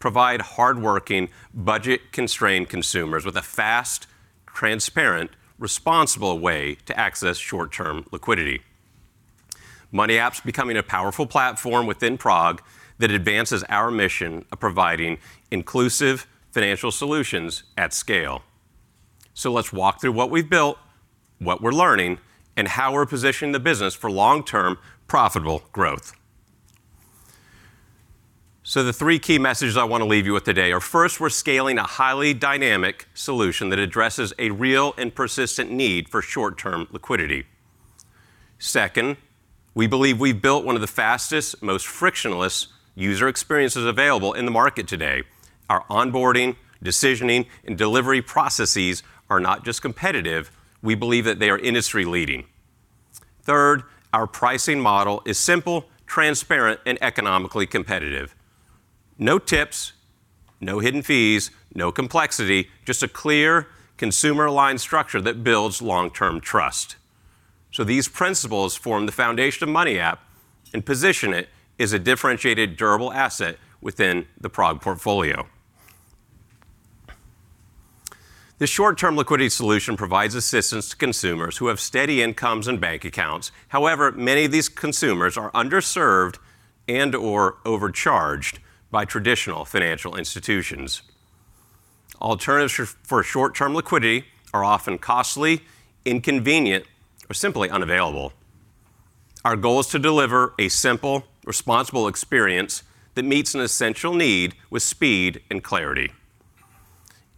provide hardworking budget-constrained consumers with a fast, transparent, responsible way to access short-term liquidity. Money App's becoming a powerful platform within PROG that advances our mission of providing inclusive financial solutions at scale. Let's walk through what we've built, what we're learning, and how we're positioning the business for long-term profitable growth. The three key messages I want to leave you with today are, first, we're scaling a highly dynamic solution that addresses a real and persistent need for short-term liquidity. Second, we believe we've built one of the fastest, most frictionless user experiences available in the market today. Our onboarding, decisioning, and delivery processes are not just competitive, we believe that they are industry-leading. Third, our pricing model is simple, transparent, and economically competitive. No tips, no hidden fees, no complexity, just a clear consumer-aligned structure that builds long-term trust. These principles form the foundation of MoneyApp and position it as a differentiated, durable asset within the PROG portfolio. The short-term liquidity solution provides assistance to consumers who have steady incomes and bank accounts. However, many of these consumers are underserved and/or overcharged by traditional financial institutions. Alternatives for short-term liquidity are often costly, inconvenient, or simply unavailable. Our goal is to deliver a simple, responsible experience that meets an essential need with speed and clarity.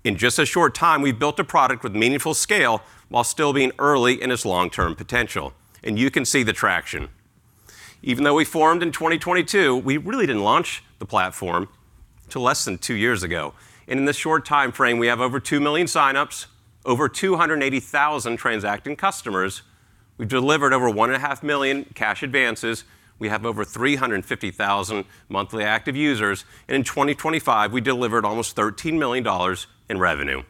In just a short time, we've built a product with meaningful scale while still being early in its long-term potential, and you can see the traction. Even though we formed in 2022, we really didn't launch the platform till less than two years ago. In this short timeframe, we have over 2 million signups, over 280,000 transacting customers. We've delivered over 1.5 million cash advances. We have over 350,000 monthly active users. In 2025, we delivered almost $13 million in revenue.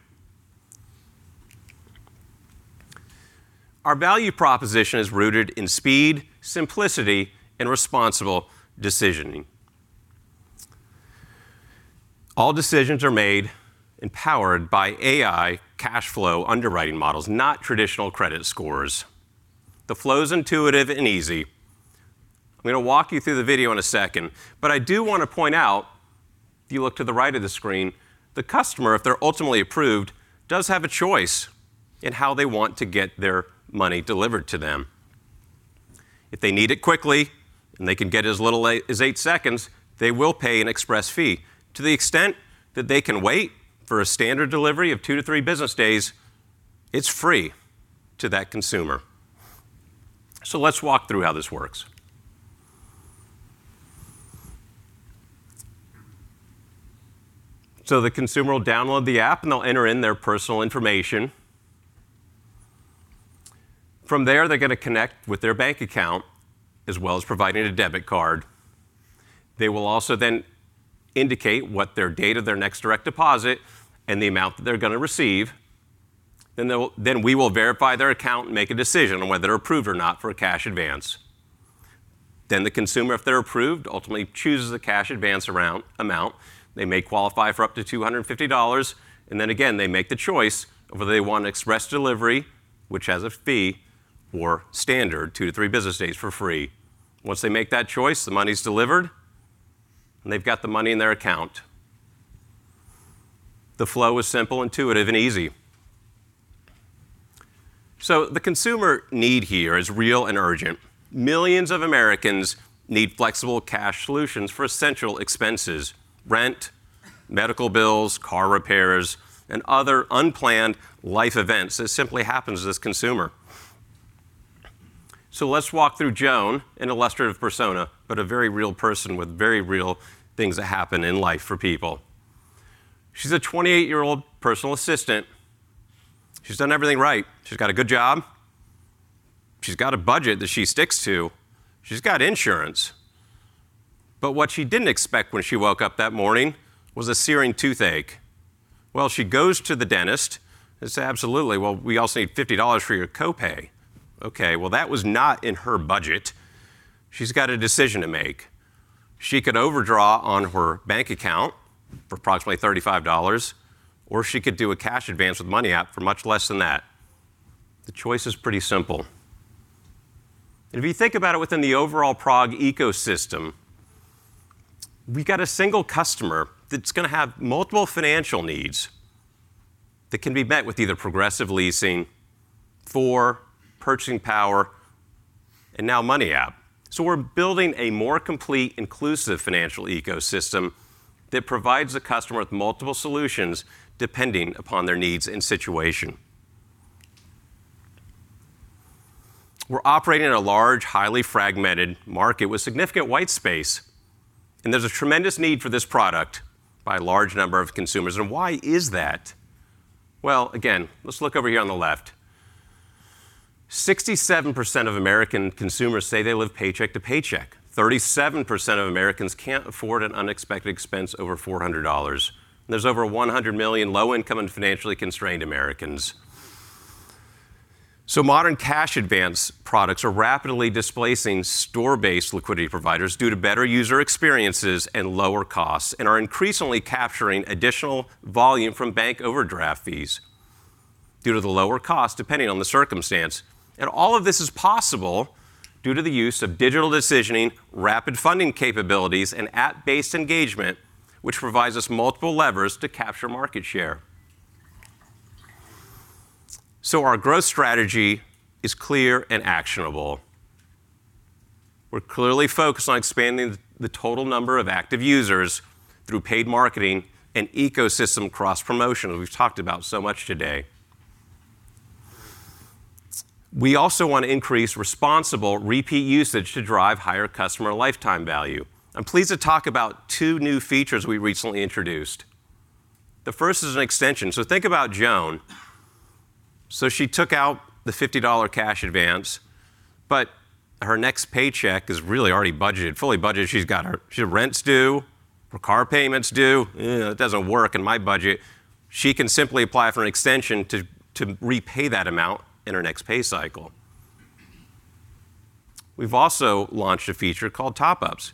Our value proposition is rooted in speed, simplicity, and responsible decisioning. All decisions are made and powered by AI cash flow underwriting models, not traditional credit scores. The flow is intuitive and easy. I'm gonna walk you through the video in a second, but I do wanna point out, if you look to the right of the screen, the customer, if they're ultimately approved, does have a choice in how they want to get their money delivered to them. If they need it quickly, and they can get it as little as eight seconds, they will pay an express fee. To the extent that they can wait for a standard delivery of 2-3 business days, it's free to that consumer. Let's walk through how this works. The consumer will download the app, and they'll enter in their personal information. From there, they're gonna connect with their bank account, as well as providing a debit card. They will also then indicate what their date of their next direct deposit and the amount that they're gonna receive. We will verify their account and make a decision on whether they're approved or not for a cash advance. The consumer, if they're approved, ultimately chooses a cash advance amount. They may qualify for up to $250. They make the choice of whether they want express delivery, which has a fee, or standard, two to three business days for free. Once they make that choice, the money's delivered, and they've got the money in their account. The flow is simple, intuitive, and easy. The consumer need here is real and urgent. Millions of Americans need flexible cash solutions for essential expenses. Rent, medical bills, car repairs, and other unplanned life events that simply happen to this consumer. Let's walk through Joan, an illustrative persona, but a very real person with very real things that happen in life for people. She's a 28-year-old personal assistant. She's done everything right. She's got a good job. She's got a budget that she sticks to. She's got insurance. What she didn't expect when she woke up that morning was a searing toothache. Well, she goes to the dentist and says, "Absolutely. Well, we also need $50 for your copay." Okay, well, that was not in her budget. She's got a decision to make. She could overdraw on her bank account for approximately $35, or she could do a cash advance with MoneyApp for much less than that. The choice is pretty simple. If you think about it within the overall PROG ecosystem, we've got a single customer that's gonna have multiple financial needs that can be met with either Progressive Leasing, Four, Purchasing Power, and now MoneyApp. We're building a more complete, inclusive financial ecosystem that provides the customer with multiple solutions depending upon their needs and situation. We're operating in a large, highly fragmented market with significant white space, and there's a tremendous need for this product by a large number of consumers. Why is that? Well, again, let's look over here on the left. 67% of American consumers say they live paycheck to paycheck. 37% of Americans can't afford an unexpected expense over $400. There's over 100 million low-income and financially constrained Americans. Modern cash advance products are rapidly displacing store-based liquidity providers due to better user experiences and lower costs, and are increasingly capturing additional volume from bank overdraft fees due to the lower cost, depending on the circumstance. All of this is possible due to the use of digital decisioning, rapid funding capabilities, and app-based engagement, which provides us multiple levers to capture market share. Our growth strategy is clear and actionable. We're clearly focused on expanding the total number of active users through paid marketing and ecosystem cross-promotion that we've talked about so much today. We also wanna increase responsible repeat usage to drive higher customer lifetime value. I'm pleased to talk about two new features we recently introduced. The first is an extension. Think about Joan. She took out the $50 cash advance, but her next paycheck is really already budgeted, fully budgeted. She's got her rent's due, her car payment's due. That doesn't work in my budget. She can simply apply for an extension to repay that amount in her next pay cycle. We've also launched a feature called Top-Ups.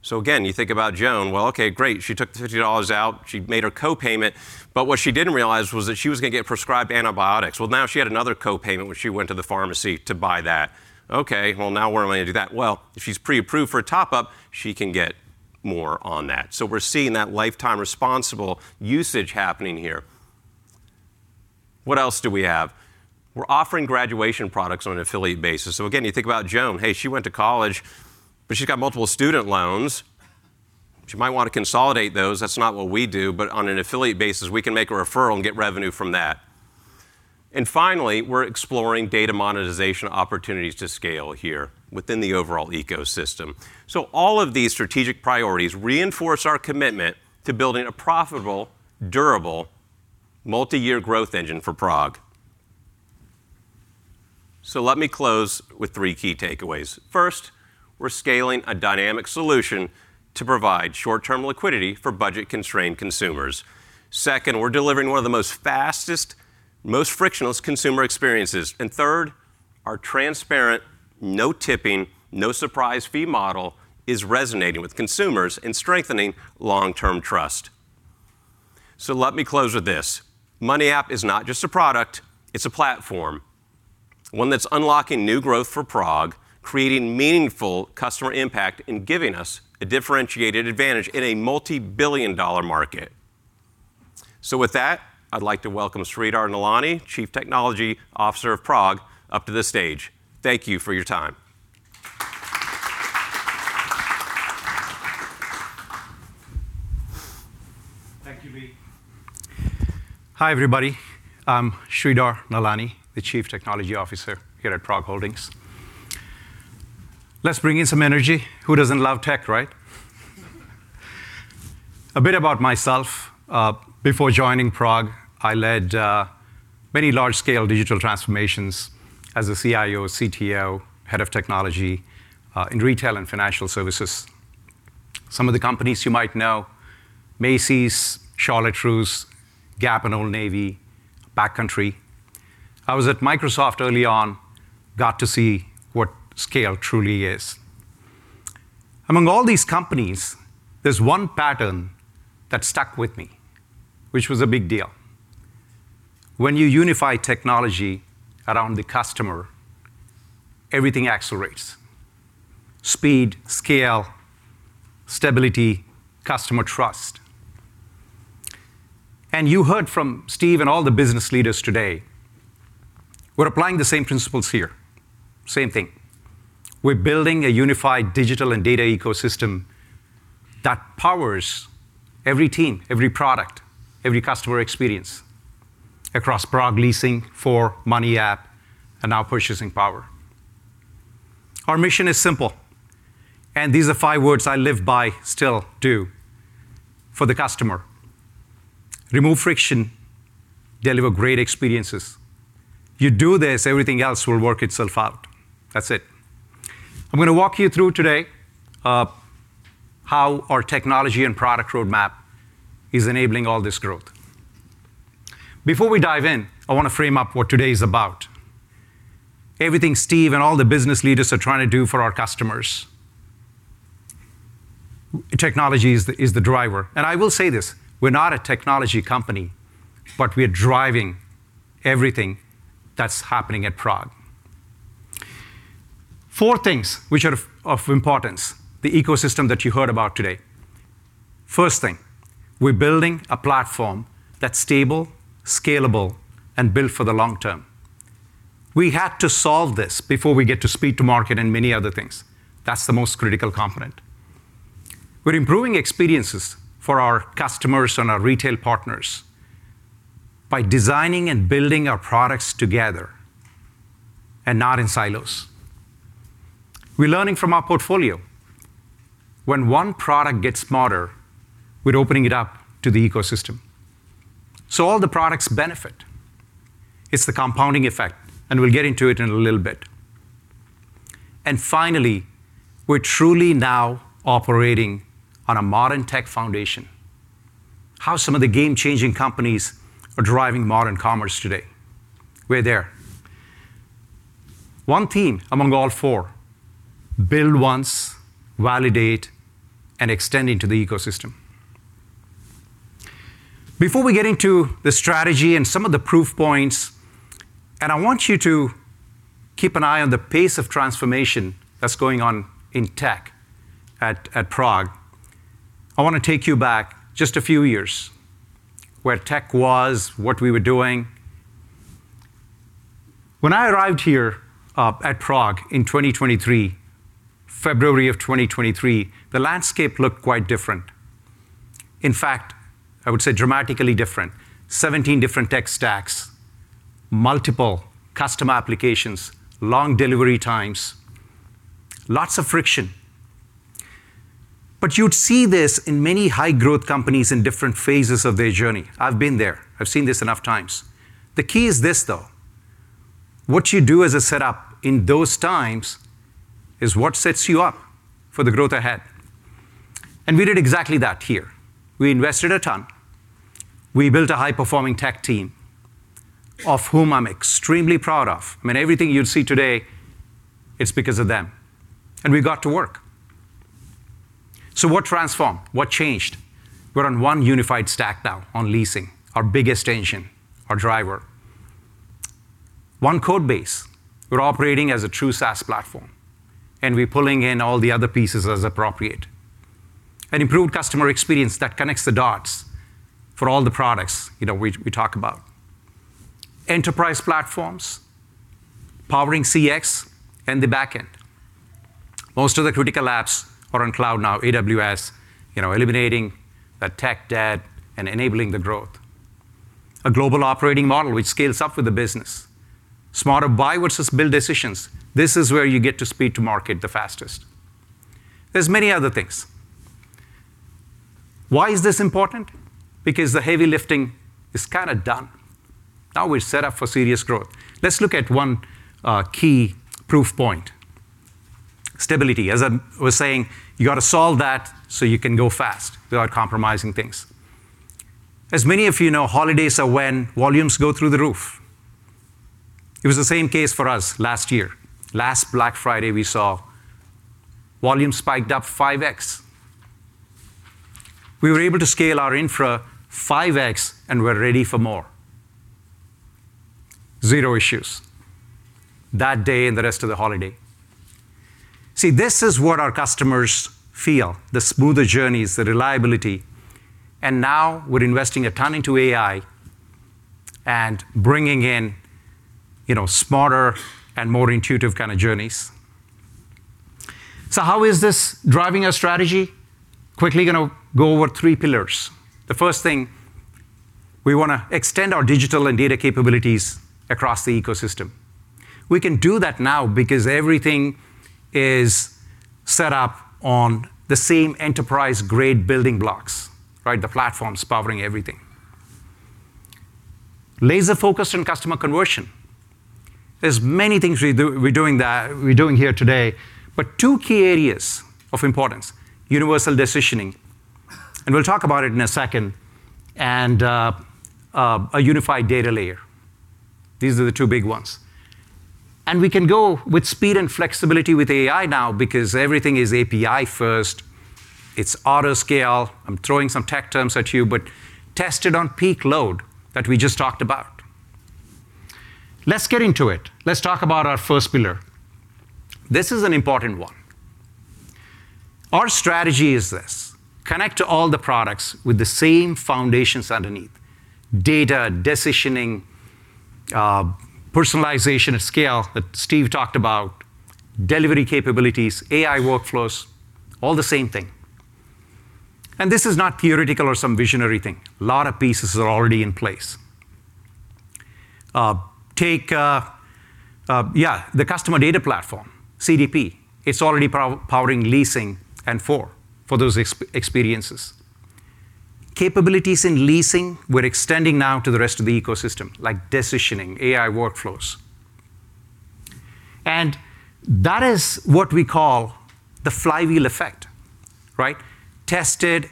So again, you think about Joan. Well, okay, great, she took the $50 out, she made her co-payment, but what she didn't realize was that she was gonna get prescribed antibiotics. Well, now she had another co-payment when she went to the pharmacy to buy that. Okay, well now we're gonna do that. Well, if she's pre-approved for a top-up, she can get more on that. So we're seeing that lifetime responsible usage happening here. What else do we have? We're offering graduation products on an affiliate basis. So again, you think about Joan. Hey, she went to college, but she's got multiple student loans. She might wanna consolidate those. That's not what we do, but on an affiliate basis, we can make a referral and get revenue from that. Finally, we're exploring data monetization opportunities to scale here within the overall ecosystem. All of these strategic priorities reinforce our commitment to building a profitable, durable, multi-year growth engine for PROG. Let me close with three key takeaways. First, we're scaling a dynamic solution to provide short-term liquidity for budget-constrained consumers. Second, we're delivering one of the most fastest, most frictionless consumer experiences. Third, our transparent, no tipping, no surprise fee model is resonating with consumers and strengthening long-term trust. Let me close with this. MoneyApp is not just a product, it's a platform, one that's unlocking new growth for PROG, creating meaningful customer impact, and giving us a differentiated advantage in a multi-billion-dollar market. With that, I'd like to welcome Sridhar Nallani, Chief Technology Officer of PROG, up to the stage. Thank you for your time. Thank you, Lee. Hi, everybody. I'm Sridhar Nallani, the Chief Technology Officer here at PROG Holdings. Let's bring in some energy. Who doesn't love tech, right? A bit about myself. Before joining PROG, I led many large scale digital transformations as a CIO, CTO, head of technology, in retail and financial services. Some of the companies you might know, Macy's, Charlotte Russe, Gap and Old Navy, Backcountry. I was at Microsoft early on, got to see what scale truly is. Among all these companies, there's one pattern that stuck with me, which was a big deal. When you unify technology around the customer, everything accelerates. Speed, scale, stability, customer trust. You heard from Steve and all the business leaders today, we're applying the same principles here. Same thing. We're building a unified digital and data ecosystem that powers every team, every product, every customer experience across Progressive Leasing, Four, MoneyApp, and now Purchasing Power. Our mission is simple, and these are five words I live by, still do, for the customer. Remove friction, deliver great experiences. You do this, everything else will work itself out. That's it. I'm gonna walk you through today how our technology and product roadmap is enabling all this growth. Before we dive in, I wanna frame up what today is about. Everything Steve and all the business leaders are trying to do for our customers, technology is the driver. I will say this, we're not a technology company, but we're driving everything that's happening at PROG. Four things which are of importance, the ecosystem that you heard about today. First thing, we're building a platform that's stable, scalable, and built for the long term. We had to solve this before we get to speed to market and many other things. That's the most critical component. We're improving experiences for our customers and our retail partners by designing and building our products together and not in silos. We're learning from our portfolio. When one product gets smarter, we're opening it up to the ecosystem, so all the products benefit. It's the compounding effect, and we'll get into it in a little bit. Finally, we're truly now operating on a modern tech foundation, how some of the game-changing companies are driving modern commerce today. We're there. One team among all four build once, validate, and extend into the ecosystem. Before we get into the strategy and some of the proof points, I want you to keep an eye on the pace of transformation that's going on in tech at PROG. I wanna take you back just a few years, where tech was what we were doing. When I arrived here at PROG in 2023, February of 2023, the landscape looked quite different. In fact, I would say dramatically different. 17 different tech stacks, multiple customer applications, long delivery times, lots of friction. But you'd see this in many high-growth companies in different phases of their journey. I've been there. I've seen this enough times. The key is this, though. What you do as a setup in those times is what sets you up for the growth ahead. We did exactly that here. We invested a ton. We built a high-performing tech team, of whom I'm extremely proud of. I mean, everything you'll see today, it's because of them, and we got to work. What transformed? What changed? We're on one unified stack now on leasing, our biggest engine, our driver. One code base. We're operating as a true SaaS platform, and we're pulling in all the other pieces as appropriate. An improved customer experience that connects the dots for all the products, you know, we talk about. Enterprise platforms powering CX and the back end. Most of the critical apps are on cloud now, AWS, you know, eliminating the tech debt and enabling the growth. A global operating model which scales up with the business. Smarter buy versus build decisions. This is where you get to speed to market the fastest. There's many other things. Why is this important? Because the heavy lifting is kinda done. Now we're set up for serious growth. Let's look at one key proof point. Stability. As I was saying, you gotta solve that so you can go fast without compromising things. As many of you know, holidays are when volumes go through the roof. It was the same case for us last year. Last Black Friday, we saw volumes spiked up 5x. We were able to scale our infra 5x, and we're ready for more. Zero issues that day and the rest of the holiday. See, this is what our customers feel, the smoother journeys, the reliability, and now we're investing a ton into AI and bringing in, you know, smarter and more intuitive kinda journeys. So how is this driving our strategy? Quickly gonna go over three pillars. The first thing, we wanna extend our digital and data capabilities across the ecosystem. We can do that now because everything is set up on the same enterprise-grade building blocks, right? The platforms powering everything. Laser-focused on customer conversion. There's many things we do—we're doing that, we're doing here today, but two key areas of importance, universal decisioning, and we'll talk about it in a second, and a unified data layer. These are the two big ones. We can go with speed and flexibility with AI now because everything is API first. It's auto-scale. I'm throwing some tech terms at you, but tested on peak load that we just talked about. Let's get into it. Let's talk about our first pillar. This is an important one. Our strategy is this: connect all the products with the same foundations underneath. Data, decisioning, personalization of scale that Steve talked about, delivery capabilities, AI workflows, all the same thing. This is not theoretical or some visionary thing. A lot of pieces are already in place. Take the customer data platform, CDP. It's already powering leasing and Four for those experiences. Capabilities in leasing we're extending now to the rest of the ecosystem, like decisioning, AI workflows. That is what we call the flywheel effect, right? Tested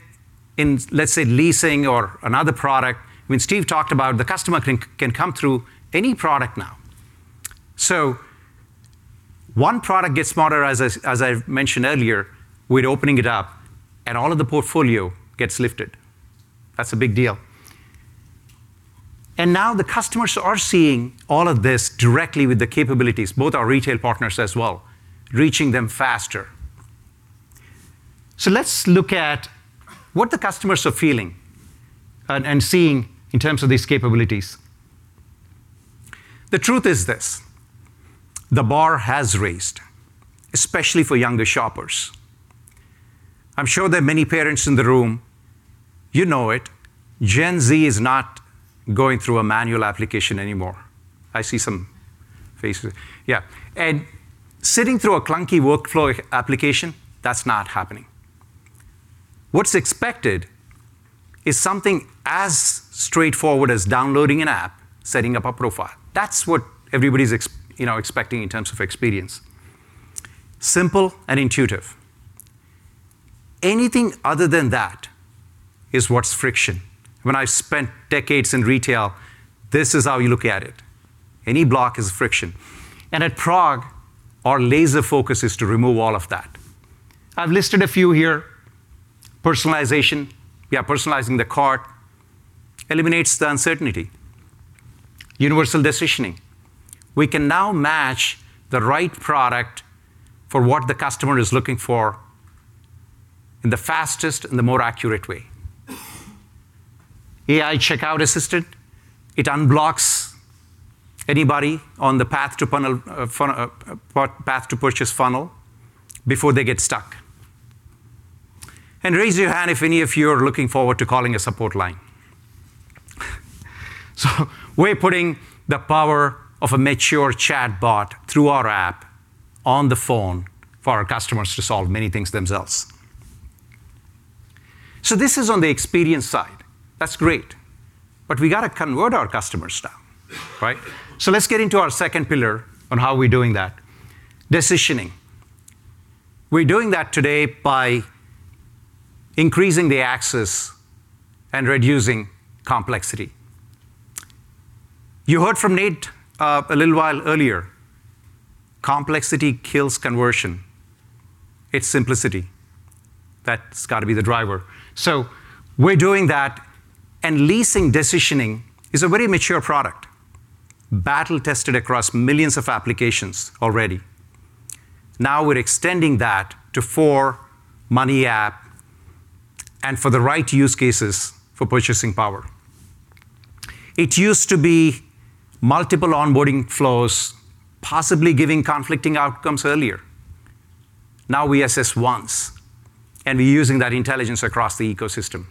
in, let's say, leasing or another product. I mean, Steve talked about the customer can come through any product now. One product gets smarter, as I've mentioned earlier. We're opening it up, and all of the portfolio gets lifted. That's a big deal. Now the customers are seeing all of this directly with the capabilities, both our retail partners as well, reaching them faster. Let's look at what the customers are feeling and seeing in terms of these capabilities. The truth is this: the bar has raised, especially for younger shoppers. I'm sure there are many parents in the room. You know it. Gen Z is not going through a manual application anymore. I see some faces. Yeah. Sitting through a clunky workflow application, that's not happening. What's expected is something as straightforward as downloading an app, setting up a profile. That's what everybody's expecting, you know, in terms of experience. Simple and intuitive. Anything other than that is friction. When I spent decades in retail, this is how you look at it. Any block is friction. At PROG, our laser focus is to remove all of that. I've listed a few here. Personalization. Yeah, personalizing the cart eliminates the uncertainty. Universal decisioning. We can now match the right product for what the customer is looking for in the fastest and the more accurate way. AI checkout assistant, it unblocks anybody on the path to purchase funnel before they get stuck. Raise your hand if any of you are looking forward to calling a support line. We're putting the power of a mature chatbot through our app on the phone for our customers to solve many things themselves. This is on the experience side. That's great, but we gotta convert our customers now, right? Let's get into our second pillar on how we're doing that. Decisioning. We're doing that today by increasing the access and reducing complexity. You heard from Nate a little while earlier, complexity kills conversion. It's simplicity. That's gotta be the driver. We're doing that, and leasing decisioning is a very mature product, battle-tested across millions of applications already. Now we're extending that to Four, MoneyApp, and for the right use cases for Purchasing Power. It used to be multiple onboarding flows, possibly giving conflicting outcomes earlier. Now we assess once, and we're using that intelligence across the ecosystem.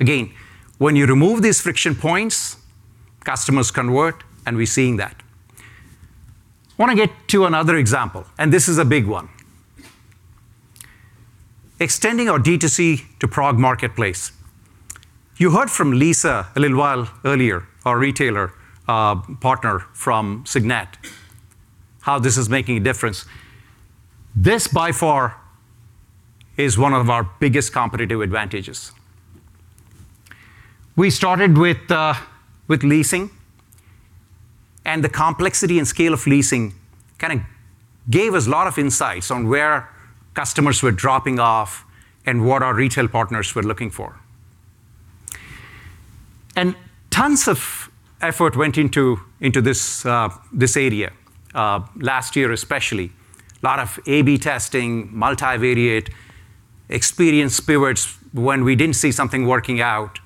Again, when you remove these friction points, customers convert, and we're seeing that. Wanna get to another example, and this is a big one. Extending our D2C to PROG Marketplace. You heard from Lisa a little while earlier, our retailer partner from Signet, how this is making a difference. This, by far, is one of our biggest competitive advantages. We started with leasing, and the complexity and scale of leasing gave us a lot of insights on where customers were dropping off and what our retail partners were looking for. Tons of effort went into this area last year especially. A lot of A/B testing, multivariate experience pivots when we didn't see something working out,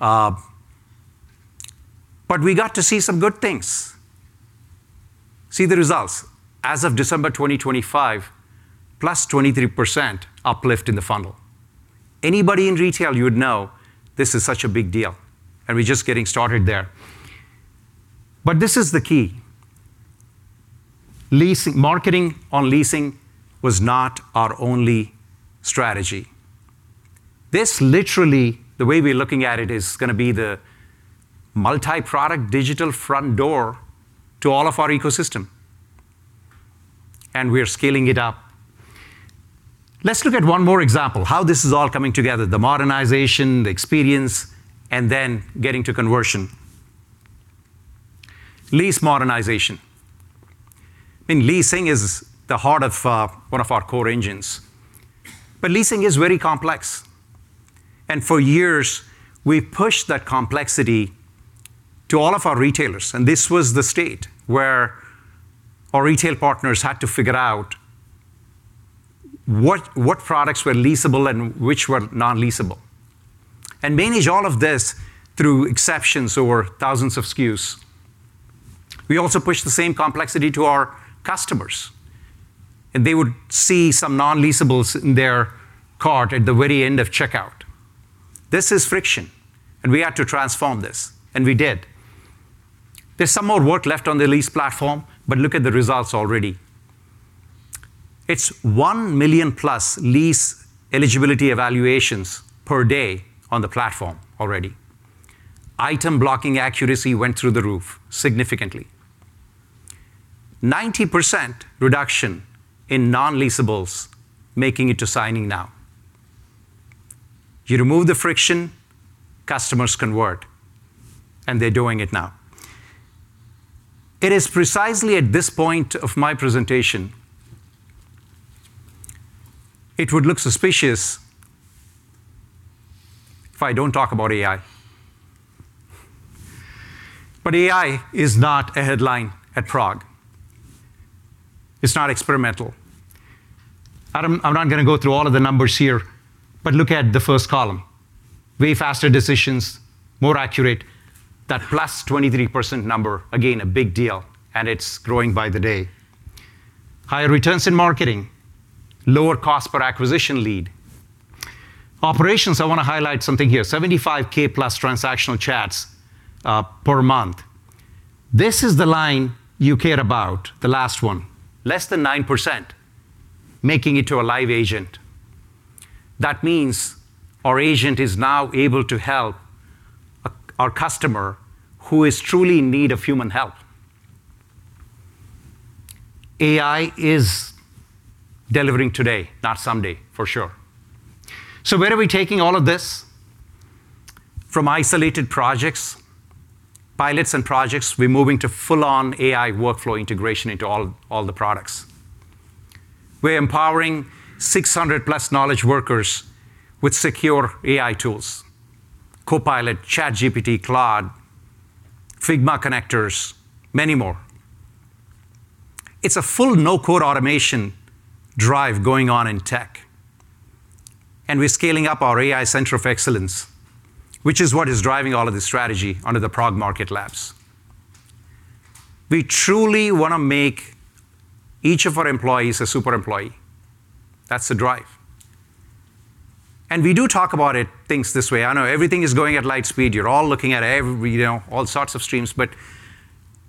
but we got to see some good things. See the results. As of December 2025, +23% uplift in the funnel. Anybody in retail, you would know this is such a big deal, and we're just getting started there. This is the key. Leasing. Marketing on leasing was not our only strategy. This literally, the way we're looking at it, is gonna be the multi-product digital front door to all of our ecosystem, and we are scaling it up. Let's look at one more example, how this is all coming together, the modernization, the experience, and then getting to conversion. Lease modernization. I mean, leasing is the heart of one of our core engines. Leasing is very complex, and for years, we pushed that complexity to all of our retailers, and this was the state where our retail partners had to figure out what products were leasable and which were non-leasable and manage all of this through exceptions over thousands of SKUs. We also pushed the same complexity to our customers, and they would see some non-leasables in their cart at the very end of checkout. This is friction, and we had to transform this, and we did. There's some more work left on the lease platform, but look at the results already. It's 1 million-plus lease eligibility evaluations per day on the platform already. Item blocking accuracy went through the roof significantly. 90% reduction in non-leasables making it to signing now. You remove the friction, customers convert, and they're doing it now. It is precisely at this point of my presentation. It would look suspicious if I don't talk about AI. AI is not a headline at PROG. It's not experimental. I'm not gonna go through all of the numbers here, but look at the first column. Way faster decisions, more accurate. That +23% number, again, a big deal, and it's growing by the day. Higher returns in marketing, lower cost per acquisition lead. Operations, I wanna highlight something here. 75K+ transactional chats per month. This is the line you care about, the last one. Less than 9% making it to a live agent. That means our agent is now able to help a Our customer who is truly in need of human help. AI is delivering today, not someday, for sure. Where are we taking all of this? From isolated projects, pilots and projects, we're moving to full-on AI workflow integration into all the products. We're empowering 600+ knowledge workers with secure AI tools, Copilot, ChatGPT, Claude, Figma connectors, many more. It's a full no-code automation drive going on in tech, and we're scaling up our AI Center of Excellence, which is what is driving all of this strategy under the Prog Market Labs. We truly wanna make each of our employees a super employee. That's the drive. We do talk about it, things this way. I know everything is going at light speed. You're all looking at every, you know, all sorts of streams, but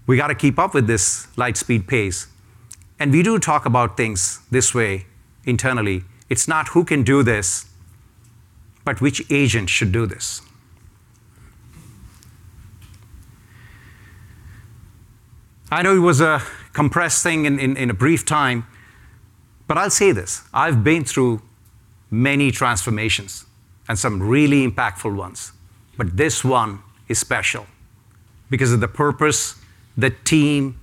we gotta keep up with this light-speed pace. We do talk about things this way internally. It's not who can do this, but which agent should do this. I know it was a compressed thing in a brief time, but I'll say this, I've been through many transformations and some really impactful ones, but this one is special because of the purpose, the team,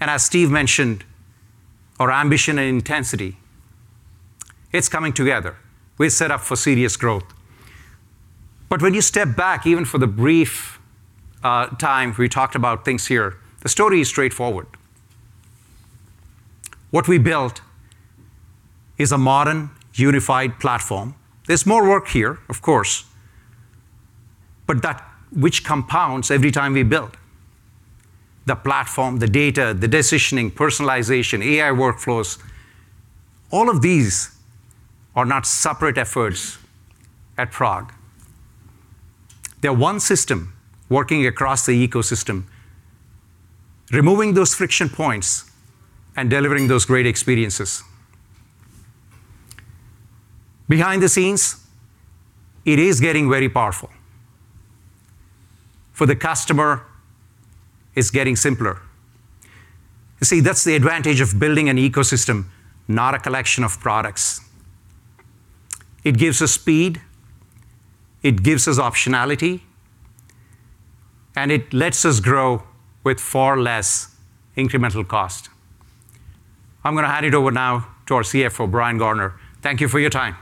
and as Steve mentioned, our ambition and intensity. It's coming together. We're set up for serious growth. When you step back, even for the brief time we talked about things here, the story is straightforward. What we built is a modern, unified platform. There's more work here, of course, but that which compounds every time we build. The platform, the data, the decisioning, personalization, AI workflows, all of these are not separate efforts at PROG. They're one system working across the ecosystem, removing those friction points and delivering those great experiences. Behind the scenes, it is getting very powerful. For the customer, it's getting simpler. You see, that's the advantage of building an ecosystem, not a collection of products. It gives us speed, it gives us optionality, and it lets us grow with far less incremental cost. I'm gonna hand it over now to our CFO, Brian Garner. Thank you for your time.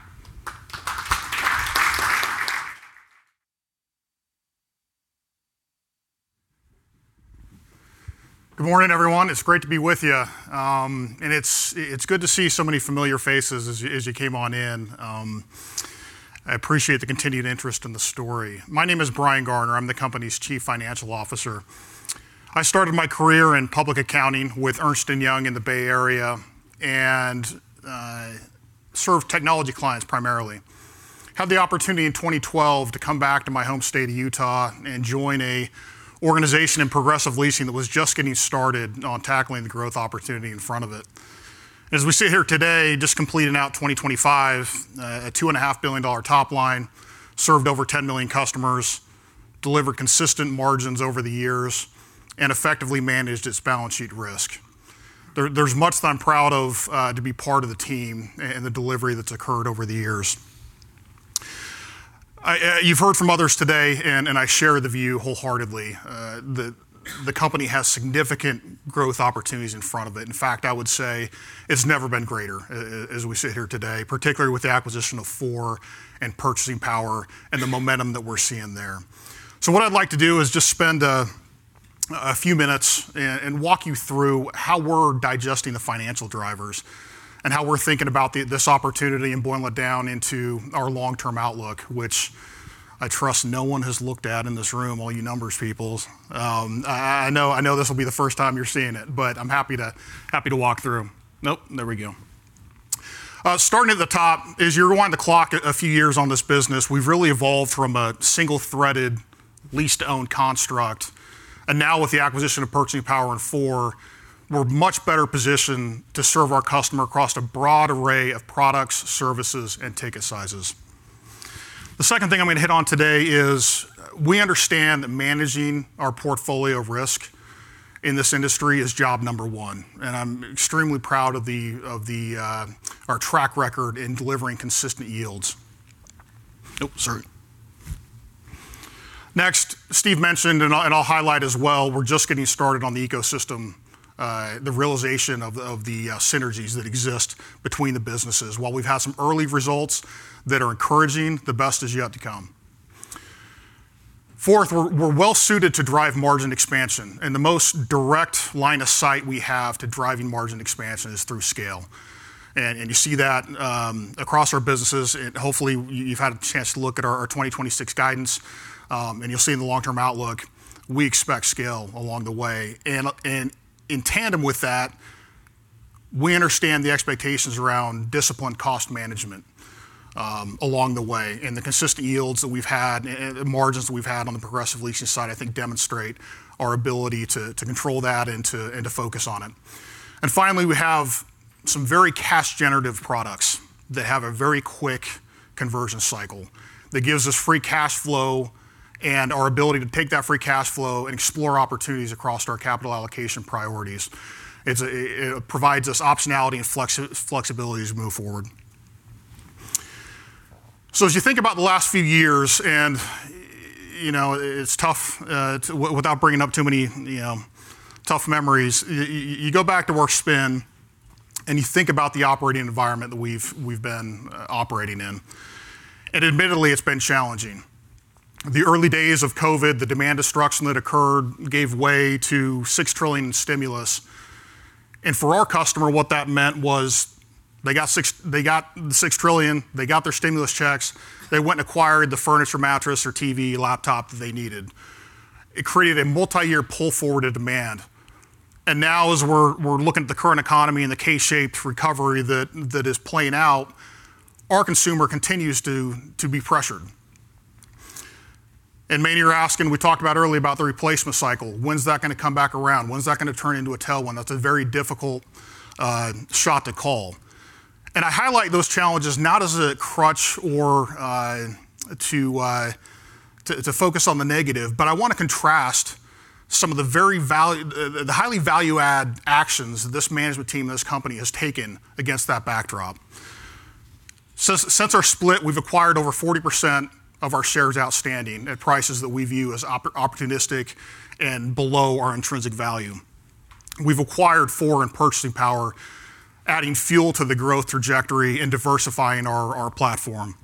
Good morning, everyone. It's great to be with you. It's good to see so many familiar faces as you came on in. I appreciate the continued interest in the story. My name is Brian Garner. I'm the company's chief financial officer. I started my career in public accounting with Ernst & Young in the Bay Area and served technology clients primarily. Had the opportunity in 2012 to come back to my home state of Utah and join an organization in Progressive Leasing that was just getting started on tackling the growth opportunity in front of it. As we sit here today, just completing 2025, a $2.5 billion top line, served over 10 million customers, delivered consistent margins over the years, and effectively managed its balance sheet risk. There's much that I'm proud of to be part of the team and the delivery that's occurred over the years. You've heard from others today and I share the view wholeheartedly that the company has significant growth opportunities in front of it. In fact, I would say it's never been greater as we sit here today, particularly with the acquisition of Four and Purchasing Power and the momentum that we're seeing there. What I'd like to do is just spend a few minutes and walk you through how we're digesting the financial drivers and how we're thinking about this opportunity and boil it down into our long-term outlook, which I trust no one has looked at in this room, all you numbers peoples. I know this will be the first time you're seeing it, but I'm happy to walk through. Starting at the top, as you're rewinding the clock a few years on this business, we've really evolved from a single-threaded lease-to-own construct. Now with the acquisition of Purchasing Power and Four, we're much better positioned to serve our customer across a broad array of products, services, and ticket sizes. The second thing I'm gonna hit on today is we understand that managing our portfolio of risk in this industry is job number one, and I'm extremely proud of our track record in delivering consistent yields. Next, Steve mentioned, and I'll highlight as well, we're just getting started on the ecosystem, the realization of the synergies that exist between the businesses. While we've had some early results that are encouraging, the best is yet to come. Fourth, we're well suited to drive margin expansion, and the most direct line of sight we have to driving margin expansion is through scale. You see that across our businesses, and hopefully you've had a chance to look at our 2026 guidance, and you'll see in the long-term outlook, we expect scale along the way. In tandem with that, we understand the expectations around disciplined cost management along the way, and the consistent yields that we've had and the margins we've had on the Progressive Leasing side I think demonstrate our ability to control that and to focus on it. Finally, we have some very cash-generative products that have a very quick conversion cycle that gives us free cash flow and our ability to take that free cash flow and explore opportunities across our capital allocation priorities. It provides us optionality and flexibility as we move forward. As you think about the last few years, you know, it's tough without bringing up too many, you know, tough memories, you go back to the spin, and you think about the operating environment that we've been operating in, and admittedly, it's been challenging. The early days of COVID, the demand destruction that occurred gave way to $6 trillion in stimulus. For our customer, what that meant was they got the $6 trillion, they got their stimulus checks, they went and acquired the furniture, mattress or TV, laptop that they needed. It created a multi-year pull-forward demand. Now as we're looking at the current economy and the K-shaped recovery that is playing out, our consumer continues to be pressured. Many are asking, we talked about earlier about the replacement cycle, when's that gonna come back around? When's that gonna turn into a tailwind? That's a very difficult shot to call. I highlight those challenges not as a crutch or to focus on the negative, but I wanna contrast some of the very value-- the highly value-add actions this management team and this company has taken against that backdrop. Since our split, we've acquired over 40% of our shares outstanding at prices that we view as opportunistic and below our intrinsic value. We've acquired Four and Purchasing Power, adding fuel to the growth trajectory and diversifying our platform.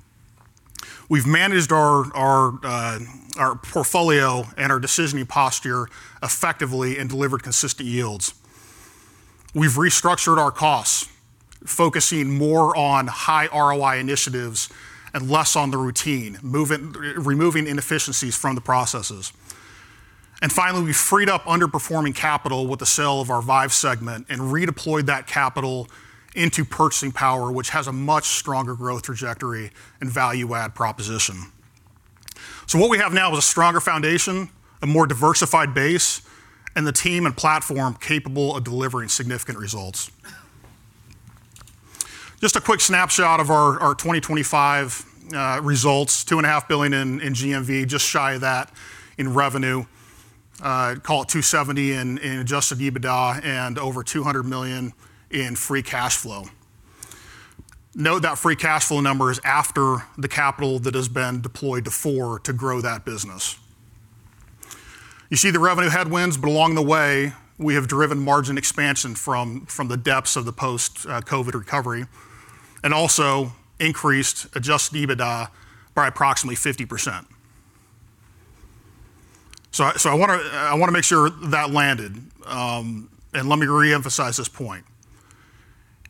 We've managed our portfolio and our decisioning posture effectively and delivered consistent yields. We've restructured our costs, focusing more on high ROI initiatives and less on the routine, removing inefficiencies from the processes. Finally, we freed up underperforming capital with the sale of our Vive segment and redeployed that capital into Purchasing Power, which has a much stronger growth trajectory and value add proposition. What we have now is a stronger foundation, a more diversified base, and the team and platform capable of delivering significant results. Just a quick snapshot of our 2025 results, $2.5 billion in GMV, just shy of that in revenue. Call it $270 million in adjusted EBITDA and over $200 million in free cash flow. Note that free cash flow number is after the capital that has been deployed to Four to grow that business. You see the revenue headwinds, but along the way, we have driven margin expansion from the depths of the post-COVID recovery, and also increased adjusted EBITDA by approximately 50%. I wanna make sure that landed, and let me reemphasize this point.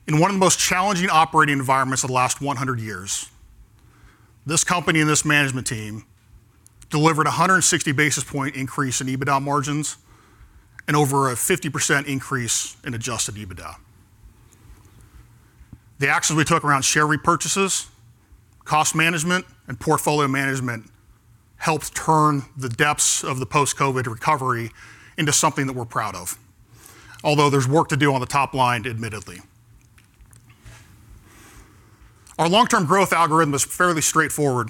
In one of the most challenging operating environments of the last 100 years, this company and this management team delivered a 160 basis point increase in EBITDA margins and over a 50% increase in adjusted EBITDA. The actions we took around share repurchases, cost management, and portfolio management helped turn the depths of the post-COVID recovery into something that we're proud of, although there's work to do on the top line, admittedly. Our long-term growth algorithm is fairly straightforward.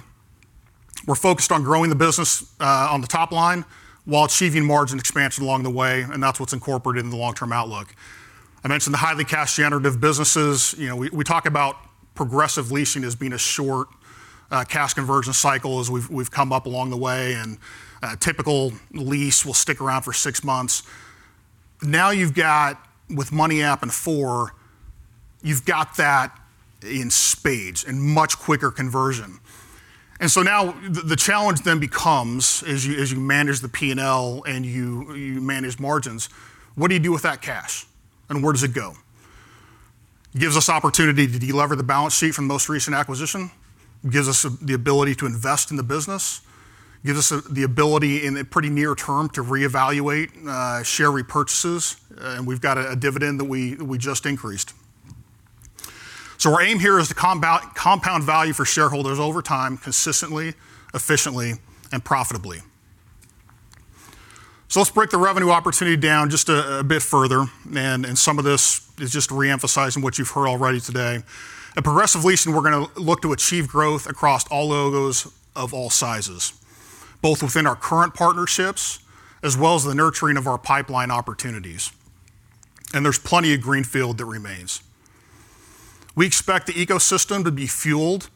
We're focused on growing the business on the top line while achieving margin expansion along the way, and that's what's incorporated in the long-term outlook. I mentioned the highly cash generative businesses. You know, we talk about Progressive Leasing as being a short cash conversion cycle as we've come up along the way, and a typical lease will stick around for six months. Now you've got, with MoneyApp and Four, you've got that in spades and much quicker conversion. Now the challenge then becomes as you manage the P&L and you manage margins, what do you do with that cash and where does it go? It gives us opportunity to delever the balance sheet from the most recent acquisition. It gives us the ability to invest in the business. It gives us the ability in the pretty near term to reevaluate share repurchases, and we've got a dividend that we just increased. Our aim here is to compound value for shareholders over time consistently, efficiently, and profitably. Let's break the revenue opportunity down just a bit further, and some of this is just reemphasizing what you've heard already today. At Progressive Leasing, we're gonna look to achieve growth across all logos of all sizes, both within our current partnerships as well as the nurturing of our pipeline opportunities, and there's plenty of greenfield that remains. We expect the ecosystem to be fueled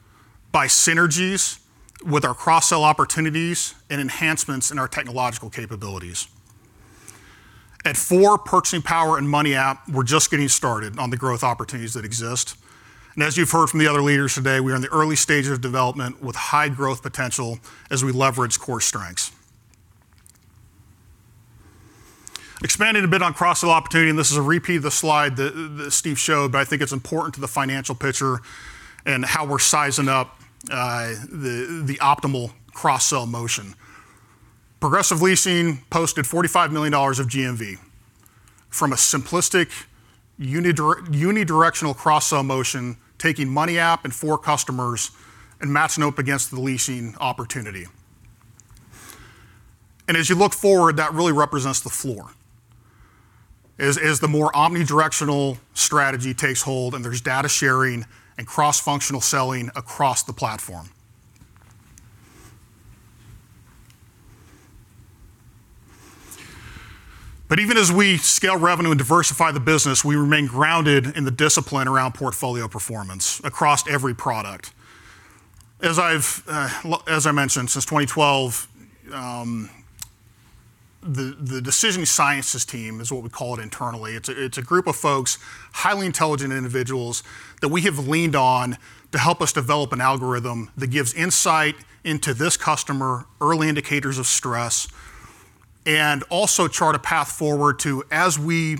by synergies with our cross-sell opportunities and enhancements in our technological capabilities. At Four Purchasing Power and MoneyApp, we're just getting started on the growth opportunities that exist. As you've heard from the other leaders today, we are in the early stages of development with high growth potential as we leverage core strengths. Expanding a bit on cross-sell opportunity, and this is a repeat of the slide that Steve showed, but I think it's important to the financial picture and how we're sizing up the optimal cross-sell motion. Progressive Leasing posted $45 million of GMV from a simplistic unidirectional cross-sell motion taking MoneyApp and Four customers and matching up against the leasing opportunity. As you look forward, that really represents the floor as the more omnidirectional strategy takes hold and there's data sharing and cross-functional selling across the platform. Even as we scale revenue and diversify the business, we remain grounded in the discipline around portfolio performance across every product. As I mentioned, since 2012, the decision sciences team is what we call it internally. It's a group of folks, highly intelligent individuals that we have leaned on to help us develop an algorithm that gives insight into this customer, early indicators of stress, and also chart a path forward to, as we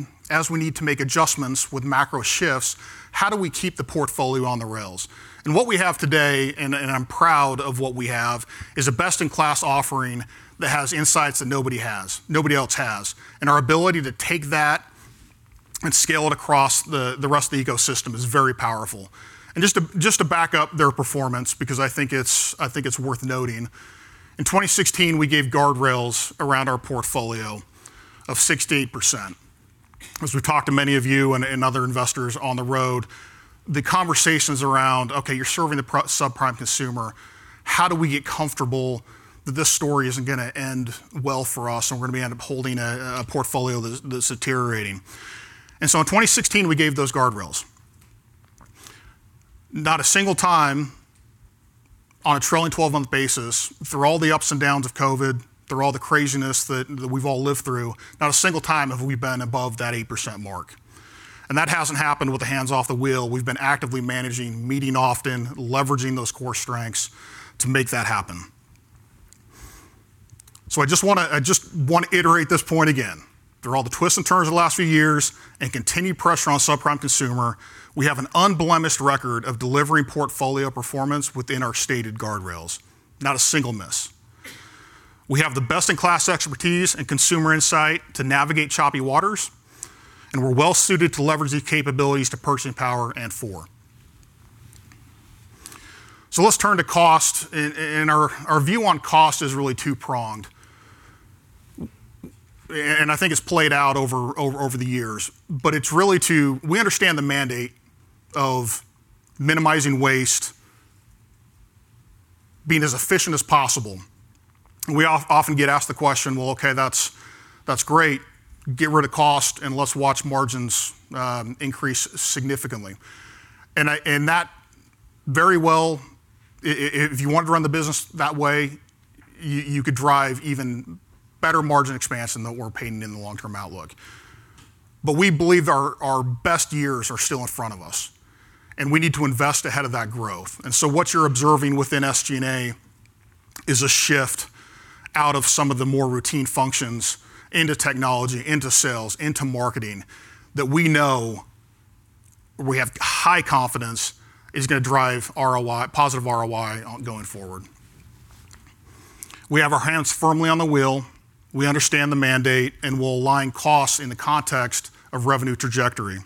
need to make adjustments with macro shifts, how do we keep the portfolio on the rails? What we have today, and I'm proud of what we have, is a best-in-class offering that has insights that nobody has, nobody else has. Our ability to take that and scale it across the rest of the ecosystem is very powerful. Just to back up their performance, because I think it's worth noting, in 2016 we gave guardrails around our portfolio of 6%-8%. As we've talked to many of you and other investors on the road, the conversations around, "Okay, you're serving the subprime consumer. How do we get comfortable that this story isn't gonna end well for us and we're gonna end up holding a portfolio that's deteriorating?" In 2016 we gave those guardrails. Not a single time on a trailing twelve-month basis through all the ups and downs of COVID, through all the craziness that we've all lived through, not a single time have we been above that 8% mark. That hasn't happened with the hands off the wheel. We've been actively managing, meeting often, leveraging those core strengths to make that happen. I just wanna iterate this point again. Through all the twists and turns of the last few years and continued pressure on subprime consumer, we have an unblemished record of delivering portfolio performance within our stated guardrails. Not a single miss. We have the best-in-class expertise and consumer insight to navigate choppy waters, and we're well-suited to leverage these capabilities to Purchasing Power and forward. Let's turn to cost and our view on cost is really two-pronged. And I think it's played out over the years. We understand the mandate of minimizing waste, being as efficient as possible. We often get asked the question, "Well, okay, that's great. Get rid of cost and let's watch margins increase significantly. That very well if you wanted to run the business that way, you could drive even better margin expansion than what we're painting in the long-term outlook. We believe our best years are still in front of us, and we need to invest ahead of that growth. What you're observing within SG&A is a shift out of some of the more routine functions into technology, into sales, into marketing that we know we have high confidence is gonna drive ROI, positive ROI going forward. We have our hands firmly on the wheel. We understand the mandate and we'll align costs in the context of revenue trajectory.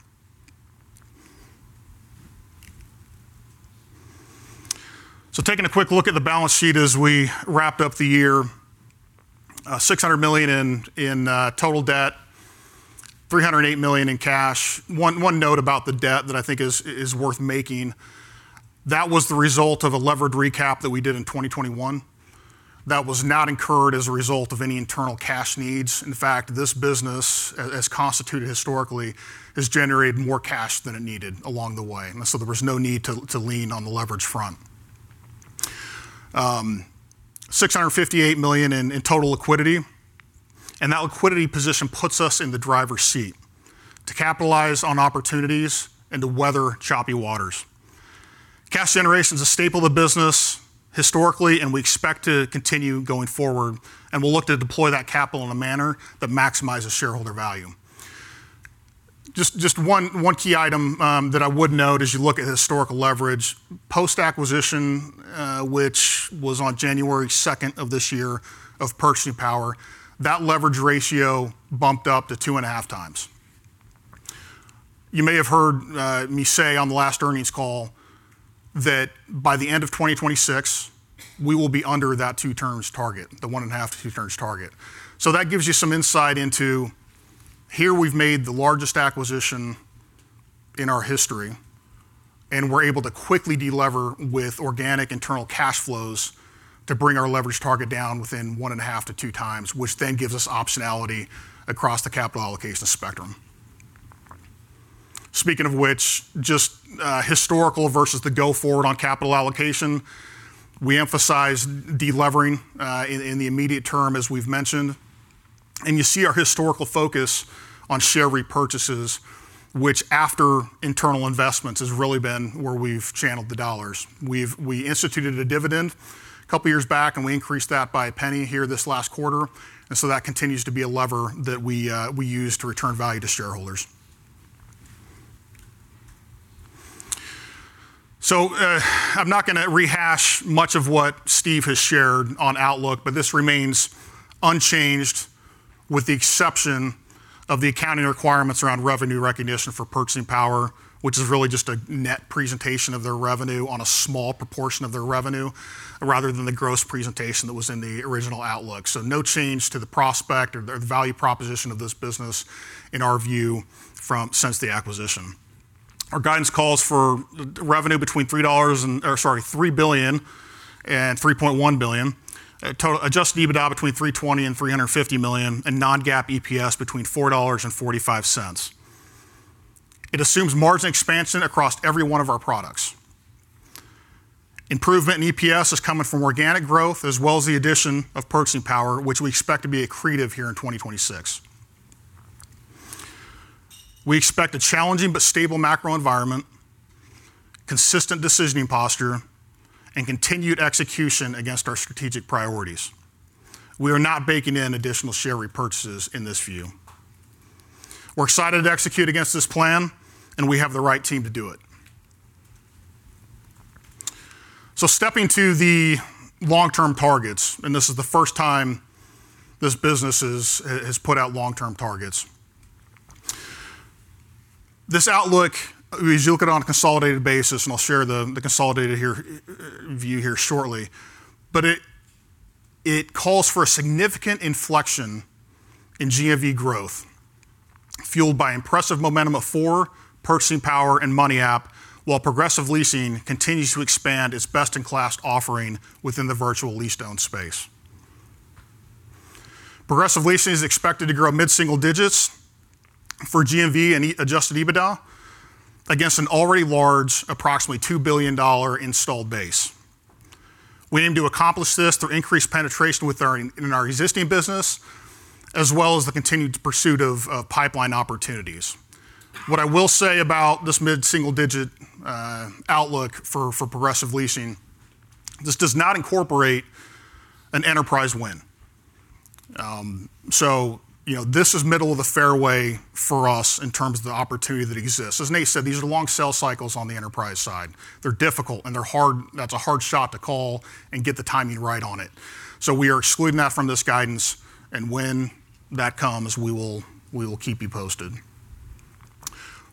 Taking a quick look at the balance sheet as we wrapped up the year. $600 million in total debt, $308 million in cash. One note about the debt that I think is worth making, that was the result of a levered recap that we did in 2021 that was not incurred as a result of any internal cash needs. In fact, this business as constituted historically has generated more cash than it needed along the way, and so there was no need to lean on the leverage front. $658 million in total liquidity, and that liquidity position puts us in the driver's seat to capitalize on opportunities and to weather choppy waters. Cash generation's a staple of the business historically, and we expect to continue going forward, and we'll look to deploy that capital in a manner that maximizes shareholder value. One key item that I would note as you look at historical leverage. Post-acquisition, which was on January second of this year of Purchasing Power, that leverage ratio bumped up to 2.5 times. You may have heard me say on the last earnings call that by the end of 2026 we will be under that two times target, the 1.5-2 times target. That gives you some insight into how we've made the largest acquisition in our history, and we're able to quickly delever with organic internal cash flows to bring our leverage target down within 1.5-2 times, which then gives us optionality across the capital allocation spectrum. Speaking of which, just, historical versus the go-forward on capital allocation, we emphasize de-levering, in the immediate term, as we've mentioned. You see our historical focus on share repurchases, which after internal investments has really been where we've channeled the dollars. We've instituted a dividend a couple years back, and we increased that by a penny here this last quarter. That continues to be a lever that we use to return value to shareholders. I'm not gonna rehash much of what Steve has shared on outlook, but this remains unchanged with the exception of the accounting requirements around revenue recognition for Purchasing Power, which is really just a net presentation of their revenue on a small proportion of their revenue rather than the gross presentation that was in the original outlook. No change to the prospect or the value proposition of this business in our view since the acquisition. Our guidance calls for revenue between $3 billion and $3.1 billion. Total adjusted EBITDA between $320 million and $350 million, and non-GAAP EPS between $4 and $4.45. It assumes margin expansion across every one of our products. Improvement in EPS is coming from organic growth as well as the addition of Purchasing Power, which we expect to be accretive here in 2026. We expect a challenging but stable macro environment, consistent decisioning posture, and continued execution against our strategic priorities. We are not baking in additional share repurchases in this view. We're excited to execute against this plan, and we have the right team to do it. Stepping to the long-term targets, and this is the first time this business has put out long-term targets. This outlook, as you look at it on a consolidated basis, and I'll share the consolidated view here shortly, but it calls for a significant inflection in GMV growth, fueled by impressive momentum of Four, Purchasing Power and MoneyApp, while Progressive Leasing continues to expand its best-in-class offering within the lease-to-own space. Progressive Leasing is expected to grow mid-single digits percentage for GMV and adjusted EBITDA against an already large, approximately $2 billion installed base. We aim to accomplish this through increased penetration in our existing business, as well as the continued pursuit of pipeline opportunities. What I will say about this mid-single digit outlook for Progressive Leasing, this does not incorporate an enterprise win. You know, this is middle of the fairway for us in terms of the opportunity that exists. As Nate said, these are long sales cycles on the enterprise side. They're difficult, and they're hard, that's a hard shot to call and get the timing right on it. We are excluding that from this guidance, and when that comes, we will keep you posted.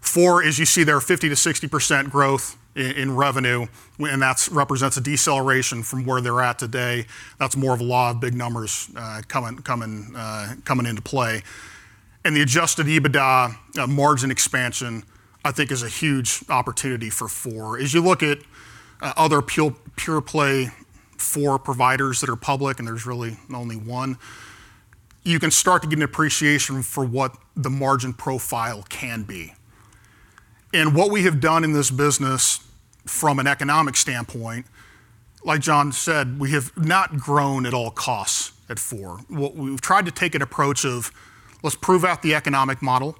Four, as you see there, 50%-60% growth in revenue, and that represents a deceleration from where they're at today. That's more of law of large numbers coming into play. The adjusted EBITDA margin expansion, I think is a huge opportunity for Four. As you look at other pure-play Four providers that are public, and there's really only one, you can start to get an appreciation for what the margin profile can be. What we have done in this business from an economic standpoint, like John said, we have not grown at all costs at Four. What we've tried to take an approach of let's prove out the economic model,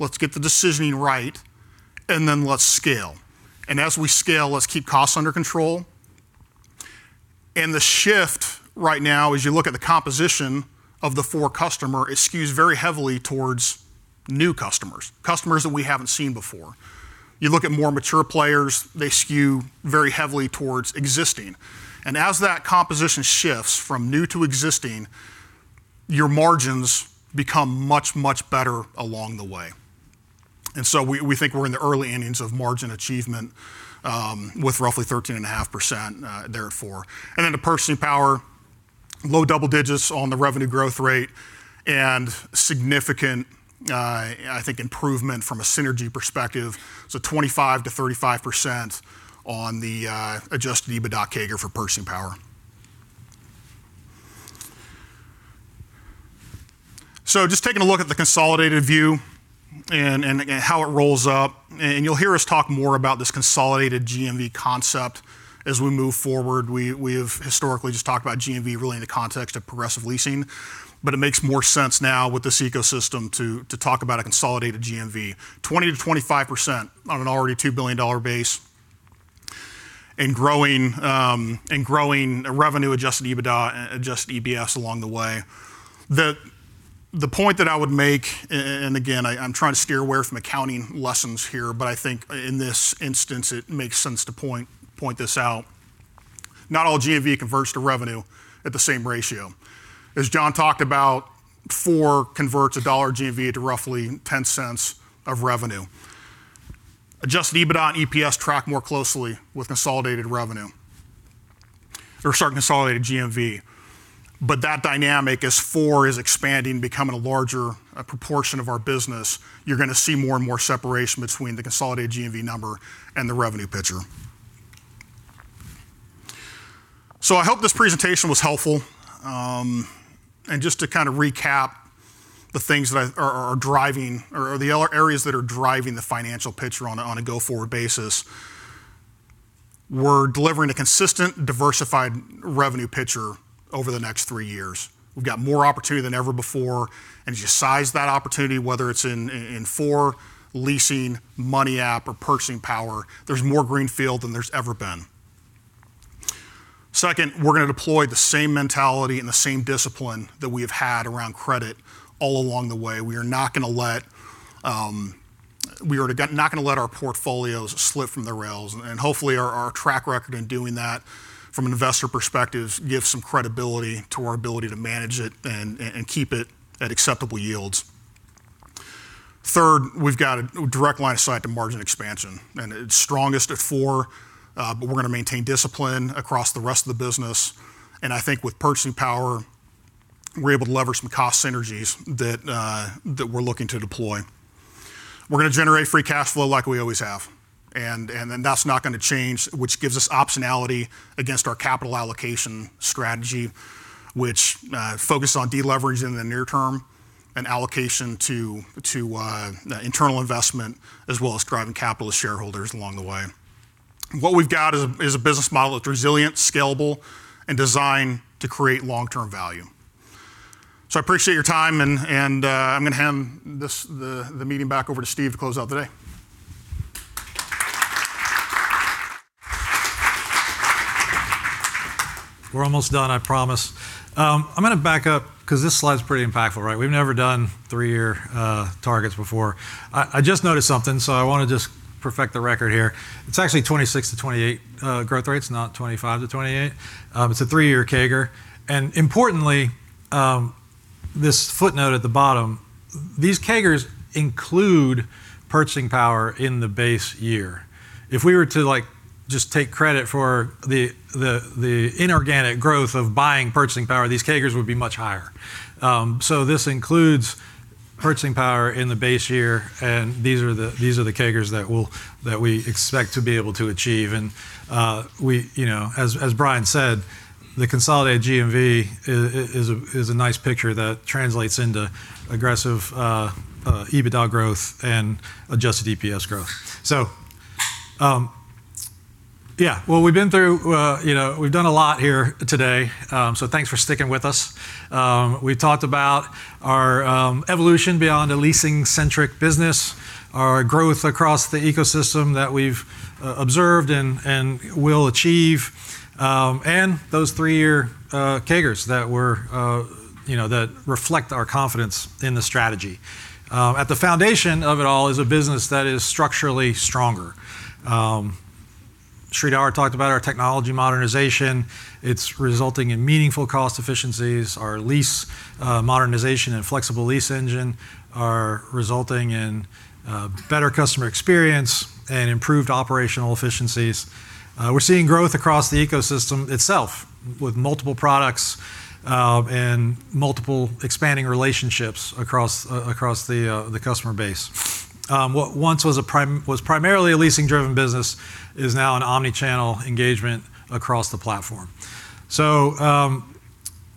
let's get the decisioning right, and then let's scale. As we scale, let's keep costs under control. The shift right now, as you look at the composition of the Four customer, it skews very heavily towards new customers that we haven't seen before. You look at more mature players, they skew very heavily towards existing. As that composition shifts from new to existing, your margins become much, much better along the way. We think we're in the early innings of margin achievement, with roughly 13.5% there at Four. Then the purchasing power, low double digits on the revenue growth rate and significant, I think improvement from a synergy perspective. 25%-35% on the adjusted EBITDA CAGR for purchasing power. Just taking a look at the consolidated view and again, how it rolls up, and you'll hear us talk more about this consolidated GMV concept as we move forward. We have historically just talked about GMV really in the context of Progressive Leasing, but it makes more sense now with this ecosystem to talk about a consolidated GMV. 20%-25% on an already $2 billion base and growing, and growing revenue-adjusted EBITDA and adjusted EPS along the way. The point that I would make and again, I'm trying to steer away from accounting lessons here, but I think in this instance it makes sense to point this out. Not all GMV converts to revenue at the same ratio. As John talked about, Four converts $1 GMV to roughly $0.10 of revenue. Adjusted EBITDA and EPS track more closely with consolidated revenue. They're starting consolidated GMV. That dynamic as Four is expanding, becoming a larger proportion of our business, you're gonna see more and more separation between the consolidated GMV number and the revenue picture. I hope this presentation was helpful. Just to kinda recap the things that are driving or the other areas that are driving the financial picture on a go-forward basis. We're delivering a consistent, diversified revenue picture over the next three years. We've got more opportunity than ever before. As you size that opportunity, whether it's in Four, Progressive Leasing, MoneyApp or Purchasing Power, there's more greenfield than there's ever been. Second, we're gonna deploy the same mentality and the same discipline that we have had around credit all along the way. We are not gonna let our portfolios slip from the rails. Hopefully our track record in doing that from an investor perspective gives some credibility to our ability to manage it and keep it at acceptable yields. Third, we've got a direct line of sight to margin expansion, and it's strongest at Four, but we're gonna maintain discipline across the rest of the business. I think with Purchasing Power we're able to lever some cost synergies that that we're looking to deploy. We're gonna generate free cash flow like we always have, and that's not gonna change, which gives us optionality against our capital allocation strategy, which focus on deleveraging in the near term and allocation to internal investment as well as driving capital to shareholders along the way. What we've got is a business model that's resilient, scalable, and designed to create long-term value. I appreciate your time, and I'm gonna hand the meeting back over to Steve to close out the day. We're almost done, I promise. I'm gonna back up 'cause this slide's pretty impactful, right? We've never done three-year targets before. I just noticed something, so I wanna just perfect the record here. It's actually 26%-28% growth rates, not 25%-28%. It's a three-year CAGR. Importantly, this footnote at the bottom, these CAGRs include Purchasing Power in the base year. If we were to, like, just take credit for the inorganic growth of buying Purchasing Power, these CAGRs would be much higher. This includes Purchasing Power in the base year, and these are the CAGRs that we expect to be able to achieve. We, you know, as Brian said, the consolidated GMV is a nice picture that translates into aggressive EBITDA growth and adjusted EPS growth. Yeah. Well, we've been through, you know, we've done a lot here today, so thanks for sticking with us. We talked about our evolution beyond a leasing-centric business, our growth across the ecosystem that we've observed and will achieve, and those three-year CAGRs that, you know, reflect our confidence in the strategy. At the foundation of it all is a business that is structurally stronger. Sridhar talked about our technology modernization. It's resulting in meaningful cost efficiencies. Our lease modernization and flexible lease engine are resulting in better customer experience and improved operational efficiencies. We're seeing growth across the ecosystem itself with multiple products and multiple expanding relationships across the customer base. What once was primarily a leasing-driven business is now an omni-channel engagement across the platform.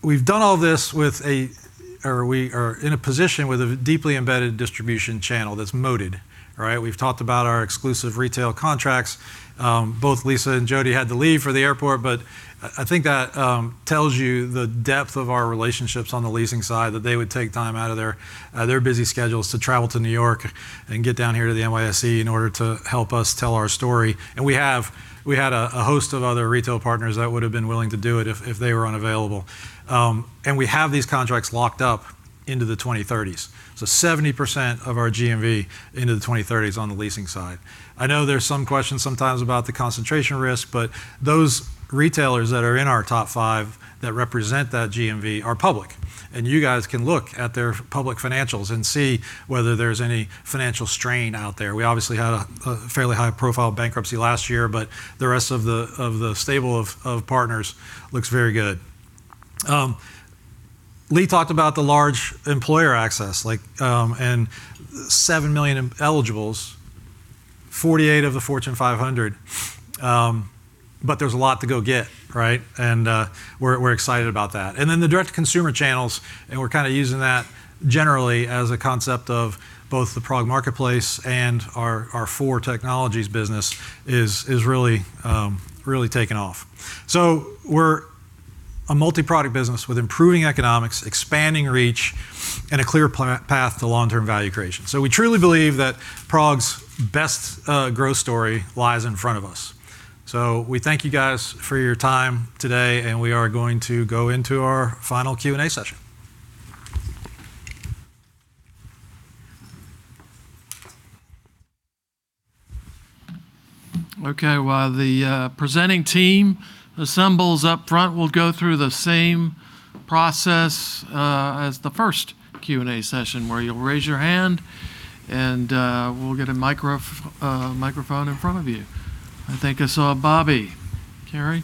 We've done all this with a, or we are in a position with a deeply embedded distribution channel that's moated, right? We've talked about our exclusive retail contracts. Both Lisa and Jody had to leave for the airport, but I think that tells you the depth of our relationships on the leasing side, that they would take time out of their busy schedules to travel to New York and get down here to the NYSE in order to help us tell our story. We had a host of other retail partners that would've been willing to do it if they were unavailable. We have these contracts locked up into the 2030s. 70% of our GMV into the 2030s on the leasing side. I know there's some questions sometimes about the concentration risk, but those retailers that are in our top five that represent that GMV are public, and you guys can look at their public financials and see whether there's any financial strain out there. We obviously had a fairly high-profile bankruptcy last year, but the rest of the stable of partners looks very good. Lee talked about the large employer access, like, and 7 million eligibles, 48 of the Fortune 500, but there's a lot to go get, right? We're excited about that. The direct-to-consumer channels, and we're kinda using that generally as a concept of both the Prog Marketplace and our Four Technologies business is really taking off. We're a multi-product business with improving economics, expanding reach, and a clear path to long-term value creation. We truly believe that PROG's best growth story lies in front of us. We thank you guys for your time today, and we are going to go into our final Q&A session. Okay. While the presenting team assembles up front, we'll go through the same process as the first Q&A session, where you'll raise your hand and we'll get a microphone in front of you. I think I saw Bobby. Carrie?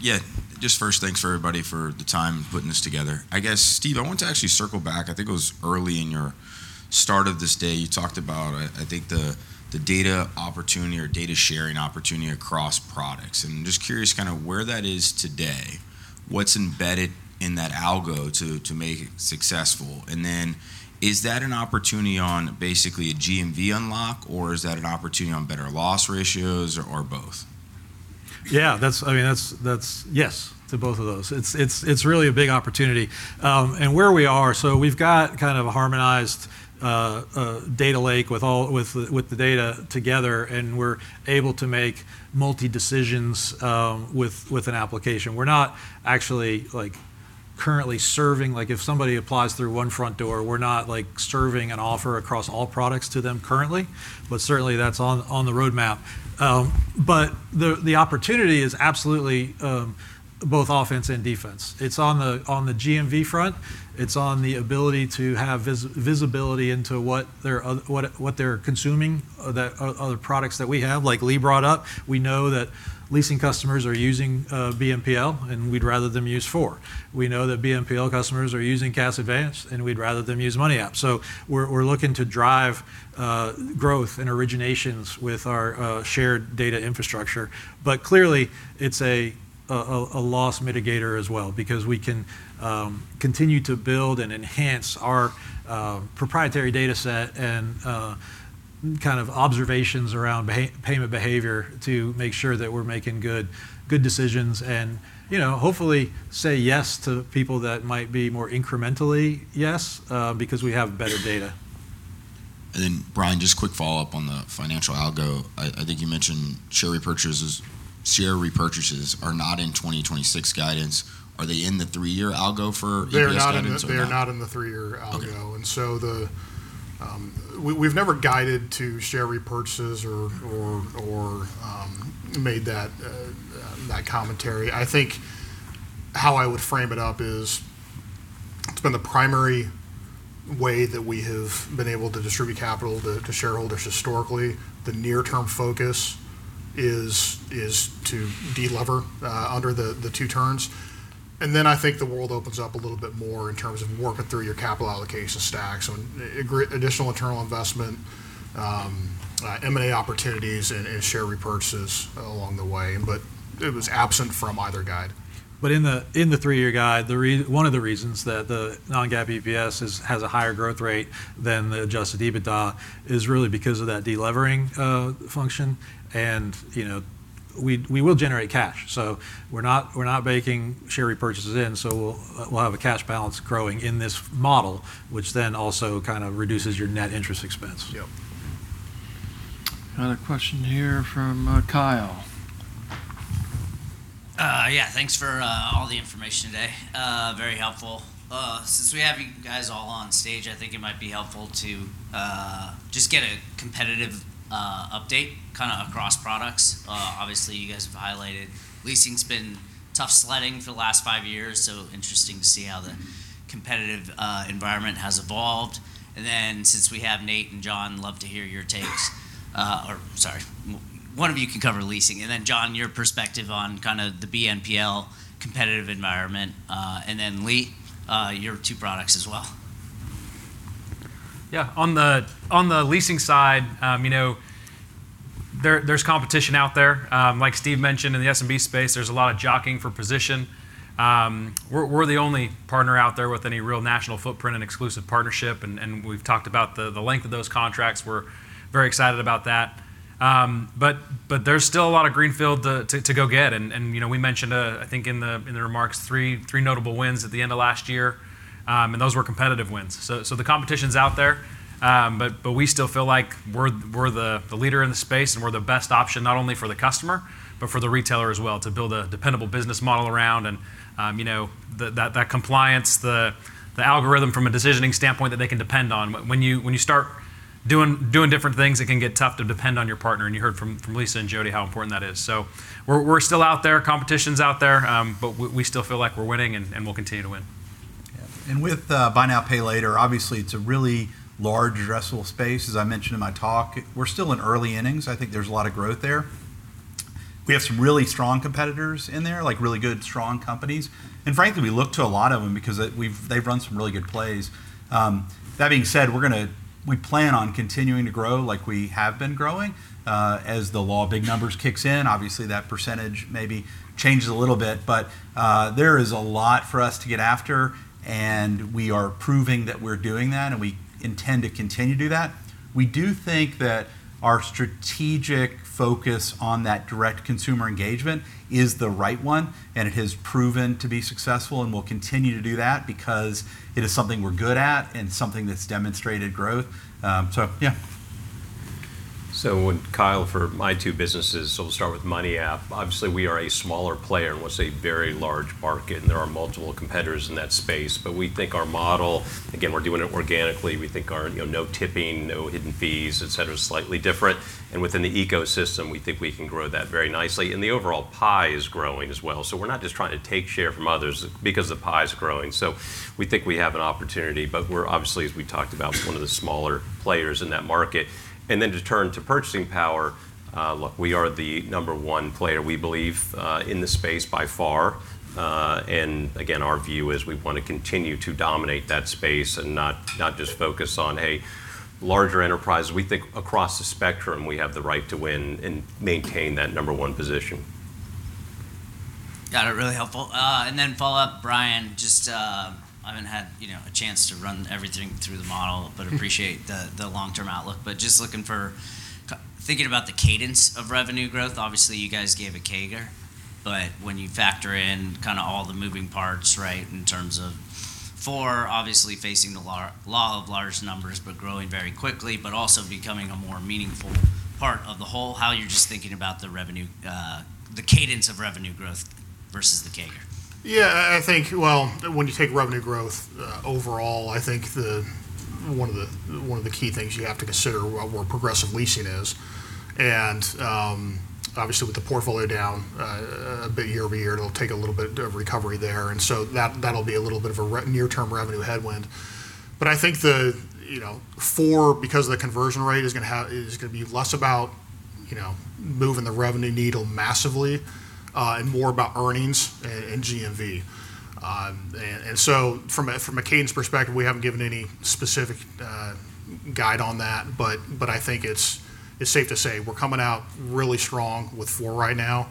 Yeah. Just first, thanks for everybody for the time in putting this together. I guess, Steve, I want to actually circle back. I think it was early in your start of this day, you talked about, I think the data opportunity or data-sharing opportunity across products. I'm just curious kinda where that is today, what's embedded in that algo to make it successful, and then is that an opportunity on basically a GMV unlock, or is that an opportunity on better loss ratios, or both? Yeah. That's, I mean, that's. Yes to both of those. It's really a big opportunity. Where we are, so we've got kind of a harmonized data lake with the data together, and we're able to make multi-decisions with an application. We're not actually, like, currently serving. Like, if somebody applies through one front door, we're not, like, serving an offer across all products to them currently, but certainly that's on the roadmap. The opportunity is absolutely both offense and defense. It's on the GMV front. It's on the ability to have visibility into what they're what they're consuming, that other products that we have. Like Lee brought up, we know that leasing customers are using BNPL, and we'd rather them use Four. We know that BNPL customers are using Cash Advance, and we'd rather them use MoneyApp. We're looking to drive growth and originations with our shared data infrastructure. Clearly it's a loss mitigator as well because we can continue to build and enhance our proprietary dataset and kind of observations around payment behavior to make sure that we're making good decisions and, you know, hopefully say yes to people that might be more incrementally yes because we have better data. Brian, just quick follow-up on the financial algo. I think you mentioned share repurchases. Share repurchases are not in 2026 guidance. Are they in the three-year algo for EPS guidance or not? They are not in the three-year algo. Okay. We've never guided to share repurchases or made that commentary. I think how I would frame it up is it's been the primary way that we have been able to distribute capital to shareholders historically. The near-term focus is to de-lever under the two turns. I think the world opens up a little bit more in terms of working through your capital allocation stacks. In additional internal investment, M&A opportunities and share repurchases along the way, but it was absent from either guide. In the three-year guide, one of the reasons that the non-GAAP EPS has a higher growth rate than the adjusted EBITDA is really because of that de-levering function. You know, we will generate cash. We're not baking share repurchases in, so we'll have a cash balance growing in this model, which then also kind of reduces your net interest expense. Yep. Another question here from Kyle. Yeah. Thanks for all the information today. Very helpful. Since we have you guys all on stage, I think it might be helpful to just get a competitive update kind of across products. Obviously you guys have highlighted leasing's been tough sledding for the last five years, so interesting to see how the competitive environment has evolved. Since we have Nate and John, love to hear your takes. Sorry, one of you can cover leasing, and then John, your perspective on kind of the BNPL competitive environment. Lee, your two products as well. Yeah. On the leasing side, you know, there's competition out there. Like Steve mentioned in the SMB space, there's a lot of jockeying for position. We're the only partner out there with any real national footprint and exclusive partnership, and we've talked about the length of those contracts. We're very excited about that. There's still a lot of greenfield to go get and, you know, we mentioned, I think in the remarks three notable wins at the end of last year. Those were competitive wins. The competition's out there, but we still feel like we're the leader in the space and we're the best option not only for the customer but for the retailer as well to build a dependable business model around and, you know, that compliance, the algorithm from a decisioning standpoint that they can depend on. When you start doing different things, it can get tough to depend on your partner, and you heard from Lisa and Jody how important that is. We're still out there. Competition's out there, but we still feel like we're winning and we'll continue to win. Yeah. With buy now, pay later, obviously it's a really large addressable space. As I mentioned in my talk, we're still in early innings. I think there's a lot of growth there. We have some really strong competitors in there, like really good, strong companies. And frankly, we look to a lot of them because they've run some really good plays. That being said, we plan on continuing to grow like we have been growing. As the law of large numbers kicks in, obviously that percentage maybe changes a little bit. But there is a lot for us to get after, and we are proving that we're doing that and we intend to continue to do that. We do think that our strategic focus on that direct consumer engagement is the right one, and it has proven to be successful and we'll continue to do that because it is something we're good at and something that's demonstrated growth. Yeah. Kyle, for my two businesses, we'll start with MoneyApp. Obviously we are a smaller player in what's a very large market, and there are multiple competitors in that space. We think our model, again, we're doing it organically, we think our, you know, no tipping, no hidden fees, et cetera, is slightly different. Within the ecosystem, we think we can grow that very nicely. The overall pie is growing as well. We're not just trying to take share from others because the pie is growing. We think we have an opportunity, but we're obviously, as we talked about, one of the smaller players in that market. Then to turn to Purchasing Power, look, we are the number one player, we believe, in the space by far. Again, our view is we want to continue to dominate that space and not just focus on, hey, larger enterprises. We think across the spectrum we have the right to win and maintain that number one position. Got it. Really helpful. Follow up, Brian, just, I haven't had, you know, a chance to run everything through the model, but appreciate the long-term outlook. Just looking for thinking about the cadence of revenue growth, obviously you guys gave a CAGR, but when you factor in kinda all the moving parts, right, in terms of Four obviously facing the law of large numbers, but growing very quickly, but also becoming a more meaningful part of the whole, how you're just thinking about the revenue, the cadence of revenue growth versus the CAGR. Yeah. I think, well, when you take revenue growth overall, I think one of the key things you have to consider Progressive Leasing is. Obviously with the portfolio down a bit year-over-year, it'll take a little bit of recovery there. That'll be a little bit of a near-term revenue headwind. But I think the, you know, Four because the conversion rate is gonna be less about You know, moving the revenue needle massively, and more about earnings and GMV. From a cadence perspective, we haven't given any specific guide on that, but I think it's safe to say we're coming out really strong with Four right now.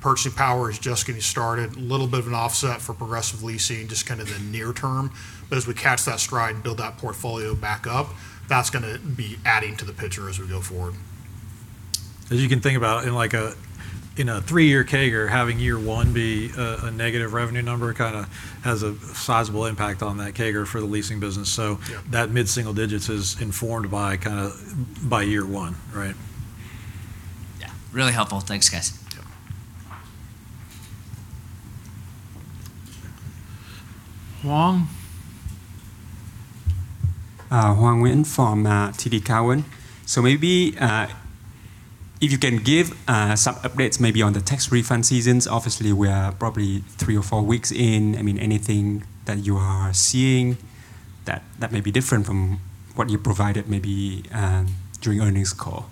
Purchasing Power is just getting started. A little bit of an offset for Progressive Leasing, just kind of the near term. As we catch that stride and build that portfolio back up, that's gonna be adding to the picture as we go forward. As you can think about in a three-year CAGR, having year one be a negative revenue number kinda has a sizable impact on that CAGR for the leasing business. Yeah. That mid-single digits is informed by kinda by year one, right? Yeah. Really helpful. Thanks, guys. Yep. Huang. Hoang Nguyen from TD Cowen. Maybe if you can give some updates maybe on the tax refund seasons. Obviously, we are probably three or four weeks in. I mean, anything that you are seeing that may be different from what you provided maybe during earnings call.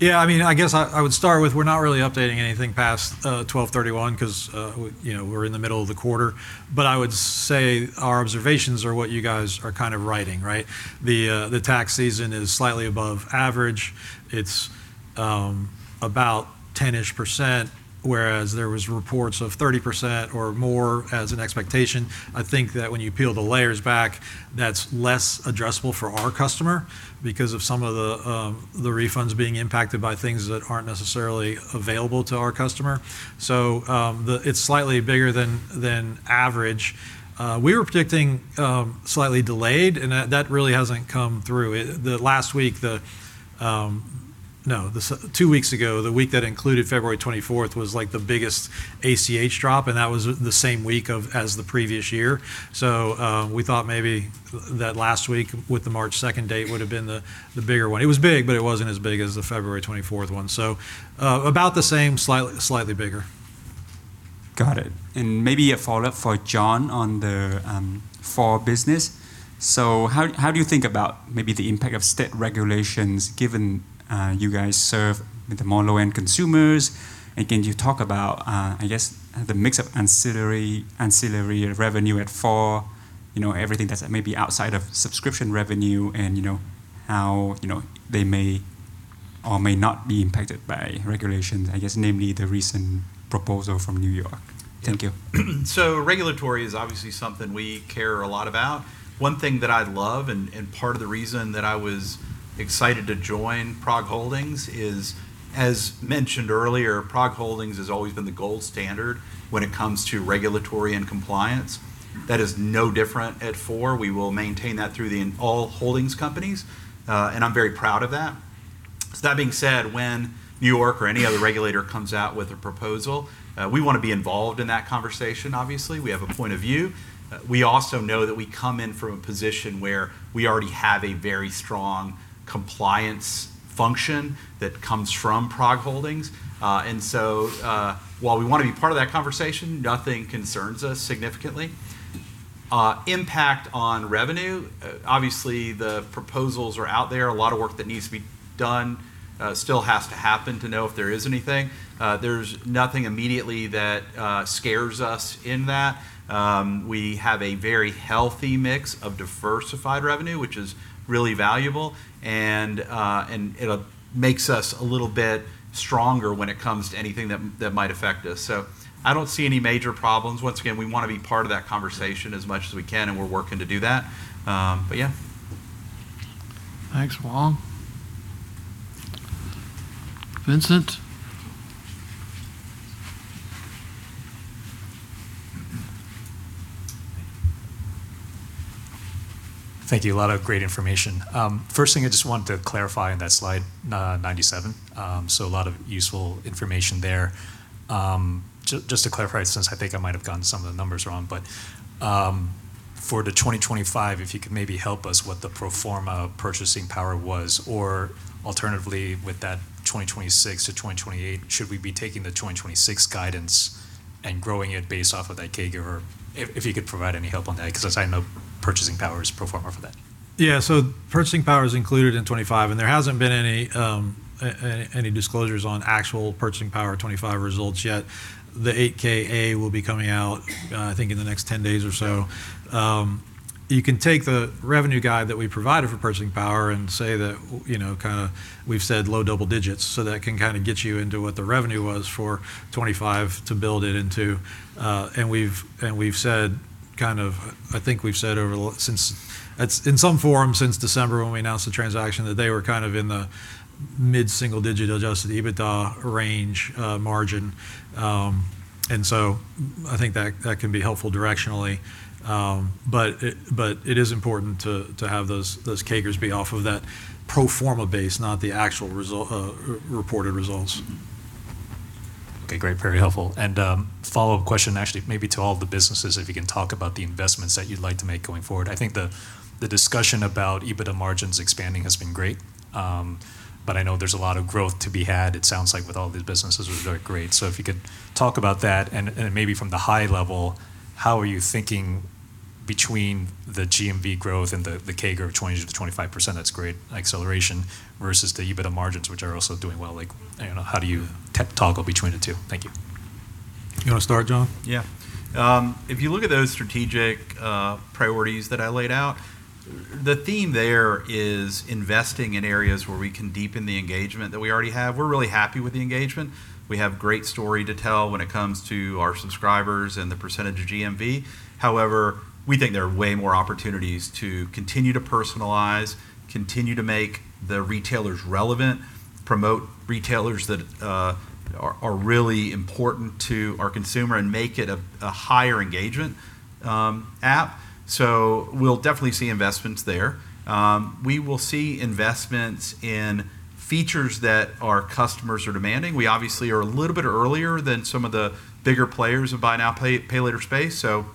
Yeah. I mean, I guess I would start with we're not really updating anything past 12/31 'cause you know we're in the middle of the quarter. I would say our observations are what you guys are kind of writing, right? The tax season is slightly above average. It's about 10-ish percentage, whereas there were reports of 30% or more as an expectation. I think that when you peel the layers back, that's less addressable for our customer because of some of the refunds being impacted by things that aren't necessarily available to our customer. It's slightly bigger than average. We were predicting slightly delayed, and that really hasn't come through. Two weeks ago, the week that included February 24th was, like, the biggest ACH drop, and that was the same week as the previous year. We thought maybe that last week with the March 2nd date would've been the bigger one. It was big, but it wasn't as big as the February 24th one. About the same, slightly bigger. Got it. Maybe a follow-up for John on the Four business. How do you think about maybe the impact of state regulations given you guys serve the more low-end consumers? Can you talk about I guess the mix of ancillary revenue at Four, you know, everything that's maybe outside of subscription revenue and, you know, how they may or may not be impacted by regulations, I guess namely the recent proposal from New York. Thank you. Regulatory is obviously something we care a lot about. One thing that I love and part of the reason that I was excited to join PROG Holdings is, as mentioned earlier, PROG Holdings has always been the gold standard when it comes to regulatory and compliance. That is no different at Four. We will maintain that in all holdings companies, and I'm very proud of that. That being said, when New York or any other regulator comes out with a proposal, we wanna be involved in that conversation, obviously. We have a point of view. We also know that we come in from a position where we already have a very strong compliance function that comes from PROG Holdings. While we wanna be part of that conversation, nothing concerns us significantly. Impact on revenue, obviously the proposals are out there. A lot of work that needs to be done still has to happen to know if there is anything. There's nothing immediately that scares us in that. We have a very healthy mix of diversified revenue, which is really valuable, and makes us a little bit stronger when it comes to anything that might affect us. I don't see any major problems. Once again, we wanna be part of that conversation as much as we can, and we're working to do that. Yeah. Thanks, Hoang. Vincent. Thank you. A lot of great information. First thing I just wanted to clarify in that slide 97, so a lot of useful information there. Just to clarify, since I think I might have gotten some of the numbers wrong, but, for the 2025, if you could maybe help us what the pro forma Purchasing Power was, or alternatively, with that 2026-2028, should we be taking the 2026 guidance and growing it based off of that CAGR or if you could provide any help on that, 'cause I know Purchasing Power is pro forma for that. Yeah. Purchasing Power is included in 2025, and there hasn't been any disclosures on actual Purchasing Power 2025 results yet. The 8-K/A will be coming out, I think in the next 10 days or so. You can take the revenue guide that we provided for Purchasing Power and say that, you know, kinda we've said low double digits percentage, so that can kinda get you into what the revenue was for 2025 to build it into, and we've said, kind of, I think we've said in some form since December when we announced the transaction that they were kind of in the mid-single-digit% adjusted EBITDA margin. I think that can be helpful directionally. It is important to have those CAGRs be off of that pro forma base, not the actual result, reported results. Okay, great. Very helpful. Follow-up question actually maybe to all the businesses, if you can talk about the investments that you'd like to make going forward. I think the discussion about EBITDA margins expanding has been great, but I know there's a lot of growth to be had, it sounds like, with all these businesses, which is very great. If you could talk about that and maybe from the high level, how are you thinking between the GMV growth and the CAGR growth of 20%-25%, that's great acceleration, versus the EBITDA margins, which are also doing well. Like, you know, how do you toggle between the two? Thank you. You wanna start, John? Yeah. If you look at those strategic priorities that I laid out, the theme there is investing in areas where we can deepen the engagement that we already have. We're really happy with the engagement. We have great story to tell when it comes to our subscribers and the percentage of GMV. However, we think there are way more opportunities to continue to personalize, continue to make the retailers relevant, promote retailers that are really important to our consumer and make it a higher engagement app. So we'll definitely see investments there. We will see investments in features that our customers are demanding. We obviously are a little bit earlier than some of the bigger players in buy now, pay later space, so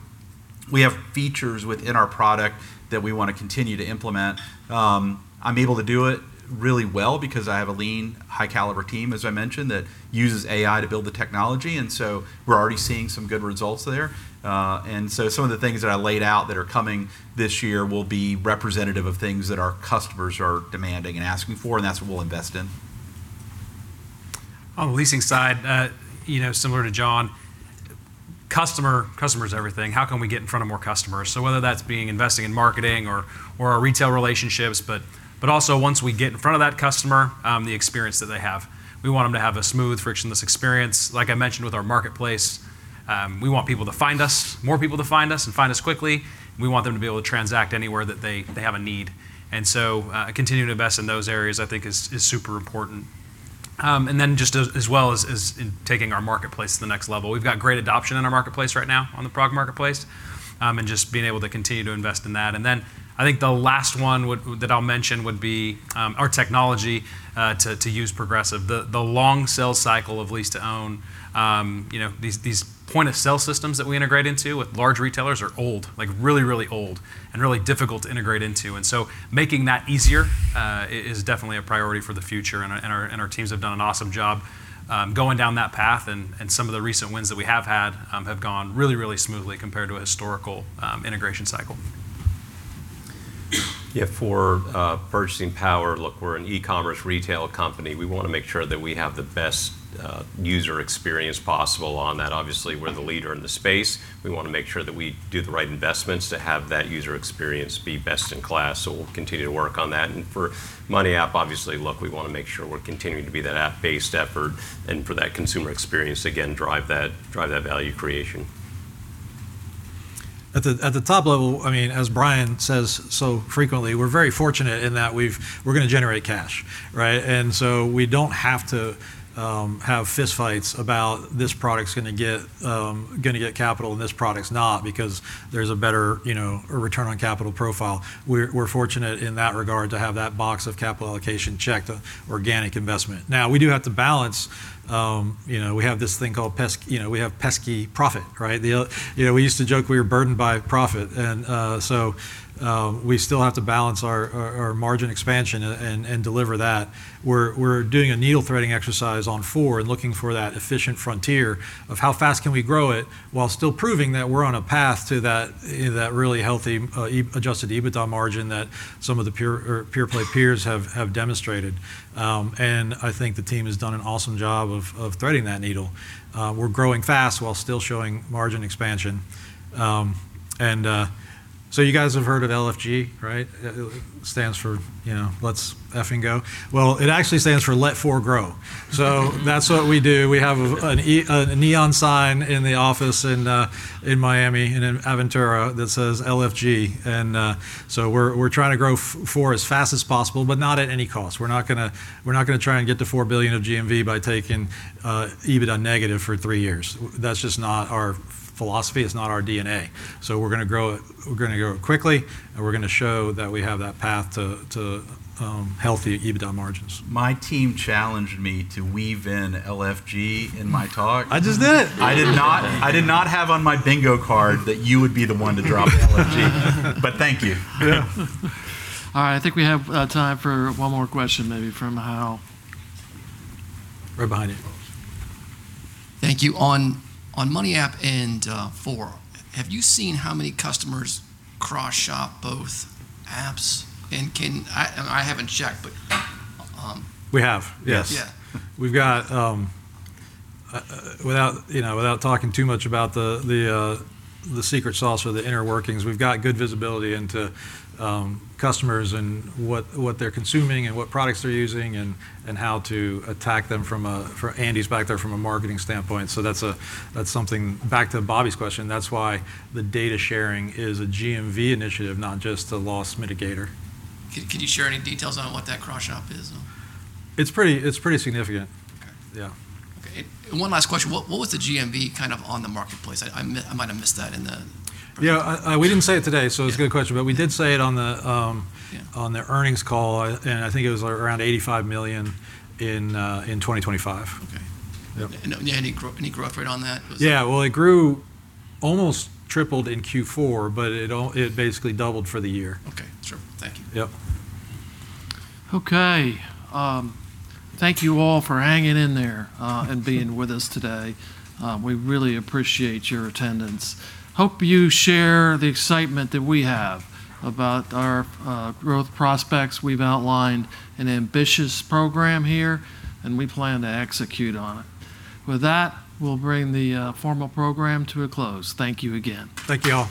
we have features within our product that we wanna continue to implement. I'm able to do it really well because I have a lean, high caliber team, as I mentioned, that uses AI to build the technology and so we're already seeing some good results there. Some of the things that I laid out that are coming this year will be representative of things that our customers are demanding and asking for, and that's what we'll invest in. On the leasing side, similar to John, customer's everything. How can we get in front of more customers? Whether that's investing in marketing or our retail relationships, but also once we get in front of that customer, the experience that they have. We want them to have a smooth, frictionless experience. Like I mentioned with our marketplace, we want people to find us, more people to find us, and find us quickly. We want them to be able to transact anywhere that they have a need. Continuing to invest in those areas I think is super important. And then just as well as in taking our marketplace to the next level. We've got great adoption in our marketplace right now, on the Prog Marketplace, and just being able to continue to invest in that. Then I think the last one that I'll mention would be our technology to use Progressive. The long sales cycle of lease-to-own, you know, these point of sale systems that we integrate into with large retailers are old. Like, really old and really difficult to integrate into. Making that easier is definitely a priority for the future, and our teams have done an awesome job going down that path. Some of the recent wins that we have had have gone really smoothly compared to a historical integration cycle. Yeah, for Purchasing Power, look, we're an e-commerce retail company. We wanna make sure that we have the best user experience possible on that. Obviously, we're the leader in the space. We wanna make sure that we do the right investments to have that user experience be best in class, so we'll continue to work on that. For MoneyApp, obviously, look, we wanna make sure we're continuing to be that app-based effort, and for that consumer experience, again, drive that value creation. At the top level, I mean, as Brian says so frequently, we're very fortunate in that we're gonna generate cash, right? We don't have to have fist fights about this product's gonna get capital and this product's not, because there's a better, you know, a return on capital profile. We're fortunate in that regard to have that box of capital allocation checked, organic investment. Now, we do have to balance, you know, we have this thing called pesky profit, right? You know, we used to joke we were burdened by profit and so we still have to balance our margin expansion and deliver that. We're doing a needle threading exercise on Four and looking for that efficient frontier of how fast can we grow it while still proving that we're on a path to that really healthy adjusted EBITDA margin that some of the peer BNPL peers have demonstrated. I think the team has done an awesome job of threading that needle. We're growing fast while still showing margin expansion. You guys have heard of LFG, right? It stands for, you know, let's effing go. Well, it actually stands for let Four grow. That's what we do. We have a neon sign in the office in Miami, in Aventura, that says LFG. We're trying to grow Four as fast as possible, but not at any cost. We're not gonna try and get to 4 billion of GMV by taking EBITDA negative for three years. That's just not our philosophy. It's not our DNA. We're gonna grow quickly, and we're gonna show that we have that path to healthy EBITDA margins. My team challenged me to weave in LFG in my talk. I just did it. I did not have on my bingo card that you would be the one to drop LFG. Thank you. Yeah. All right. I think we have time for one more question maybe from Hal. Right behind you. Thank you. On MoneyApp and Four, have you seen how many customers cross-shop both apps? I haven't checked, but We have. Yes. Yeah. We've got, without you know, without talking too much about the secret sauce or the inner workings, we've got good visibility into customers and what they're consuming and what products they're using and how to attack them for Andy back there from a marketing standpoint. That's something, back to Bobby's question, that's why the data sharing is a GMV initiative, not just a loss mitigator. Could you share any details on what that cross shop is? It's pretty significant. Okay. Yeah. Okay. One last question. What was the GMV kind of on the marketplace? I might have missed that in the presentation. Yeah. We didn't say it today, so it's a good question. We did say it on the Yeah On the Earnings Call. I think it was around $85 million in 2025. Okay. Yep. Any growth rate on that? Was it- Yeah. Well, it grew, almost tripled in Q4, but it basically doubled for the year. Okay. Sure. Thank you. Yep. Okay. Thank you all for hanging in there and being with us today. We really appreciate your attendance. Hope you share the excitement that we have about our growth prospects. We've outlined an ambitious program here, and we plan to execute on it. With that, we'll bring the formal program to a close. Thank you again. Thank you all.